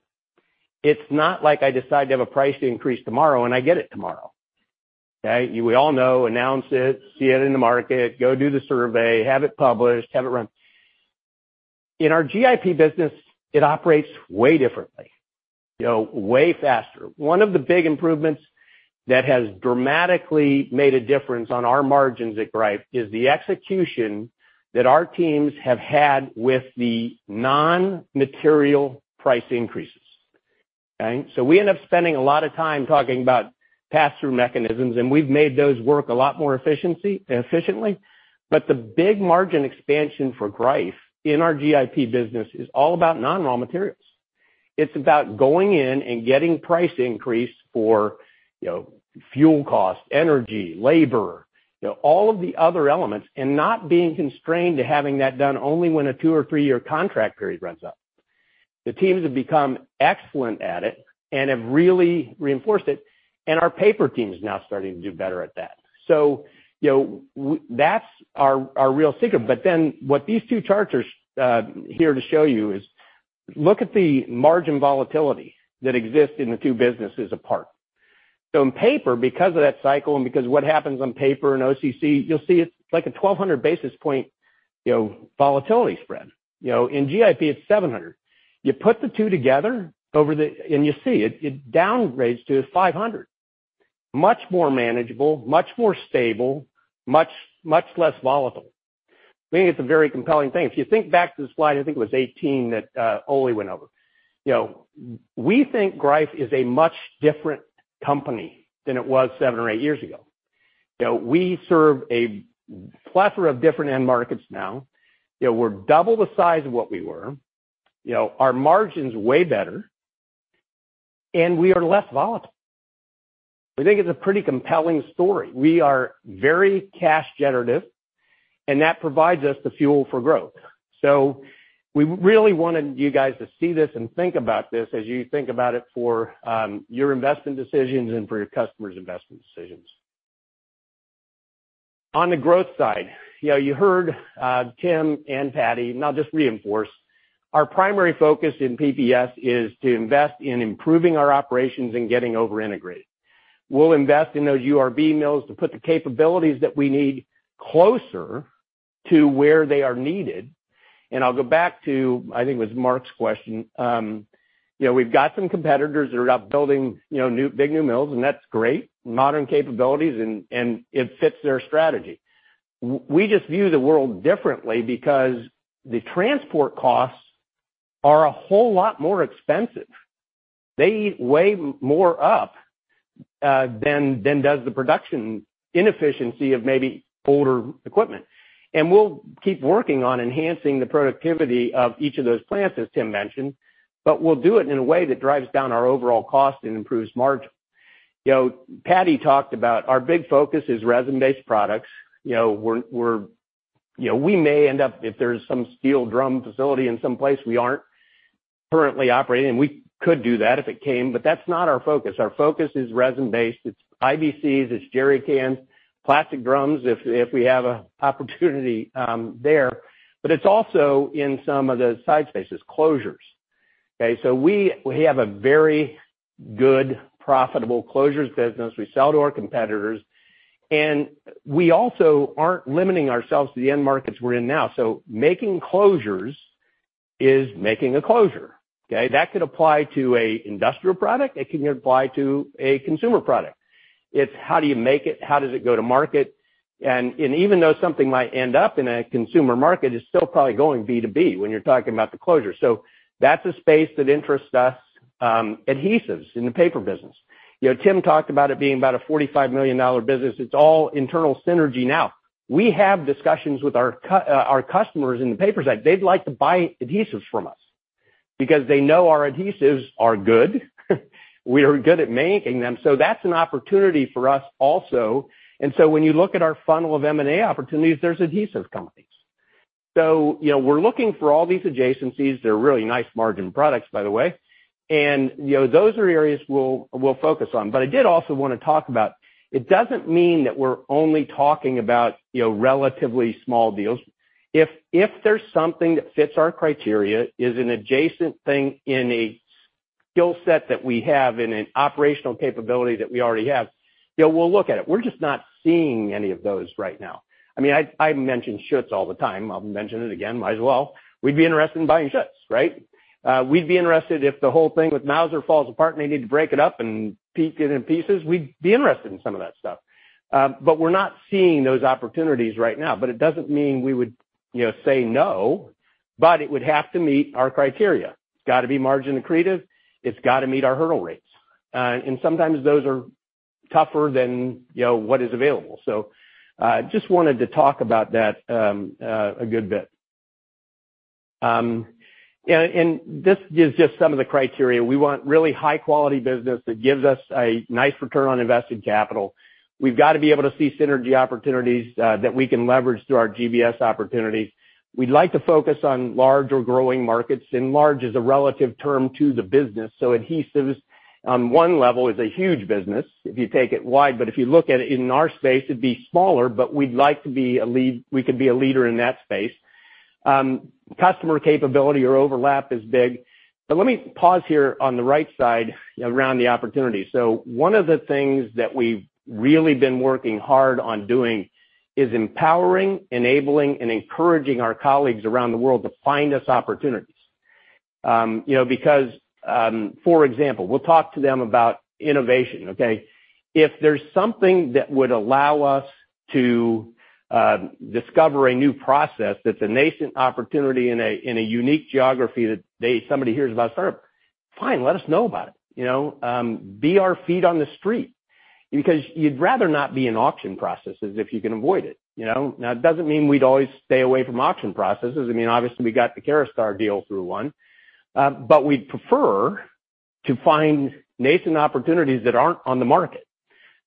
It's not like I decide to have a price increase tomorrow, and I get it tomorrow. Okay. We all know, announce it, see it in the market, go do the survey, have it published, have it run. In our GIP business, it operates way differently, you know, way faster. One of the big improvements that has dramatically made a difference on our margins at Greif is the execution that our teams have had with the non-material price increases. Okay? We end up spending a lot of time talking about pass-through mechanisms, and we've made those work a lot more efficiently. The big margin expansion for Greif in our GIP business is all about non-raw materials. It's about going in and getting price increase for, you know, fuel costs, energy, labor, you know, all of the other elements, and not being constrained to having that done only when a two-year or three-year contract period runs up. The teams have become excellent at it and have really reinforced it, and our paper team is now starting to do better at that. You know, that's our real secret. What these two charts are here to show you is look at the margin volatility that exists in the two businesses apart. In paper, because of that cycle and because what happens on paper and OCC, you'll see it's like a 1,200 basis point, you know, volatility spread. You know, in GIP, it's 700 basis point. You put the two together over the. You see it downgrades to 500 basis point. Much more manageable, much more stable, much less volatile. To me, it's a very compelling thing. If you think back to the slide, I think it was 18 that Ole went over. You know, we think Greif is a much different company than it was seven or eight years ago. You know, we serve a plethora of different end markets now. You know, we're double the size of what we were. You know, our margin's way better, and we are less volatile. We think it's a pretty compelling story. We are very cash generative, and that provides us the fuel for growth. We really wanted you guys to see this and think about this as you think about it for your investment decisions and for your customers' investment decisions. On the growth side, you know, you heard Tim and Paddy, and I'll just reinforce. Our primary focus in PPS is to invest in improving our operations and getting over-integrated. We'll invest in those URB mills to put the capabilities that we need closer to where they are needed. I'll go back to, I think it was Mark's question. You know, we've got some competitors that are out building new big mills, and that's great. Modern capabilities and it fits their strategy. We just view the world differently because the transport costs are a whole lot more expensive. They eat way more up than does the production inefficiency of maybe older equipment. We'll keep working on enhancing the productivity of each of those plants, as Tim mentioned, but we'll do it in a way that drives down our overall cost and improves margin. You know, Paddy talked about our big focus is resin-based products. You know, we may end up, if there's some steel drum facility in some place we aren't currently operating, we could do that if it came, but that's not our focus. Our focus is resin-based. It's IBCs, it's jerry cans, plastic drums if we have an opportunity there. But it's also in some of the side spaces. Closures. Okay, we have a very good profitable closures business. We sell to our competitors, and we also aren't limiting ourselves to the end markets we're in now. Making closures is making a closure, okay? That could apply to an industrial product, it can apply to a consumer product. It's how do you make it? How does it go to market? Even though something might end up in a consumer market, it's still probably going B2B when you're talking about the closure. That's a space that interests us. Adhesives in the paper business. You know, Tim talked about it being about a $45 million business. It's all internal synergy now. We have discussions with our customers in the paper side. They'd like to buy adhesives from us because they know our adhesives are good. We're good at making them. That's an opportunity for us also. When you look at our funnel of M&A opportunities, there's adhesive companies. You know, we're looking for all these adjacencies. They're really nice margin products, by the way. You know, those are areas we'll focus on. I did also want to talk about it doesn't mean that we're only talking about, you know, relatively small deals. If there's something that fits our criteria, is an adjacent thing in a skill set that we have in an operational capability that we already have, you know, we'll look at it. We're just not seeing any of those right now. I mean, I mention Schutz all the time. I'll mention it again, might as well. We'd be interested in buying Schutz, right? We'd be interested if the whole thing with Mauser falls apart and they need to break it up and piece it in pieces. We'd be interested in some of that stuff. But we're not seeing those opportunities right now, but it doesn't mean we would, you know, say no, but it would have to meet our criteria. It's gotta be margin accretive. It's gotta meet our hurdle rates. And sometimes those are tougher than, you know, what is available. Just wanted to talk about that a good bit. And this is just some of the criteria. We want really high quality business that gives us a nice return on invested capital. We've gotta be able to see synergy opportunities that we can leverage through our GBS opportunities. We'd like to focus on large or growing markets, and large is a relative term to the business. Adhesives on one level is a huge business if you take it wide, but if you look at it in our space, it'd be smaller, but we could be a leader in that space. Customer capability or overlap is big. Let me pause here on the right side around the opportunity. One of the things that we've really been working hard on doing is empowering, enabling, and encouraging our colleagues around the world to find us opportunities. You know, because, for example, we'll talk to them about innovation, okay? If there's something that would allow us to discover a new process that's a nascent opportunity in a unique geography that they Somebody hears about, "So, if I find, let us know about it." You know, be our feet on the street because you'd rather not be in auction processes if you can avoid it, you know? Now, it doesn't mean we'd always stay away from auction processes. I mean, obviously we got the Caraustar deal through one. We'd prefer to find nascent opportunities that aren't on the market.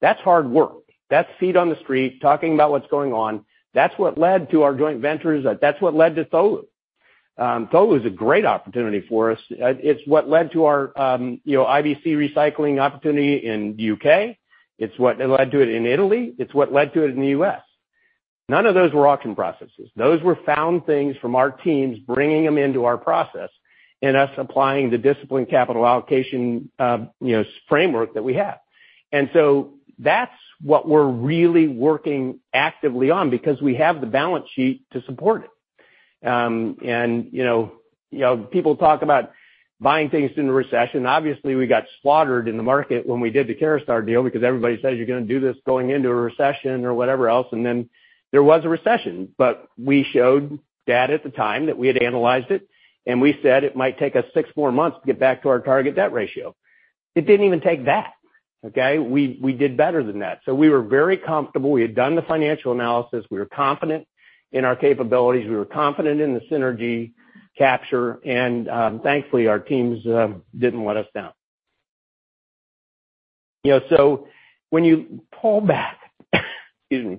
That's hard work. That's feet on the street, talking about what's going on. That's what led to our joint ventures. That's what led to Tholu. Tholu is a great opportunity for us. It's what led to our, you know, IBC recycling opportunity in the U.K. It's what led to it in Italy. It's what led to it in the U.S. None of those were auction processes. Those were sound things from our teams, bringing them into our process and us applying the disciplined capital allocation framework that we have. That's what we're really working actively on because we have the balance sheet to support it. You know, people talk about buying things in a recession. Obviously, we got slaughtered in the market when we did the Caraustar deal because everybody says, "You're gonna do this going into a recession or whatever else." Then there was a recession. We showed data at the time that we had analyzed it, and we said it might take us six more months to get back to our target debt ratio. It didn't even take that, okay? We did better than that. We were very comfortable. We had done the financial analysis. We were confident in our capabilities, we were confident in the synergy capture, and, thankfully, our teams didn't let us down. You know, when you pull back, excuse me,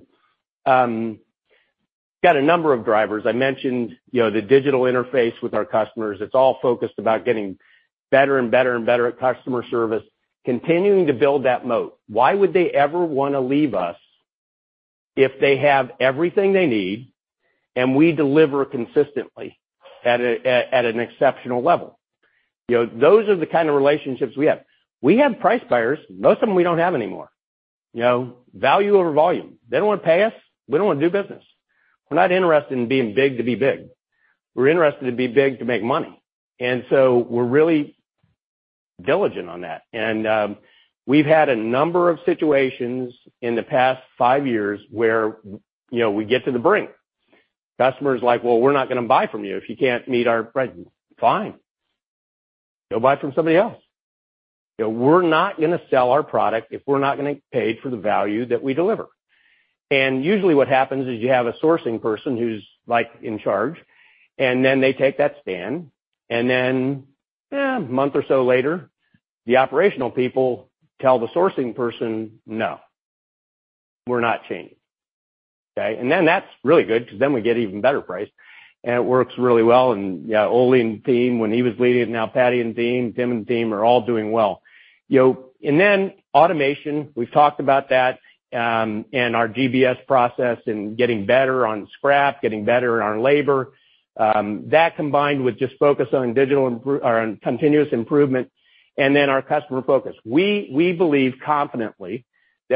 got a number of drivers. I mentioned, you know, the digital interface with our customers. It's all focused about getting better and better and better at customer service, continuing to build that moat. Why would they ever wanna leave us if they have everything they need and we deliver consistently at an exceptional level? You know, those are the kind of relationships we have. We have price buyers. Most of them we don't have anymore. You know, value over volume. They don't wanna pay us, we don't wanna do business. We're not interested in being big to be big. We're interested to be big to make money. We're really diligent on that. We've had a number of situations in the past five years where, you know, we get to the brink. Customer's like, "Well, we're not gonna buy from you if you can't meet our price." Fine. Go buy from somebody else. You know, we're not gonna sell our product if we're not gonna get paid for the value that we deliver. Usually what happens is you have a sourcing person who's, like, in charge, and then they take that stand, and then, a month or so later, the operational people tell the sourcing person no. We're not changing, okay? That's really good because then we get even better price, and it works really well. Yeah, Ole and team when he was leading it, now Paddy and team, Tim and team are all doing well. You know, then automation, we've talked about that, and our GBS process and getting better on scrap, getting better on labor. That combined with just focus on digital or on continuous improvement, and then our customer focus. We believe confidently that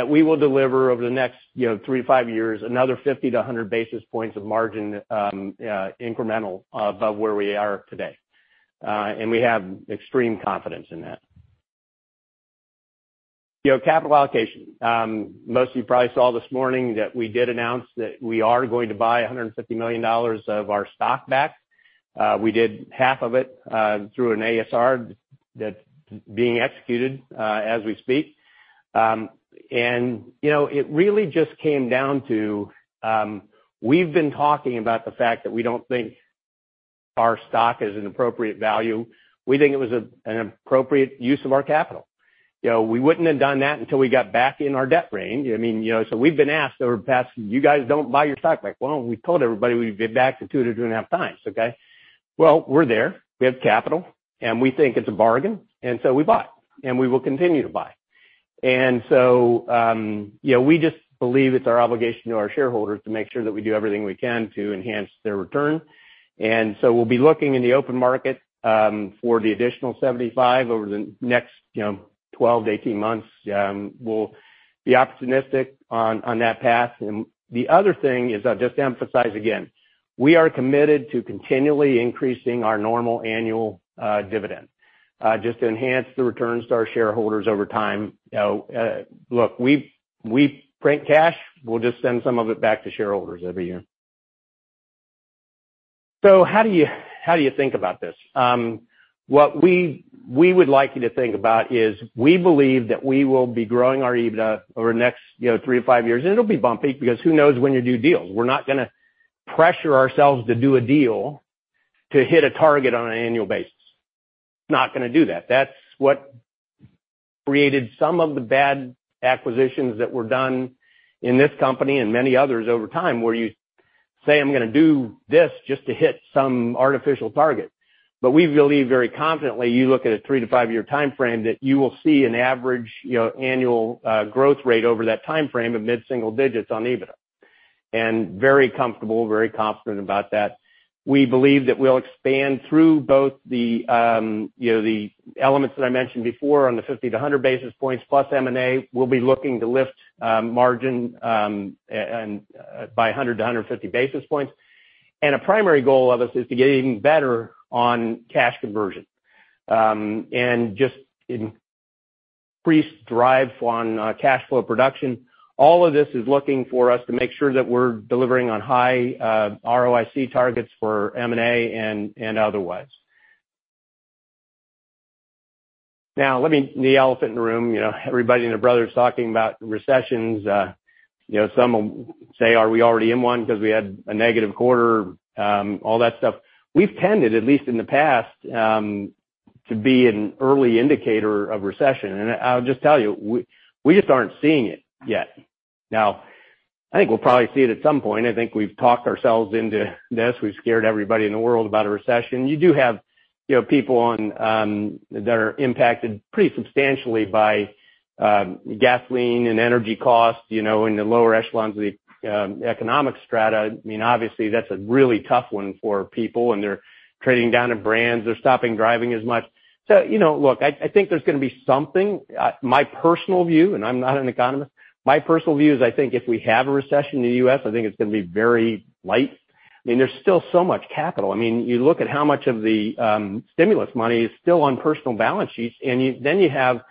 we will deliver over the next, you know, three to five years, another 50 basis points-100 basis points of margin, incremental above where we are today. We have extreme confidence in that. You know, capital allocation. Most of you probably saw this morning that we did announce that we are going to buy $150 million of our stock back. We did half of it through an ASR that's being executed as we speak. You know, it really just came down to we've been talking about the fact that we don't think our stock is appropriately valued. We think it was an appropriate use of our capital. You know, we wouldn't have done that until we got back in our debt range. I mean, you know, we've been asked over the past, "You guys don't buy your stock back." Well, we told everybody we'd get back to 2x-2.5x, okay? Well, we're there. We have capital, and we think it's a bargain, and so we bought, and we will continue to buy. You know, we just believe it's our obligation to our shareholders to make sure that we do everything we can to enhance their return. We'll be looking in the open market for the additional $75 million over the next, you know, 12 months-18 months. We'll be opportunistic on that path. The other thing is, I'll just emphasize again, we are committed to continually increasing our normal annual dividend just to enhance the returns to our shareholders over time. You know, look, we print cash. We'll just send some of it back to shareholders every year. How do you think about this? What we would like you to think about is, we believe that we will be growing our EBITDA over the next, you know, three to five years. It'll be bumpy because who knows when you do deals. We're not gonna pressure ourselves to do a deal to hit a target on an annual basis. Not gonna do that. That's what created some of the bad acquisitions that were done in this company and many others over time, where you say, "I'm gonna do this just to hit some artificial target." We believe very confidently, you look at a three to five-year timeframe, that you will see an average, you know, annual growth rate over that timeframe of mid-single digits on EBITDA. Very comfortable, very confident about that. We believe that we'll expand through both the, you know, the elements that I mentioned before on the 50 basis points-100 basis points plus M&A. We'll be looking to lift margin and by 100 basis points-150 basis points. A primary goal of us is to get even better on cash conversion and just increased drive on cash flow production. All of this is looking for us to make sure that we're delivering on high ROIC targets for M&A and otherwise. Now, the elephant in the room, you know, everybody and their brother is talking about recessions. You know, some will say, are we already in one because we had a negative quarter, all that stuff? We've tended, at least in the past, to be an early indicator of recession. I'll just tell you, we just aren't seeing it yet. Now, I think we'll probably see it at some point. I think we've talked ourselves into this. We've scared everybody in the world about a recession. You do have, you know, people on that are impacted pretty substantially by gasoline and energy costs, you know, in the lower echelons of the economic strata. I mean, obviously that's a really tough one for people, and they're trading down to brands. They're stopping driving as much. You know, look, I think there's gonna be something. My personal view, and I'm not an economist, my personal view is I think if we have a recession in the U.S., I think it's gonna be very light. I mean, there's still so much capital. I mean, you look at how much of the stimulus money is still on personal balance sheets, and then you have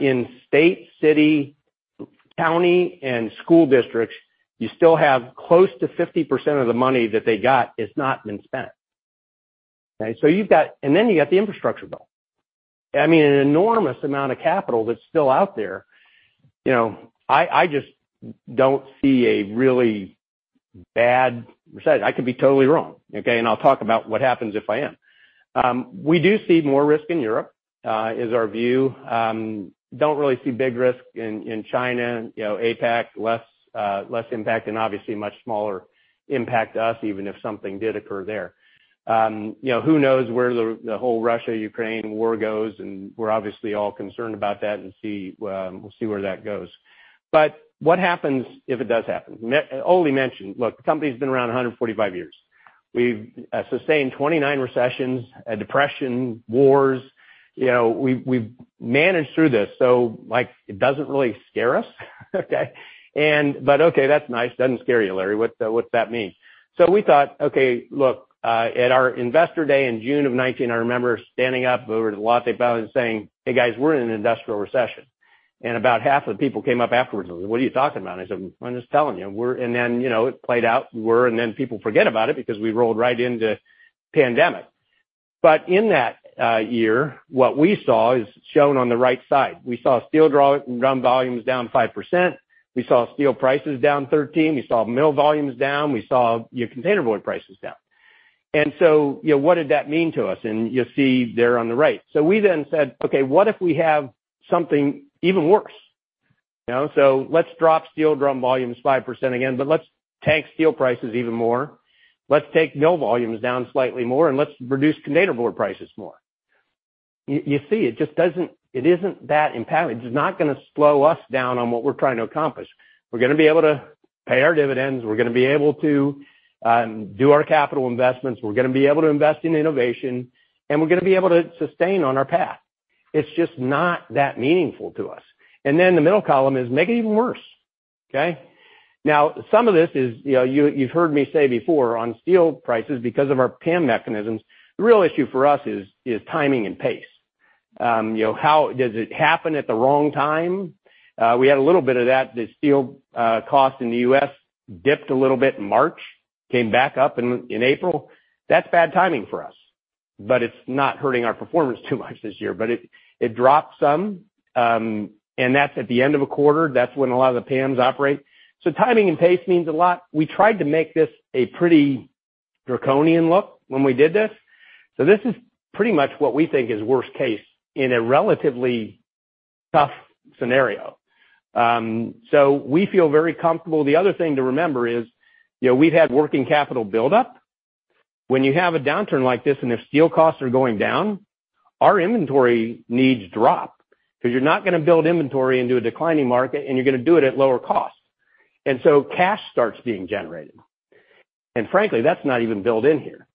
in state, city, county and school districts, you still have close to 50% of the money that they got, it's not been spent. Okay? Then you got the infrastructure bill. I mean, an enormous amount of capital that's still out there. You know, I just don't see a really bad recession. I could be totally wrong, okay? I'll talk about what happens if I am. We do see more risk in Europe, is our view. Don't really see big risk in China. You know, APAC, less impact and obviously much smaller impact to us, even if something did occur there. You know, who knows where the whole Russia-Ukraine war goes, and we're obviously all concerned about that, we'll see where that goes. What happens if it does happen? Ole mentioned, look, the company's been around 145 years. We've sustained 29 recessions, a depression, wars. You know, we've managed through this, like, it doesn't really scare us. Okay? Okay, that's nice. Doesn't scare you, Larry. What's that mean? We thought, okay, look, at our investor day in June of 2019, I remember standing up over at the latte bar and saying, "Hey, guys, we're in an industrial recession." About half the people came up afterwards and, "What are you talking about?" I said, "I'm just telling you, we're in an industrial recession." You know, it played out, we were, and then people forget about it because we rolled right into pandemic. In that year, what we saw is shown on the right side. We saw steel drum volumes down 5%. We saw steel prices down 13%. We saw mill volumes down. We saw our containerboard prices down. You know, what did that mean to us? You'll see there on the right. We then said, "Okay, what if we have something even worse?" You know, let's drop steel drum volumes 5% again, but let's tank steel prices even more. Let's take mill volumes down slightly more, and let's reduce containerboard prices more. You see, it just doesn't. It isn't that impactful. It's not gonna slow us down on what we're trying to accomplish. We're gonna be able to pay our dividends, we're gonna be able to do our capital investments, we're gonna be able to invest in innovation, and we're gonna be able to sustain on our path. It's just not that meaningful to us. Then the middle column is make it even worse, okay? Now, some of this is, you know, you've heard me say before on steel prices because of our PAM mechanisms, the real issue for us is timing and pace. You know, how does it happen at the wrong time? We had a little bit of that. The steel cost in the U.S. dipped a little bit in March, came back up in April. That's bad timing for us, but it's not hurting our performance too much this year. But it dropped some, and that's at the end of a quarter. That's when a lot of the PAMs operate. Timing and pace means a lot. We tried to make this a pretty draconian look when we did this. This is pretty much what we think is worst case in a relatively tough scenario. We feel very comfortable. The other thing to remember is, you know, we've had working capital buildup. When you have a downturn like this, and if steel costs are going down, our inventory needs drop 'cause you're not gonna build inventory into a declining market, and you're gonna do it at lower cost. Cash starts being generated. Frankly, that's not even built in here.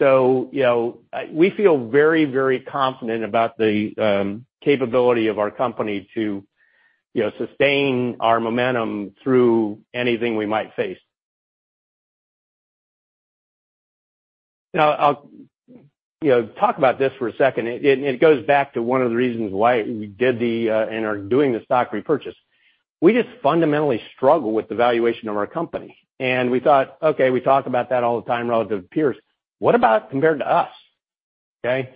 You know, we feel very, very confident about the capability of our company to, you know, sustain our momentum through anything we might face. Now I'll, you know, talk about this for a second. It goes back to one of the reasons why we did the and are doing the stock repurchase. We just fundamentally struggle with the valuation of our company. We thought, okay, we talk about that all the time relative to peers. What about compared to us, okay?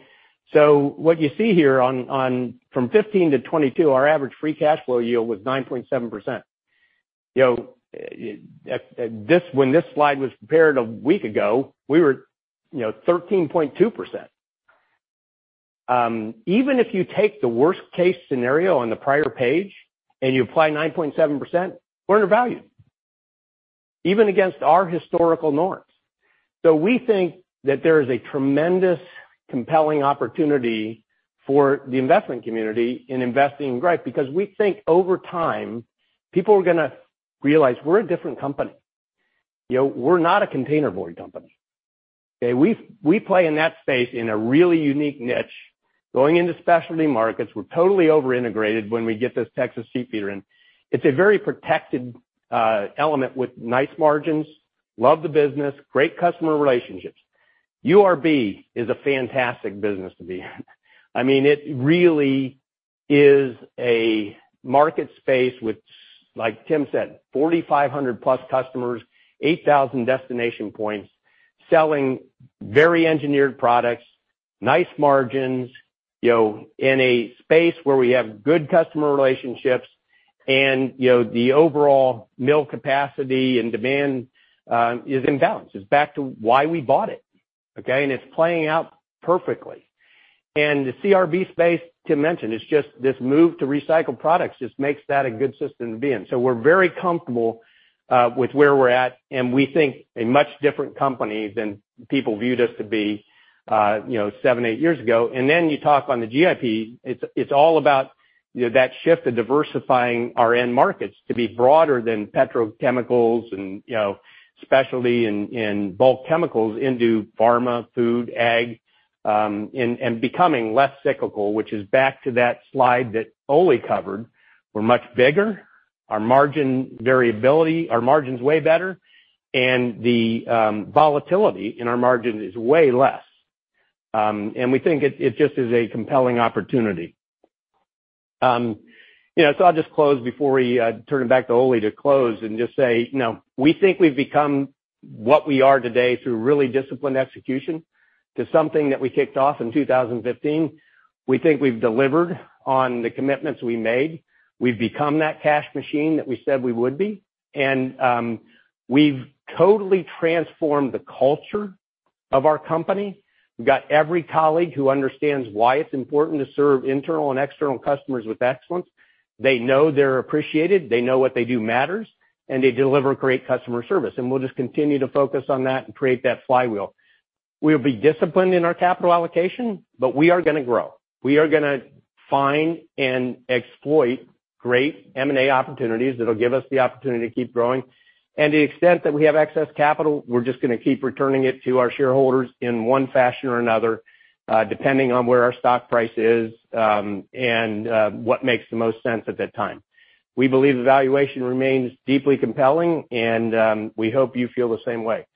What you see here on from 2015-2022, our average free cash flow yield was 9.7%. You know, when this slide was prepared a week ago, we were, you know, 13.2%. Even if you take the worst case scenario on the prior page and you apply 9.7%, we're undervalued, even against our historical norms. We think that there is a tremendous compelling opportunity for the investment community in investing in Greif because we think over time, people are gonna realize we're a different company. You know, we're not a containerboard company, okay? We play in that space in a really unique niche, going into specialty markets. We're totally vertically integrated when we get this Texas sheet feeder in. It's a very protected element with nice margins. Love the business, great customer relationships. URB is a fantastic business to be in. I mean, it really is a market space with, like Tim said, 4,500+ customers, 8,000 destination points, selling very engineered products, nice margins, you know, in a space where we have good customer relationships and, you know, the overall mill capacity and demand is in balance. It's back to why we bought it, okay? It's playing out perfectly. The CRB space Tim mentioned, it's just this move to recycled products just makes that a good system to be in. We're very comfortable with where we're at, and we think a much different company than people viewed us to be, you know, seven years, eight years ago. You talk on the GIP. It's all about, you know, that shift to diversifying our end markets to be broader than petrochemicals and, you know, specialty and bulk chemicals into pharma, food, ag, and becoming less cyclical, which is back to that slide that Ole covered. We're much bigger. Our margin variability. Our margin's way better, and the volatility in our margin is way less. We think it just is a compelling opportunity. You know, I'll just close before we turn it back to Ole to close and just say, you know, we think we've become what we are today through really disciplined execution to something that we kicked off in 2015. We think we've delivered on the commitments we made. We've become that cash machine that we said we would be. We've totally transformed the culture of our company. We've got every colleague who understands why it's important to serve internal and external customers with excellence. They know they're appreciated, they know what they do matters, and they deliver great customer service. We'll just continue to focus on that and create that flywheel. We'll be disciplined in our capital allocation, but we are gonna grow. We are gonna find and exploit great M&A opportunities that'll give us the opportunity to keep growing. To the extent that we have excess capital, we're just gonna keep returning it to our shareholders in one fashion or another, depending on where our stock price is, and what makes the most sense at that time. We believe the valuation remains deeply compelling, and we hope you feel the same way.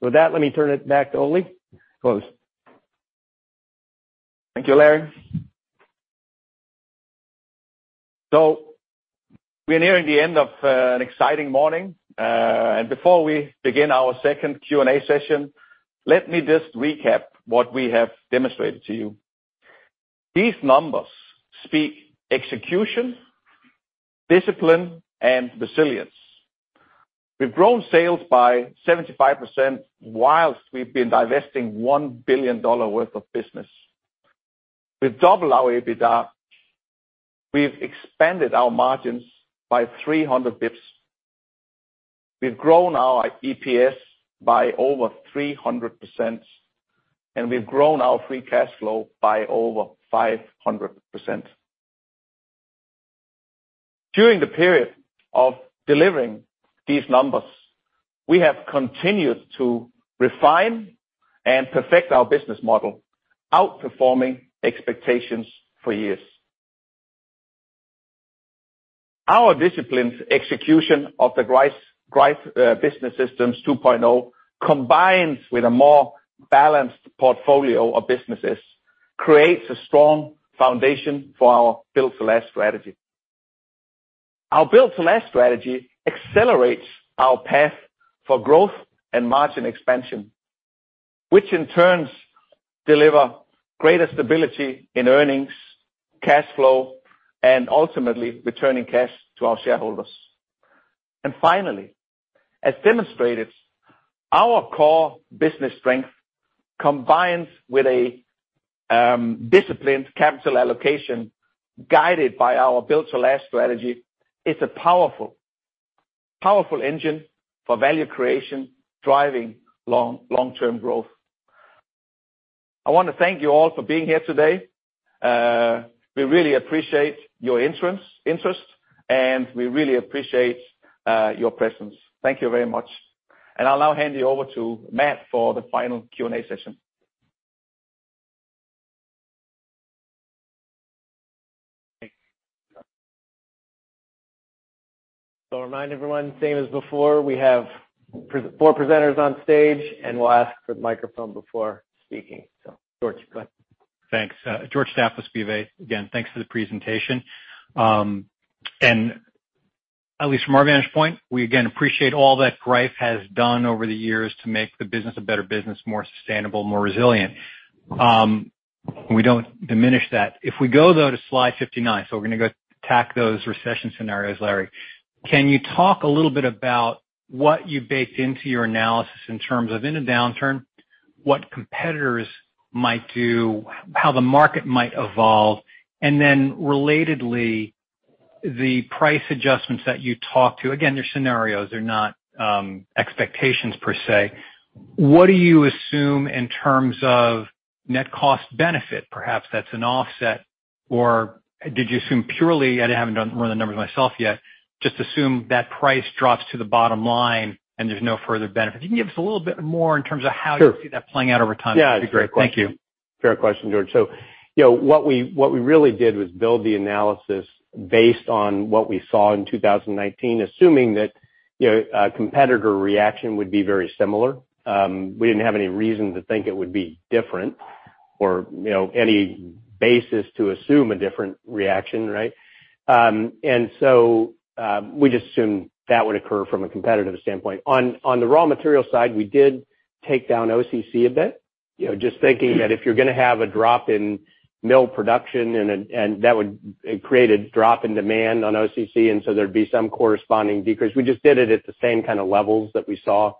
With that, let me turn it back to Ole to close. Thank you, Larry. We're nearing the end of an exciting morning. Before we begin our second Q&A session, let me just recap what we have demonstrated to you. These numbers speak execution, discipline, and resilience. We've grown sales by 75% while we've been divesting $1 billion worth of business. We've doubled our EBITDA. We've expanded our margins by 300 basis points. We've grown our EPS by over 300%, and we've grown our free cash flow by over 500%. During the period of delivering these numbers, we have continued to refine and perfect our business model, outperforming expectations for years. Our disciplined execution of the Greif Business System 2.0, combines with a more balanced portfolio of businesses, creates a strong foundation for our Build to Last strategy. Our Build to Last strategy accelerates our path for growth and margin expansion, which in turn deliver greater stability in earnings, cash flow, and ultimately returning cash to our shareholders. Finally, as demonstrated, our core business strength combines with a disciplined capital allocation guided by our Build to Last strategy. It's a powerful engine for value creation, driving long-term growth. I want to thank you all for being here today. We really appreciate your interest, and we really appreciate your presence. Thank you very much. I'll now hand you over to Matt for the final Q&A session. Remind everyone, same as before, we have four presenters on stage, and we'll ask for the microphone before speaking. George, go ahead. Thanks. George Staphos, BofA. Again, thanks for the presentation. At least from our vantage point, we again appreciate all that Greif has done over the years to make the business a better business, more sustainable, more resilient. We don't diminish that. If we go, though, to slide 59, we're gonna go attack those recession scenarios, Larry. Can you talk a little bit about what you baked into your analysis in terms of in a downturn, what competitors might do, how the market might evolve? Then relatedly, the price adjustments that you talked about, again, they're scenarios, they're not expectations per se. What do you assume in terms of net cost benefit? Perhaps that's an offset or did you assume purely. I haven't run the numbers myself yet, just assume that price drops to the bottom line and there's no further benefit. Can you give us a little bit more in terms of how? Sure. You see that playing out over time? Yeah. That'd be great. Thank you. Fair question, George. You know, what we really did was build the analysis based on what we saw in 2019, assuming that, you know, a competitor reaction would be very similar. We didn't have any reason to think it would be different or, you know, any basis to assume a different reaction, right? We just assumed that would occur from a competitive standpoint. On the raw material side, we did take down OCC a bit, you know, just thinking that if you're gonna have a drop in mill production and that would create a drop in demand on OCC, and so there'd be some corresponding decrease. We just did it at the same kind of levels that we saw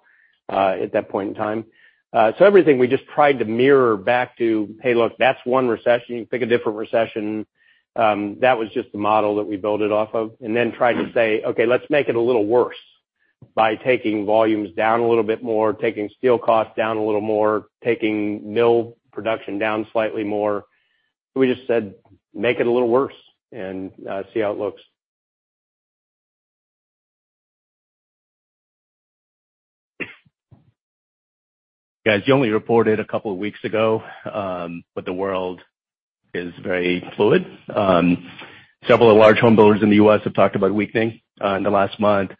at that point in time. Everything we just tried to mirror back to, hey, look, that's one recession. You can pick a different recession. That was just the model that we built it off of, and then tried to say, okay, let's make it a little worse by taking volumes down a little bit more, taking steel costs down a little more, taking mill production down slightly more. We just said, make it a little worse and see how it looks. You only reported a couple of weeks ago, the world is very fluid. Several large home builders in the U.S. have talked about weakening in the last month.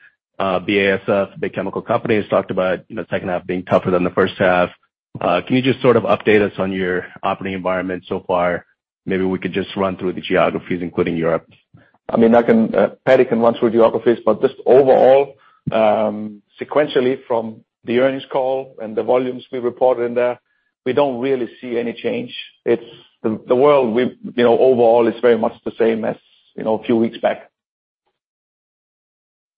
BASF, a big chemical company, has talked about, you know, second half being tougher than the first half. Can you just sort of update us on your operating environment so far? Maybe we could just run through the geographies, including Europe. I mean, I can, Paddy can run through geographies, but just overall, sequentially from the earnings call and the volumes we reported in there, we don't really see any change. It's the world we, you know, overall is very much the same as, you know, a few weeks back.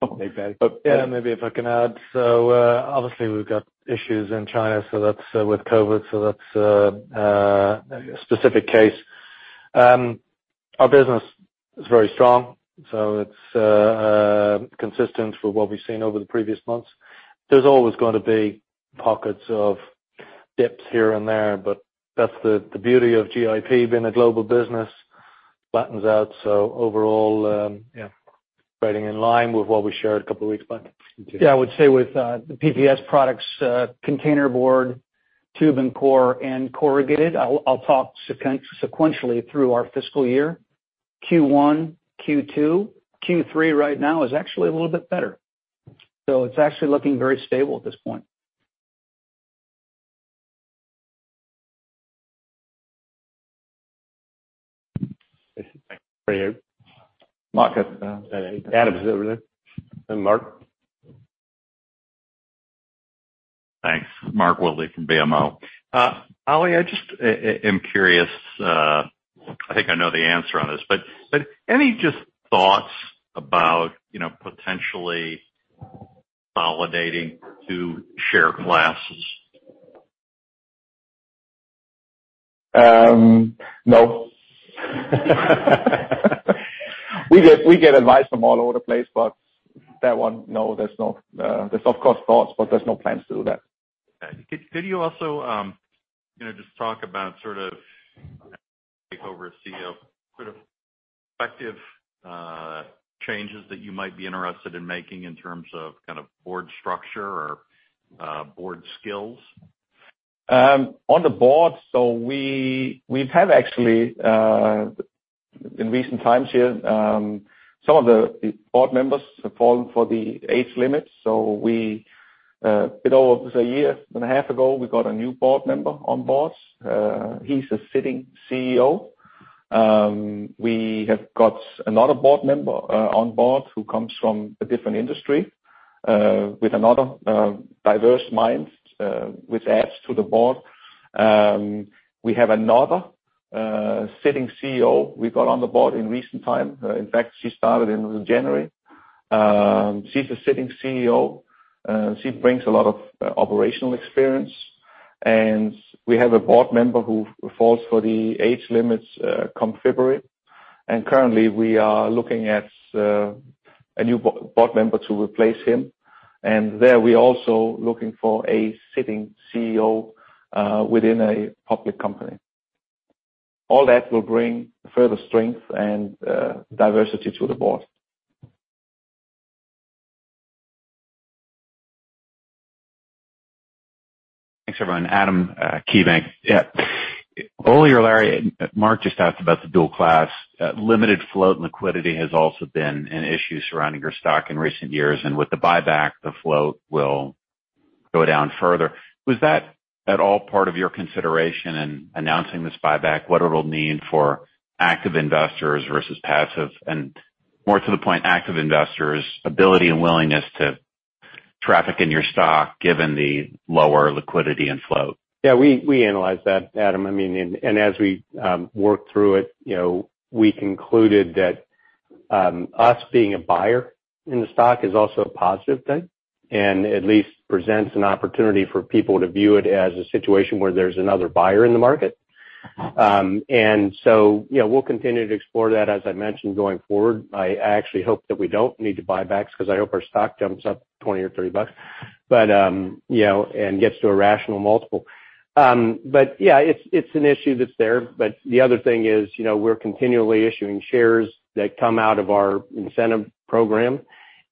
Okay, Paddy. Yeah, maybe if I can add. Obviously we've got issues in China, so that's with COVID, a specific case. Our business is very strong, it's consistent with what we've seen over the previous months. There's always gonna be pockets of dips here and there, but that's the beauty of GIP being a global business, flattens out. Overall, trading in line with what we shared a couple of weeks back. Thank you. Yeah, I would say with the PPS products, containerboard, tube and core, and corrugated, I'll talk sequentially through our fiscal year. Q1, Q2, Q3 right now is actually a little bit better. It's actually looking very stable at this point. For you. Mark has a- Adam, is it over there? Mark. Mark Wilde from BMO. Ole, I just am curious. I think I know the answer on this, but any just thoughts about, you know, potentially consolidating to share classes? No. We get advice from all over the place, but that one, no. There's of course thoughts, but there's no plans to do that. Okay. Could you also, you know, just talk about sort of take over as CEO, sort of effective, changes that you might be interested in making in terms of kind of board structure or board skills? On the board, we've actually, in recent times here, some of the board members have fallen for the age limit. We, a bit over 1.5 year ago, we got a new board member on board. He's a sitting CEO. We have got another board member on board who comes from a different industry with another diverse mind which adds to the board. We have another sitting CEO we got on the board in recent time. In fact, she started in January. She's a sitting CEO. She brings a lot of operational experience. We have a board member who falls for the age limits come February. Currently we are looking at a new board member to replace him. there, we're also looking for a sitting CEO within a public company. All that will bring further strength and diversity to the board. Thanks, everyone. Adam, KeyBanc. Yeah. Ole or Larry, Mark just asked about the dual class. Limited float and liquidity has also been an issue surrounding your stock in recent years. With the buyback, the float will go down further. Was that at all part of your consideration in announcing this buyback, what it'll mean for active investors versus passive? More to the point, active investors' ability and willingness to traffic in your stock given the lower liquidity and float? Yeah, we analyzed that, Adam. I mean, as we worked through it, you know, we concluded that us being a buyer in the stock is also a positive thing, and at least presents an opportunity for people to view it as a situation where there's another buyer in the market. You know, we'll continue to explore that, as I mentioned, going forward. I actually hope that we don't need to buybacks because I hope our stock jumps up $20 or $30 and gets to a rational multiple. Yeah, it's an issue that's there. The other thing is, you know, we're continually issuing shares that come out of our incentive program.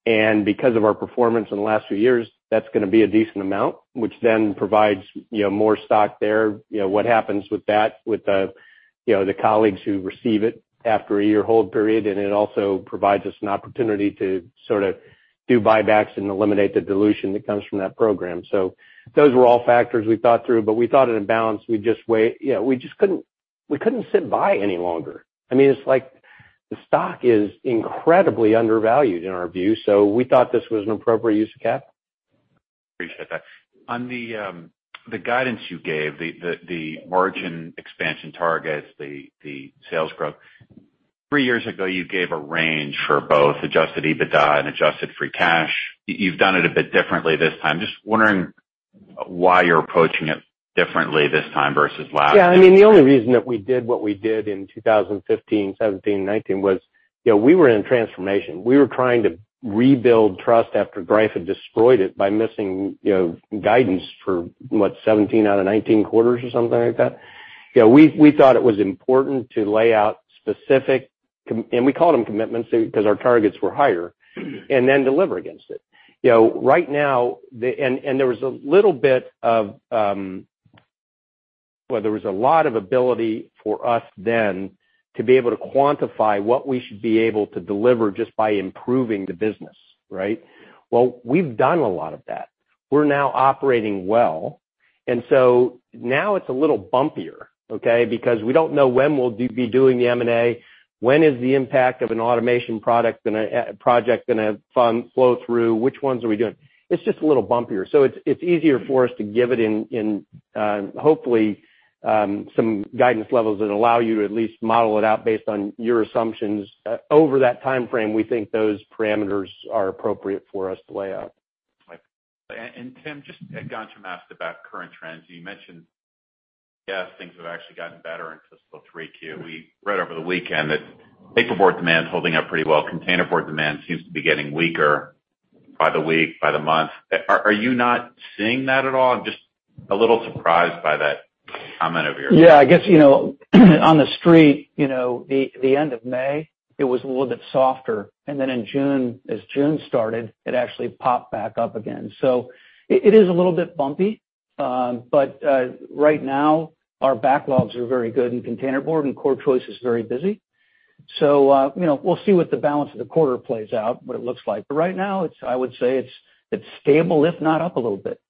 Because of our performance in the last few years, that's gonna be a decent amount, which then provides, you know, more stock there. You know, what happens with that with the, you know, the colleagues who receive it after a year hold period, and it also provides us an opportunity to sort of do buybacks and eliminate the dilution that comes from that program. Those were all factors we thought through, but we thought in a balance, we just wait. You know, we just couldn't sit by any longer. I mean, it's like the stock is incredibly undervalued in our view. We thought this was an appropriate use of CapEx. Appreciate that. On the guidance you gave, the margin expansion targets, the sales growth. Three years ago, you gave a range for both adjusted EBITDA and adjusted free cash. You've done it a bit differently this time. Just wondering why you're approaching it differently this time versus last? Yeah. I mean, the only reason that we did what we did in 2015, 2017, and 2019 was, you know, we were in transformation. We were trying to rebuild trust after Greif had destroyed it by missing, you know, guidance for what? 17 out of 19 quarters or something like that. You know, we thought it was important to lay out specific commitments and we called them commitments because our targets were higher, and then deliver against it. You know, right now. There was a lot of ability for us then to be able to quantify what we should be able to deliver just by improving the business, right? Well, we've done a lot of that. We're now operating well. Now it's a little bumpier, okay? Because we don't know when we'll be doing the M&A, when is the impact of an automation project gonna flow through, which ones are we doing? It's just a little bumpier. It's easier for us to give it in hopefully some guidance levels that allow you to at least model it out based on your assumptions. Over that timeframe, we think those parameters are appropriate for us to lay out. Right. Tim, just going to ask about current trends. You mentioned, yes, things have actually gotten better in fiscal 3Q. We read over the weekend that paperboard demand is holding up pretty well. Containerboard demand seems to be getting weaker by the week, by the month. Are you not seeing that at all? I'm just a little surprised by that comment of yours. Yeah, I guess, you know, on the street, you know, the end of May, it was a little bit softer. Then in June, as June started, it actually popped back up again. It is a little bit bumpy. Right now our backlogs are very good in containerboard and CorrChoice is very busy. We'll see what the balance of the quarter plays out, what it looks like. Right now, it's stable, if not up a little bit.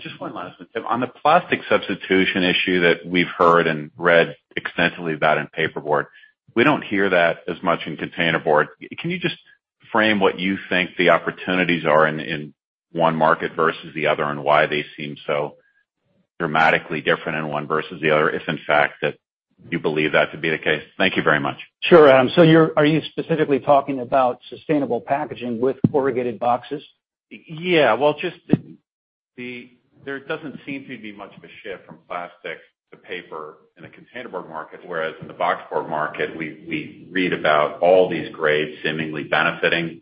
Just one last one, Tim. On the plastic substitution issue that we've heard and read extensively about in paperboard, we don't hear that as much in containerboard. Can you frame what you think the opportunities are in one market versus the other, and why they seem so dramatically different in one versus the other, if in fact that you believe that to be the case? Thank you very much. Sure. Are you specifically talking about sustainable packaging with corrugated boxes? Yeah. Well, just there doesn't seem to be much of a shift from plastic to paper in a containerboard market, whereas in the boxboard market, we read about all these grades seemingly benefiting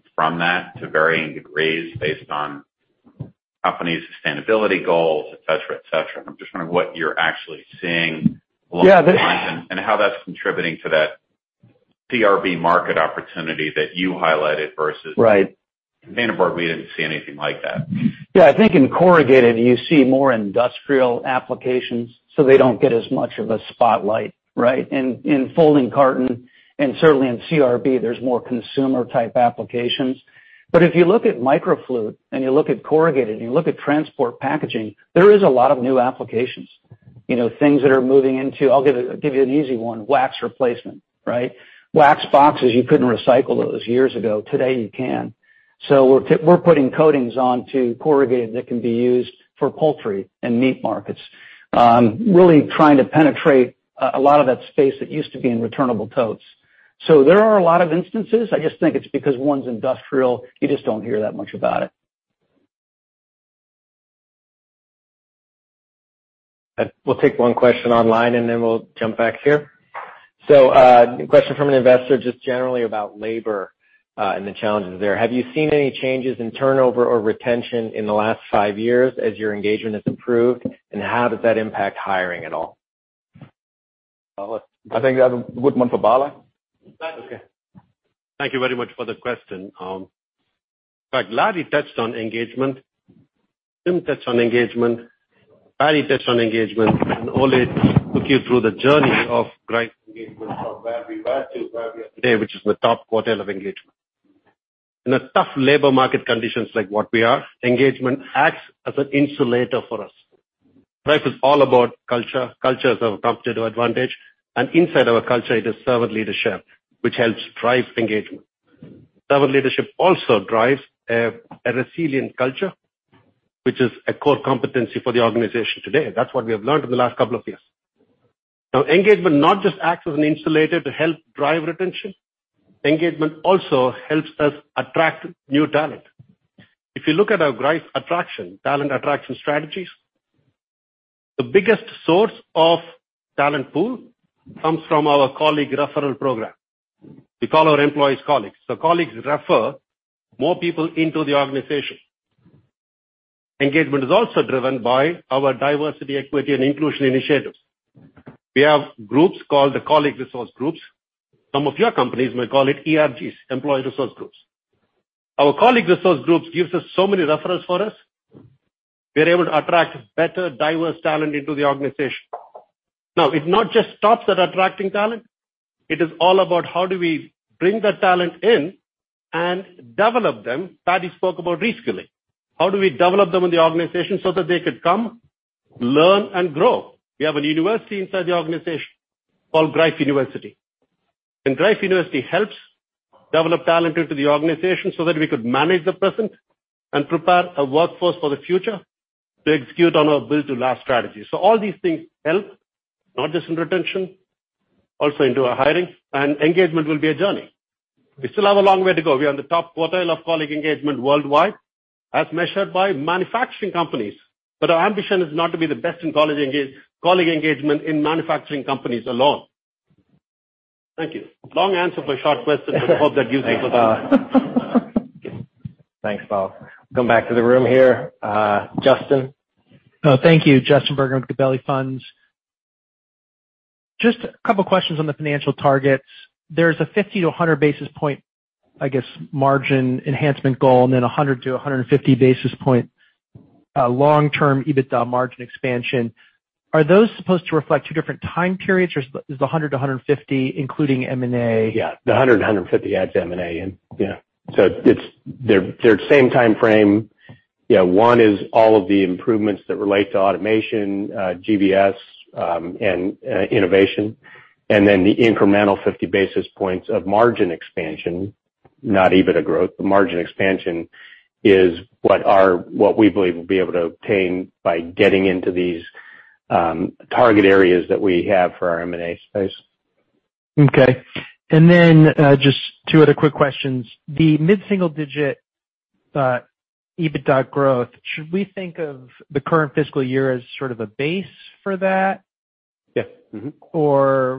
from that to varying degrees based on companies' sustainability goals, et cetera, et cetera. I'm just wondering what you're actually seeing along the lines- Yeah. how that's contributing to that CRB market opportunity that you highlighted versus- Right. containerboard, we didn't see anything like that. Yeah. I think in corrugated, you see more industrial applications, so they don't get as much of a spotlight, right? In folding carton and certainly in CRB, there's more consumer-type applications. If you look at microflute and you look at corrugated and you look at transport packaging, there is a lot of new applications. You know, things that are moving into. I'll give you an easy one, wax replacement, right? Wax boxes, you couldn't recycle those years ago. Today, you can. We're putting coatings onto corrugated that can be used for poultry and meat markets. Really trying to penetrate a lot of that space that used to be in returnable totes. There are a lot of instances. I just think it's because one's industrial, you just don't hear that much about it. We'll take one question online, and then we'll jump back here. Question from an investor just generally about labor, and the challenges there. Have you seen any changes in turnover or retention in the last five years as your engagement has improved, and how does that impact hiring at all? I think that's a good one for Bala. Thank you very much for the question. In fact, Larry touched on engagement. Tim touched on engagement. Paddy touched on engagement, and Ole took you through the journey of Greif engagement from where we were to where we are today, which is in the top quartile of engagement. In a tough labor market conditions like what we are, engagement acts as an insulator for us. Greif is all about culture. Culture is our competitive advantage. Inside our culture, it is servant leadership, which helps drive engagement. Servant leadership also drives a resilient culture, which is a core competency for the organization today. That's what we have learned in the last couple of years. Now, engagement not just acts as an insulator to help drive retention. Engagement also helps us attract new talent. If you look at our Greif attraction, talent attraction strategies, the biggest source of talent pool comes from our colleague referral program. We call our employees colleagues. Colleagues refer more people into the organization. Engagement is also driven by our diversity, equity, and inclusion initiatives. We have groups called the Colleague Resource Groups. Some of your companies may call it ERGs, Employee Resource Groups. Our Colleague Resource Groups gives us so many referrals for us. We're able to attract better, diverse talent into the organization. Now, it not just stops at attracting talent. It is all about how do we bring that talent in and develop them. Paddy spoke about reskilling. How do we develop them in the organization so that they could come, learn and grow? We have a university inside the organization called Greif University. Greif University helps develop talent into the organization so that we could manage the present and prepare a workforce for the future to execute on our Build to Last strategy. All these things help, not just in retention, also into our hiring. Engagement will be a journey. We still have a long way to go. We are in the top quartile of colleague engagement worldwide, as measured by manufacturing companies. Our ambition is not to be the best in colleague engagement in manufacturing companies alone. Thank you. Long answer for a short question. I hope that gives you some. Thanks, Bala. Come back to the room here. Justin. Oh, thank you. Justin Bergner with Gabelli Funds. Just a couple of questions on the financial targets. There's a 50 basis point to 100 basis point, I guess, margin enhancement goal, and then a 100 basis point to 150 basis point long-term EBITDA margin expansion. Are those supposed to reflect two different time periods, or is the 100 basis point to 150 basis point including M&A? The 100 basis point to 150 basis point adds M&A in. They're the same time frame. One is all of the improvements that relate to automation, GBS, and innovation. The incremental 50 basis points of margin expansion, not EBITDA growth, but margin expansion is what we believe we'll be able to obtain by getting into these target areas that we have for our M&A space. Okay. Just two other quick questions. The mid-single digit EBITDA growth, should we think of the current fiscal year as sort of a base for that? Yeah. Mm-hmm.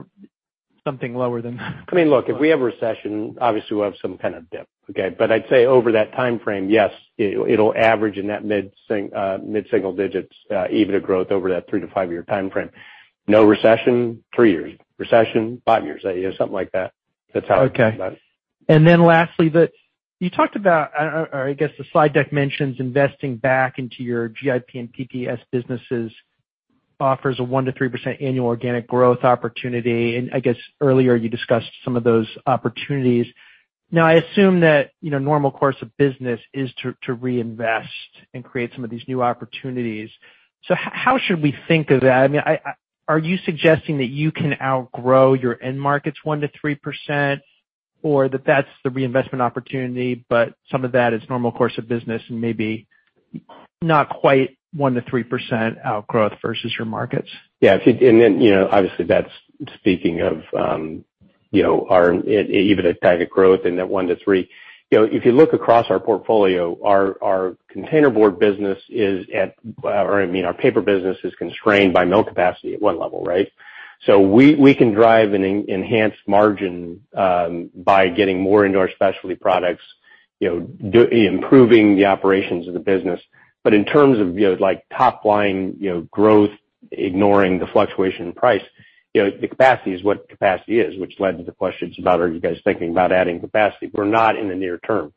Something lower than that? I mean, look, if we have a recession, obviously, we'll have some kind of dip, okay? I'd say over that time frame, yes, it'll average in that mid-single digits, EBITDA growth over that three to five-year time frame. No recession, three years. Recession, five years. Something like that. That's how. Okay. -that's. Lastly, you talked about, or I guess the slide deck mentions investing back into your GIP and PPS businesses offers a 1%-3% annual organic growth opportunity. I guess earlier you discussed some of those opportunities. Now, I assume that normal course of business is to reinvest and create some of these new opportunities. How should we think of that? I mean, are you suggesting that you can outgrow your end markets 1%-3% or that that's the reinvestment opportunity, but some of that is normal course of business and maybe not quite 1%-3% outgrowth versus your markets? Yeah. You know, obviously that's speaking of our even at target growth in that 1%-3%. You know, if you look across our portfolio, our Containerboard business is at, or I mean, our paper business is constrained by mill capacity at one level, right? So we can drive an enhanced margin by getting more into our specialty products, you know, improving the operations of the business. But in terms of, you know, like top line, you know, growth, ignoring the fluctuation in price, you know, the capacity is what capacity is, which led to the questions about are you guys thinking about adding capacity? We're not in the near term.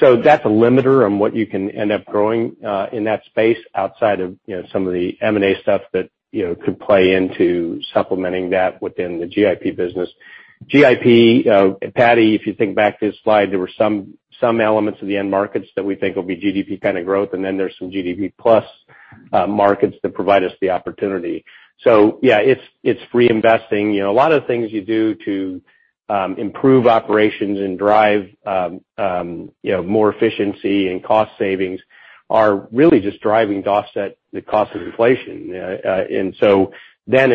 That's a limiter on what you can end up growing in that space outside of, you know, some of the M&A stuff that, you know, could play into supplementing that within the GIP business. GIP, Paddy, if you think back to this slide, there were some elements of the end markets that we think will be GDP kind of growth, and then there's some GDP plus markets that provide us the opportunity. Yeah, it's reinvesting. You know, a lot of things you do to improve operations and drive you know more efficiency and cost savings are really just driving to offset the cost of inflation.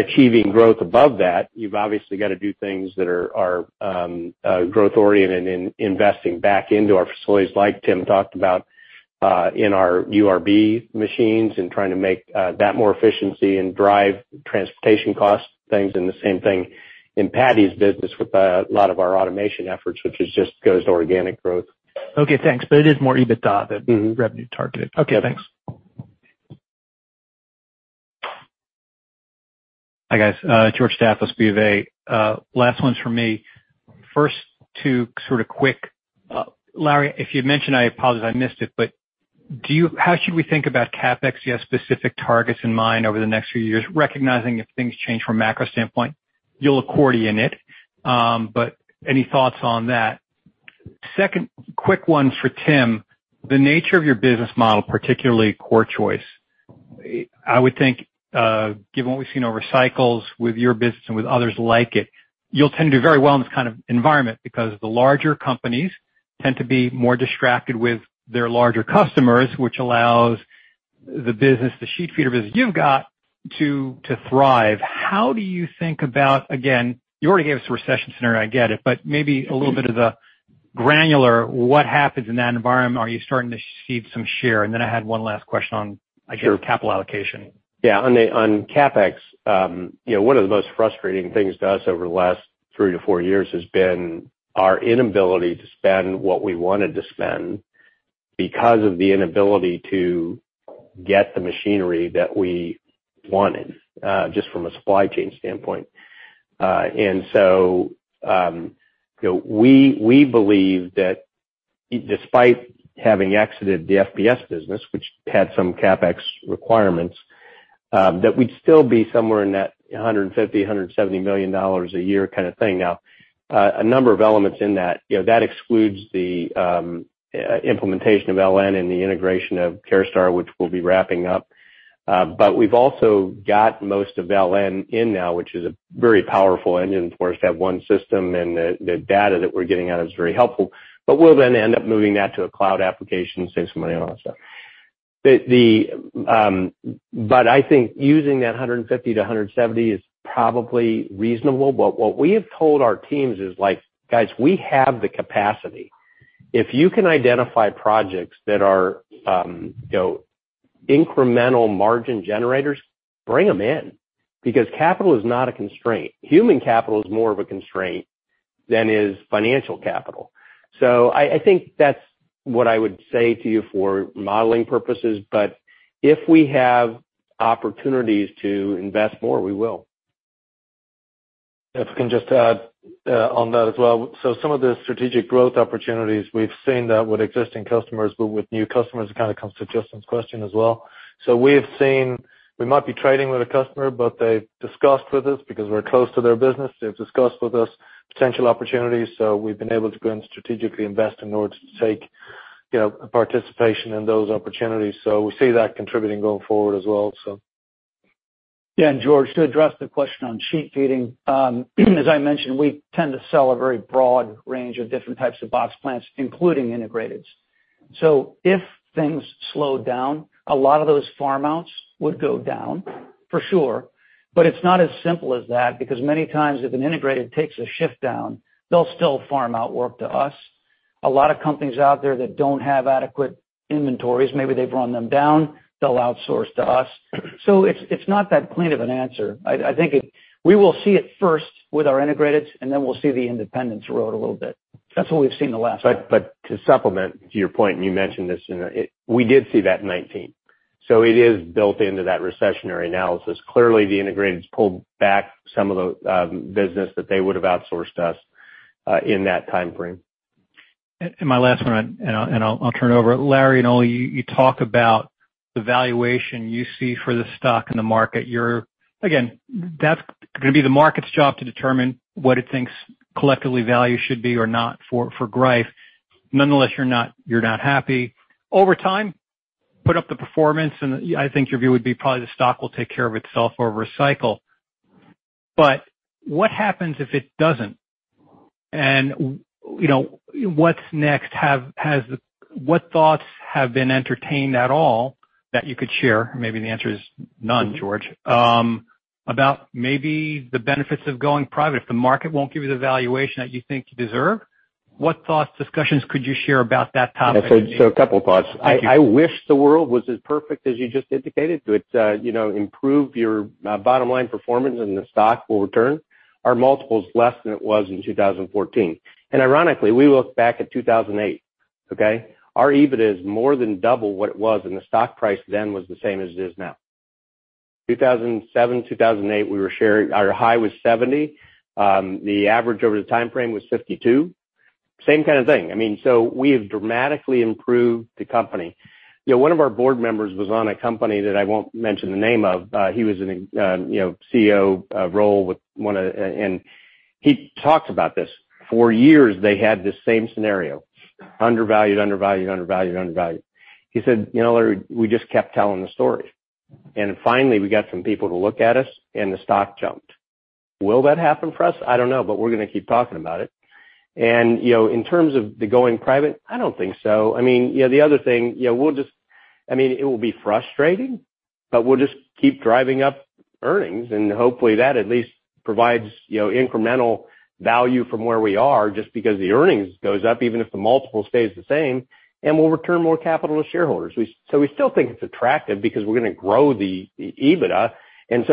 Achieving growth above that, you've obviously got to do things that are growth oriented and investing back into our facilities, like Tim talked about, in our URB machines and trying to make that more efficient and drive transportation costs, things. The same thing in Paddy's business with a lot of our automation efforts, which just goes to organic growth. Okay, thanks. It is more EBITDA than- Mm-hmm. Revenue targeted. Yeah. Okay, thanks. Hi, guys. George Staphos, BofA. Last one's for me. First two sort of quick. Larry, if you mentioned, I apologize, I missed it, but how should we think about CapEx? Do you have specific targets in mind over the next few years, recognizing if things change from a macro standpoint, you'll accordion it. Any thoughts on that? Second quick one for Tim. The nature of your business model, particularly CorrChoice. I would think, given what we've seen over cycles with your business and with others like it, you'll tend to do very well in this kind of environment because the larger companies tend to be more distracted with their larger customers, which allows the business, the sheet feeder business you've got, to thrive. How do you think about, again, you already gave us a recession scenario, I get it, but maybe a little bit of the granular, what happens in that environment? Are you starting to cede some share? I had one last question on, I guess, capital allocation. Yeah. On CapEx, you know, one of the most frustrating things to us over the last three to four years has been our inability to spend what we wanted to spend because of the inability to get the machinery that we wanted, just from a supply chain standpoint. We believe that despite having exited the FPS business, which had some CapEx requirements, that we'd still be somewhere in that $150 million-$170 million a year kind of thing. Now, a number of elements in that. You know, that excludes the implementation of LN and the integration of Caraustar, which we'll be wrapping up. We've also got most of LN in now, which is a very powerful engine for us to have one system, and the data that we're getting out is very helpful. We'll then end up moving that to a cloud application, save some money on all that stuff. I think using that $150 million-$170 million is probably reasonable. What we have told our teams is like, "Guys, we have the capacity. If you can identify projects that are, you know, incremental margin generators, bring them in because capital is not a constraint. Human capital is more of a constraint than is financial capital." I think that's what I would say to you for modeling purposes. If we have opportunities to invest more, we will. If we can just add on that as well. Some of the strategic growth opportunities we've seen that with existing customers, but with new customers, it kind of comes to Justin's question as well. We have seen we might be trading with a customer, but they've discussed with us because we're close to their business. They've discussed with us potential opportunities. We've been able to go and strategically invest in order to take, you know, participation in those opportunities. We see that contributing going forward as well, so. Yeah. George, to address the question on sheet feeding. As I mentioned, we tend to sell a very broad range of different types of box plants, including integrateds. If things slow down, a lot of those farm outs would go down for sure. It's not as simple as that, because many times if an integrated takes a shift down, they'll still farm out work to us. A lot of companies out there that don't have adequate inventories, maybe they've run them down, they'll outsource to us. It's not that clean of an answer. I think we will see it first with our integrateds, and then we'll see the independents erode a little bit. That's what we've seen the last time. To supplement to your point, and you mentioned this, you know, we did see that in 2019, so it is built into that recessionary analysis. Clearly, the integrateds pulled back some of the business that they would have outsourced to us in that timeframe. My last one, and I'll turn it over. Larry and Ole, you talk about the valuation you see for the stock in the market. That's gonna be the market's job to determine what it thinks collectively value should be or not for Greif. Nonetheless, you're not happy. Over time, put up the performance, and I think your view would be probably the stock will take care of itself over a cycle. What happens if it doesn't? You know, what's next? What thoughts have been entertained at all that you could share? Maybe the answer is none, George. About maybe the benefits of going private. If the market won't give you the valuation that you think you deserve, what thoughts, discussions could you share about that topic? A couple thoughts. Thank you. I wish the world was as perfect as you just indicated. To improve your bottom line performance and the stock will return. Our multiple is less than it was in 2014. Ironically, we look back at 2008, okay? Our EBIT is more than double what it was, and the stock price then was the same as it is now. 2007, 2008, we were sharing. Our high was 70. The average over the timeframe was 52. Same kind of thing. I mean, we have dramatically improved the company. You know, one of our board members was on a company that I won't mention the name of. He was in a, you know, CEO role with one of and he talked about this. For years, they had the same scenario, undervalued, undervalued. He said, "You know, Larry, we just kept telling the story. Finally, we got some people to look at us and the stock jumped." Will that happen for us? I don't know, but we're gonna keep talking about it. You know, in terms of the going private, I don't think so. I mean, you know, the other thing, you know, we'll just. I mean, it will be frustrating, but we'll just keep driving up earnings, and hopefully that at least provides, you know, incremental value from where we are just because the earnings goes up, even if the multiple stays the same, and we'll return more capital to shareholders. We still think it's attractive because we're gonna grow the EBITDA, and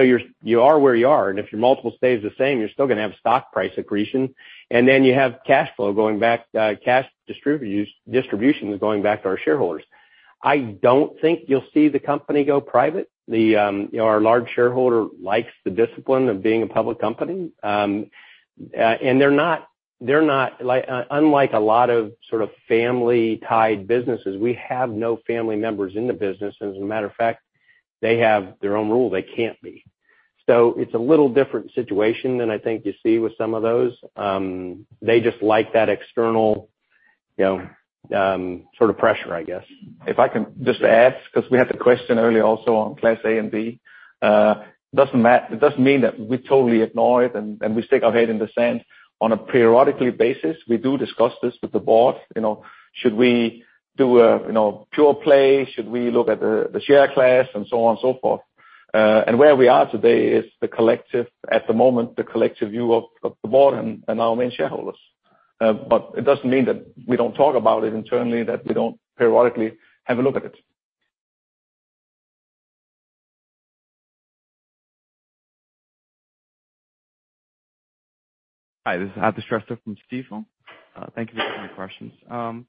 you are where you are, and if your multiple stays the same, you're still gonna have stock price accretion, and then you have cash flow going back, cash distributions going back to our shareholders. I don't think you'll see the company go private. Our large shareholder likes the discipline of being a public company. They're not like unlike a lot of sort of family-tied businesses, we have no family members in the business. As a matter of fact, they have their own rule, they can't be. It's a little different situation than I think you see with some of those. They just like that external sort of pressure, I guess. If I can just add, 'cause we had the question earlier also on Class A and B. It doesn't mean that we totally ignore it and we stick our head in the sand. On a periodic basis, we do discuss this with the board. You know, should we do a, you know, pure play? Should we look at the share class and so on and so forth? And where we are today is the collective, at the moment, the collective view of the board and our main shareholders. But it doesn't mean that we don't talk about it internally, that we don't periodically have a look at it. Hi, this is Aadit Shrestha from Stifel. Thank you for taking the questions.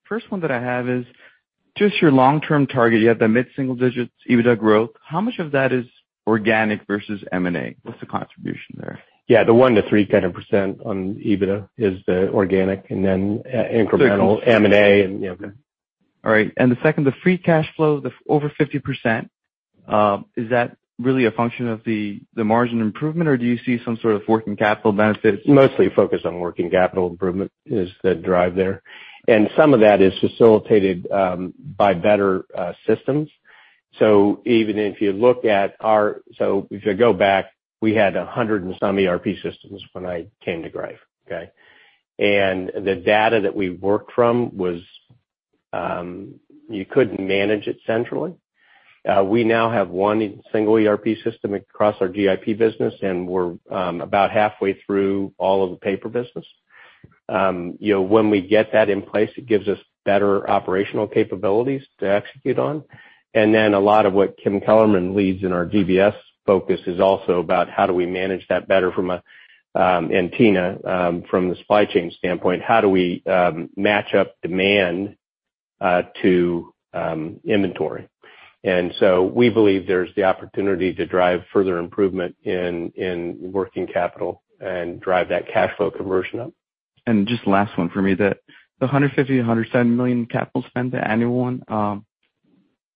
First one that I have is just your long-term target. You have the mid-single digits EBITDA growth. How much of that is organic versus M&A? What's the contribution there? Yeah, the 1%-3% on EBITDA is the organic and then incremental M&A and, you know. All right. The second, the free cash flow, the over 50%, is that really a function of the margin improvement, or do you see some sort of working capital benefits? Mostly focused on working capital improvement is the drive there. Some of that is facilitated by better systems. If you go back, we had 100 and some ERP systems when I came to Greif, okay? The data that we worked from was, you couldn't manage it centrally. We now have one single ERP system across our GIP business, and we're about halfway through all of the paper business. You know, when we get that in place, it gives us better operational capabilities to execute on. Then a lot of what Kim Kellermann leads in our GBS focus is also about how do we manage that better from a, and Tina, from the supply chain standpoint, how do we match up demand to inventory? We believe there's the opportunity to drive further improvement in working capital and drive that cash flow conversion up. Just last one for me. The $150 million-$170 million capital spend, the annual one,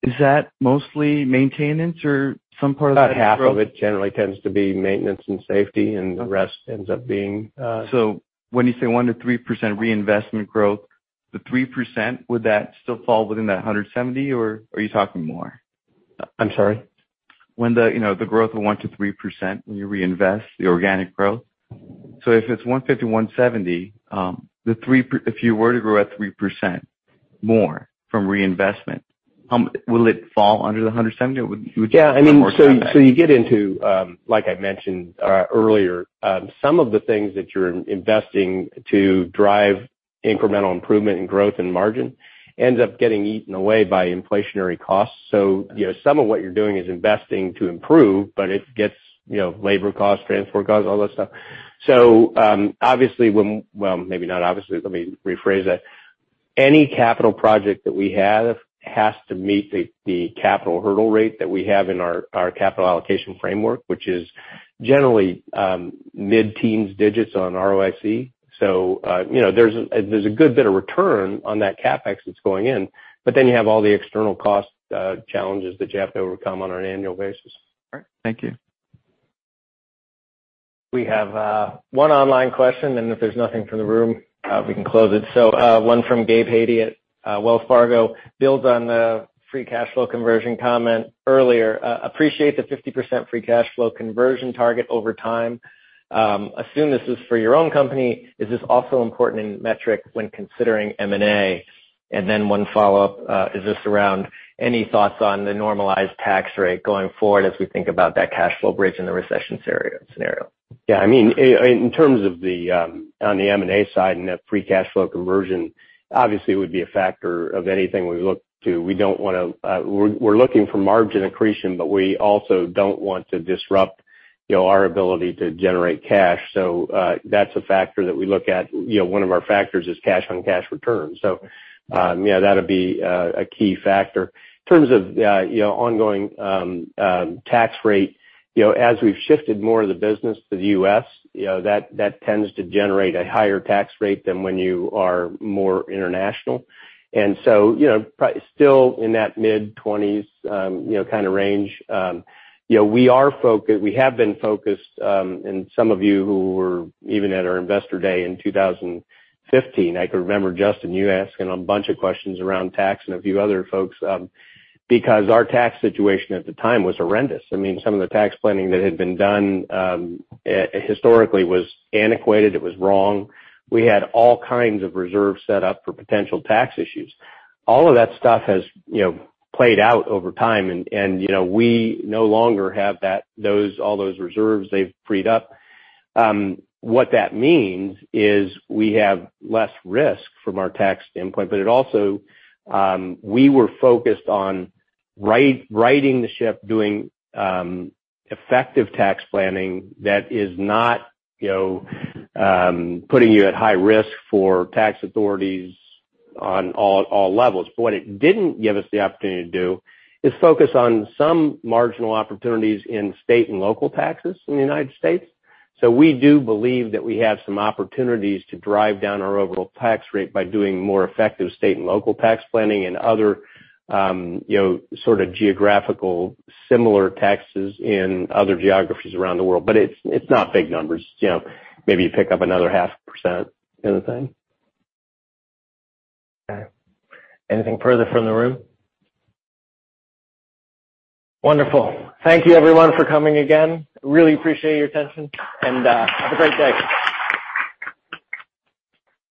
is that mostly maintenance or some part of that growth? About half of it generally tends to be maintenance and safety, and the rest ends up being, When you say 1%-3% reinvestment growth, the 3%, would that still fall within that $170 million, or are you talking more? I'm sorry? When, you know, the growth of 1%-3% when you reinvest the organic growth. If it's $150 million, $170 million, if you were to grow at 3% more from reinvestment, will it fall under the $170 million or would you? Yeah. I mean. More so than that? You get into, like I mentioned earlier, some of the things that you're investing to drive incremental improvement in growth and margin ends up getting eaten away by inflationary costs. You know, some of what you're doing is investing to improve, but it gets labor costs, transport costs, all that stuff. Obviously. Well, maybe not obviously. Let me rephrase that. Any capital project that we have has to meet the capital hurdle rate that we have in our capital allocation framework, which is generally mid-teens digits on ROIC. You know, there's a good bit of return on that CapEx that's going in, but then you have all the external cost challenges that you have to overcome on an annual basis. All right. Thank you. We have one online question, and if there's nothing from the room, we can close it. One from Gabe Hajde at Wells Fargo. Builds on the free cash flow conversion comment earlier. Appreciate the 50% free cash flow conversion target over time. Assume this is for your own company. Is this also important metric when considering M&A? One follow-up is just around any thoughts on the normalized tax rate going forward as we think about that cash flow bridge in the recession scenario. Yeah. I mean, in terms of the on the M&A side and that free cash flow conversion, obviously it would be a factor of anything we look to. We don't wanna. We're looking for margin accretion, but we also don't want to disrupt, you know, our ability to generate cash. That's a factor that we look at. You know, one of our factors is cash on cash returns. Yeah, that'd be a key factor. In terms of, you know, ongoing, tax rate, you know, as we've shifted more of the business to the U.S., you know, that tends to generate a higher tax rate than when you are more international. You know, still in that mid-20%s, you know, kind of range. You know, we have been focused, and some of you who were even at our investor day in 2015, I can remember, Justin, you asking a bunch of questions around tax and a few other folks, because our tax situation at the time was horrendous. I mean, some of the tax planning that had been done historically was antiquated, it was wrong. We had all kinds of reserves set up for potential tax issues. All of that stuff has, you know, played out over time and, you know, we no longer have that, those, all those reserves, they've freed up. What that means is we have less risk from our tax standpoint, but it also we were focused on righting the ship, doing effective tax planning that is not, you know, putting you at high risk for tax authorities on all levels. What it didn't give us the opportunity to do is focus on some marginal opportunities in state and local taxes in the United States. We do believe that we have some opportunities to drive down our overall tax rate by doing more effective state and local tax planning and other, you know, sort of geographical similar taxes in other geographies around the world. It's not big numbers, you know. Maybe you pick up another 0.5% kind of thing. Okay. Anything further from the room? Wonderful. Thank you everyone for coming again. Really appreciate your attention. Have a great day.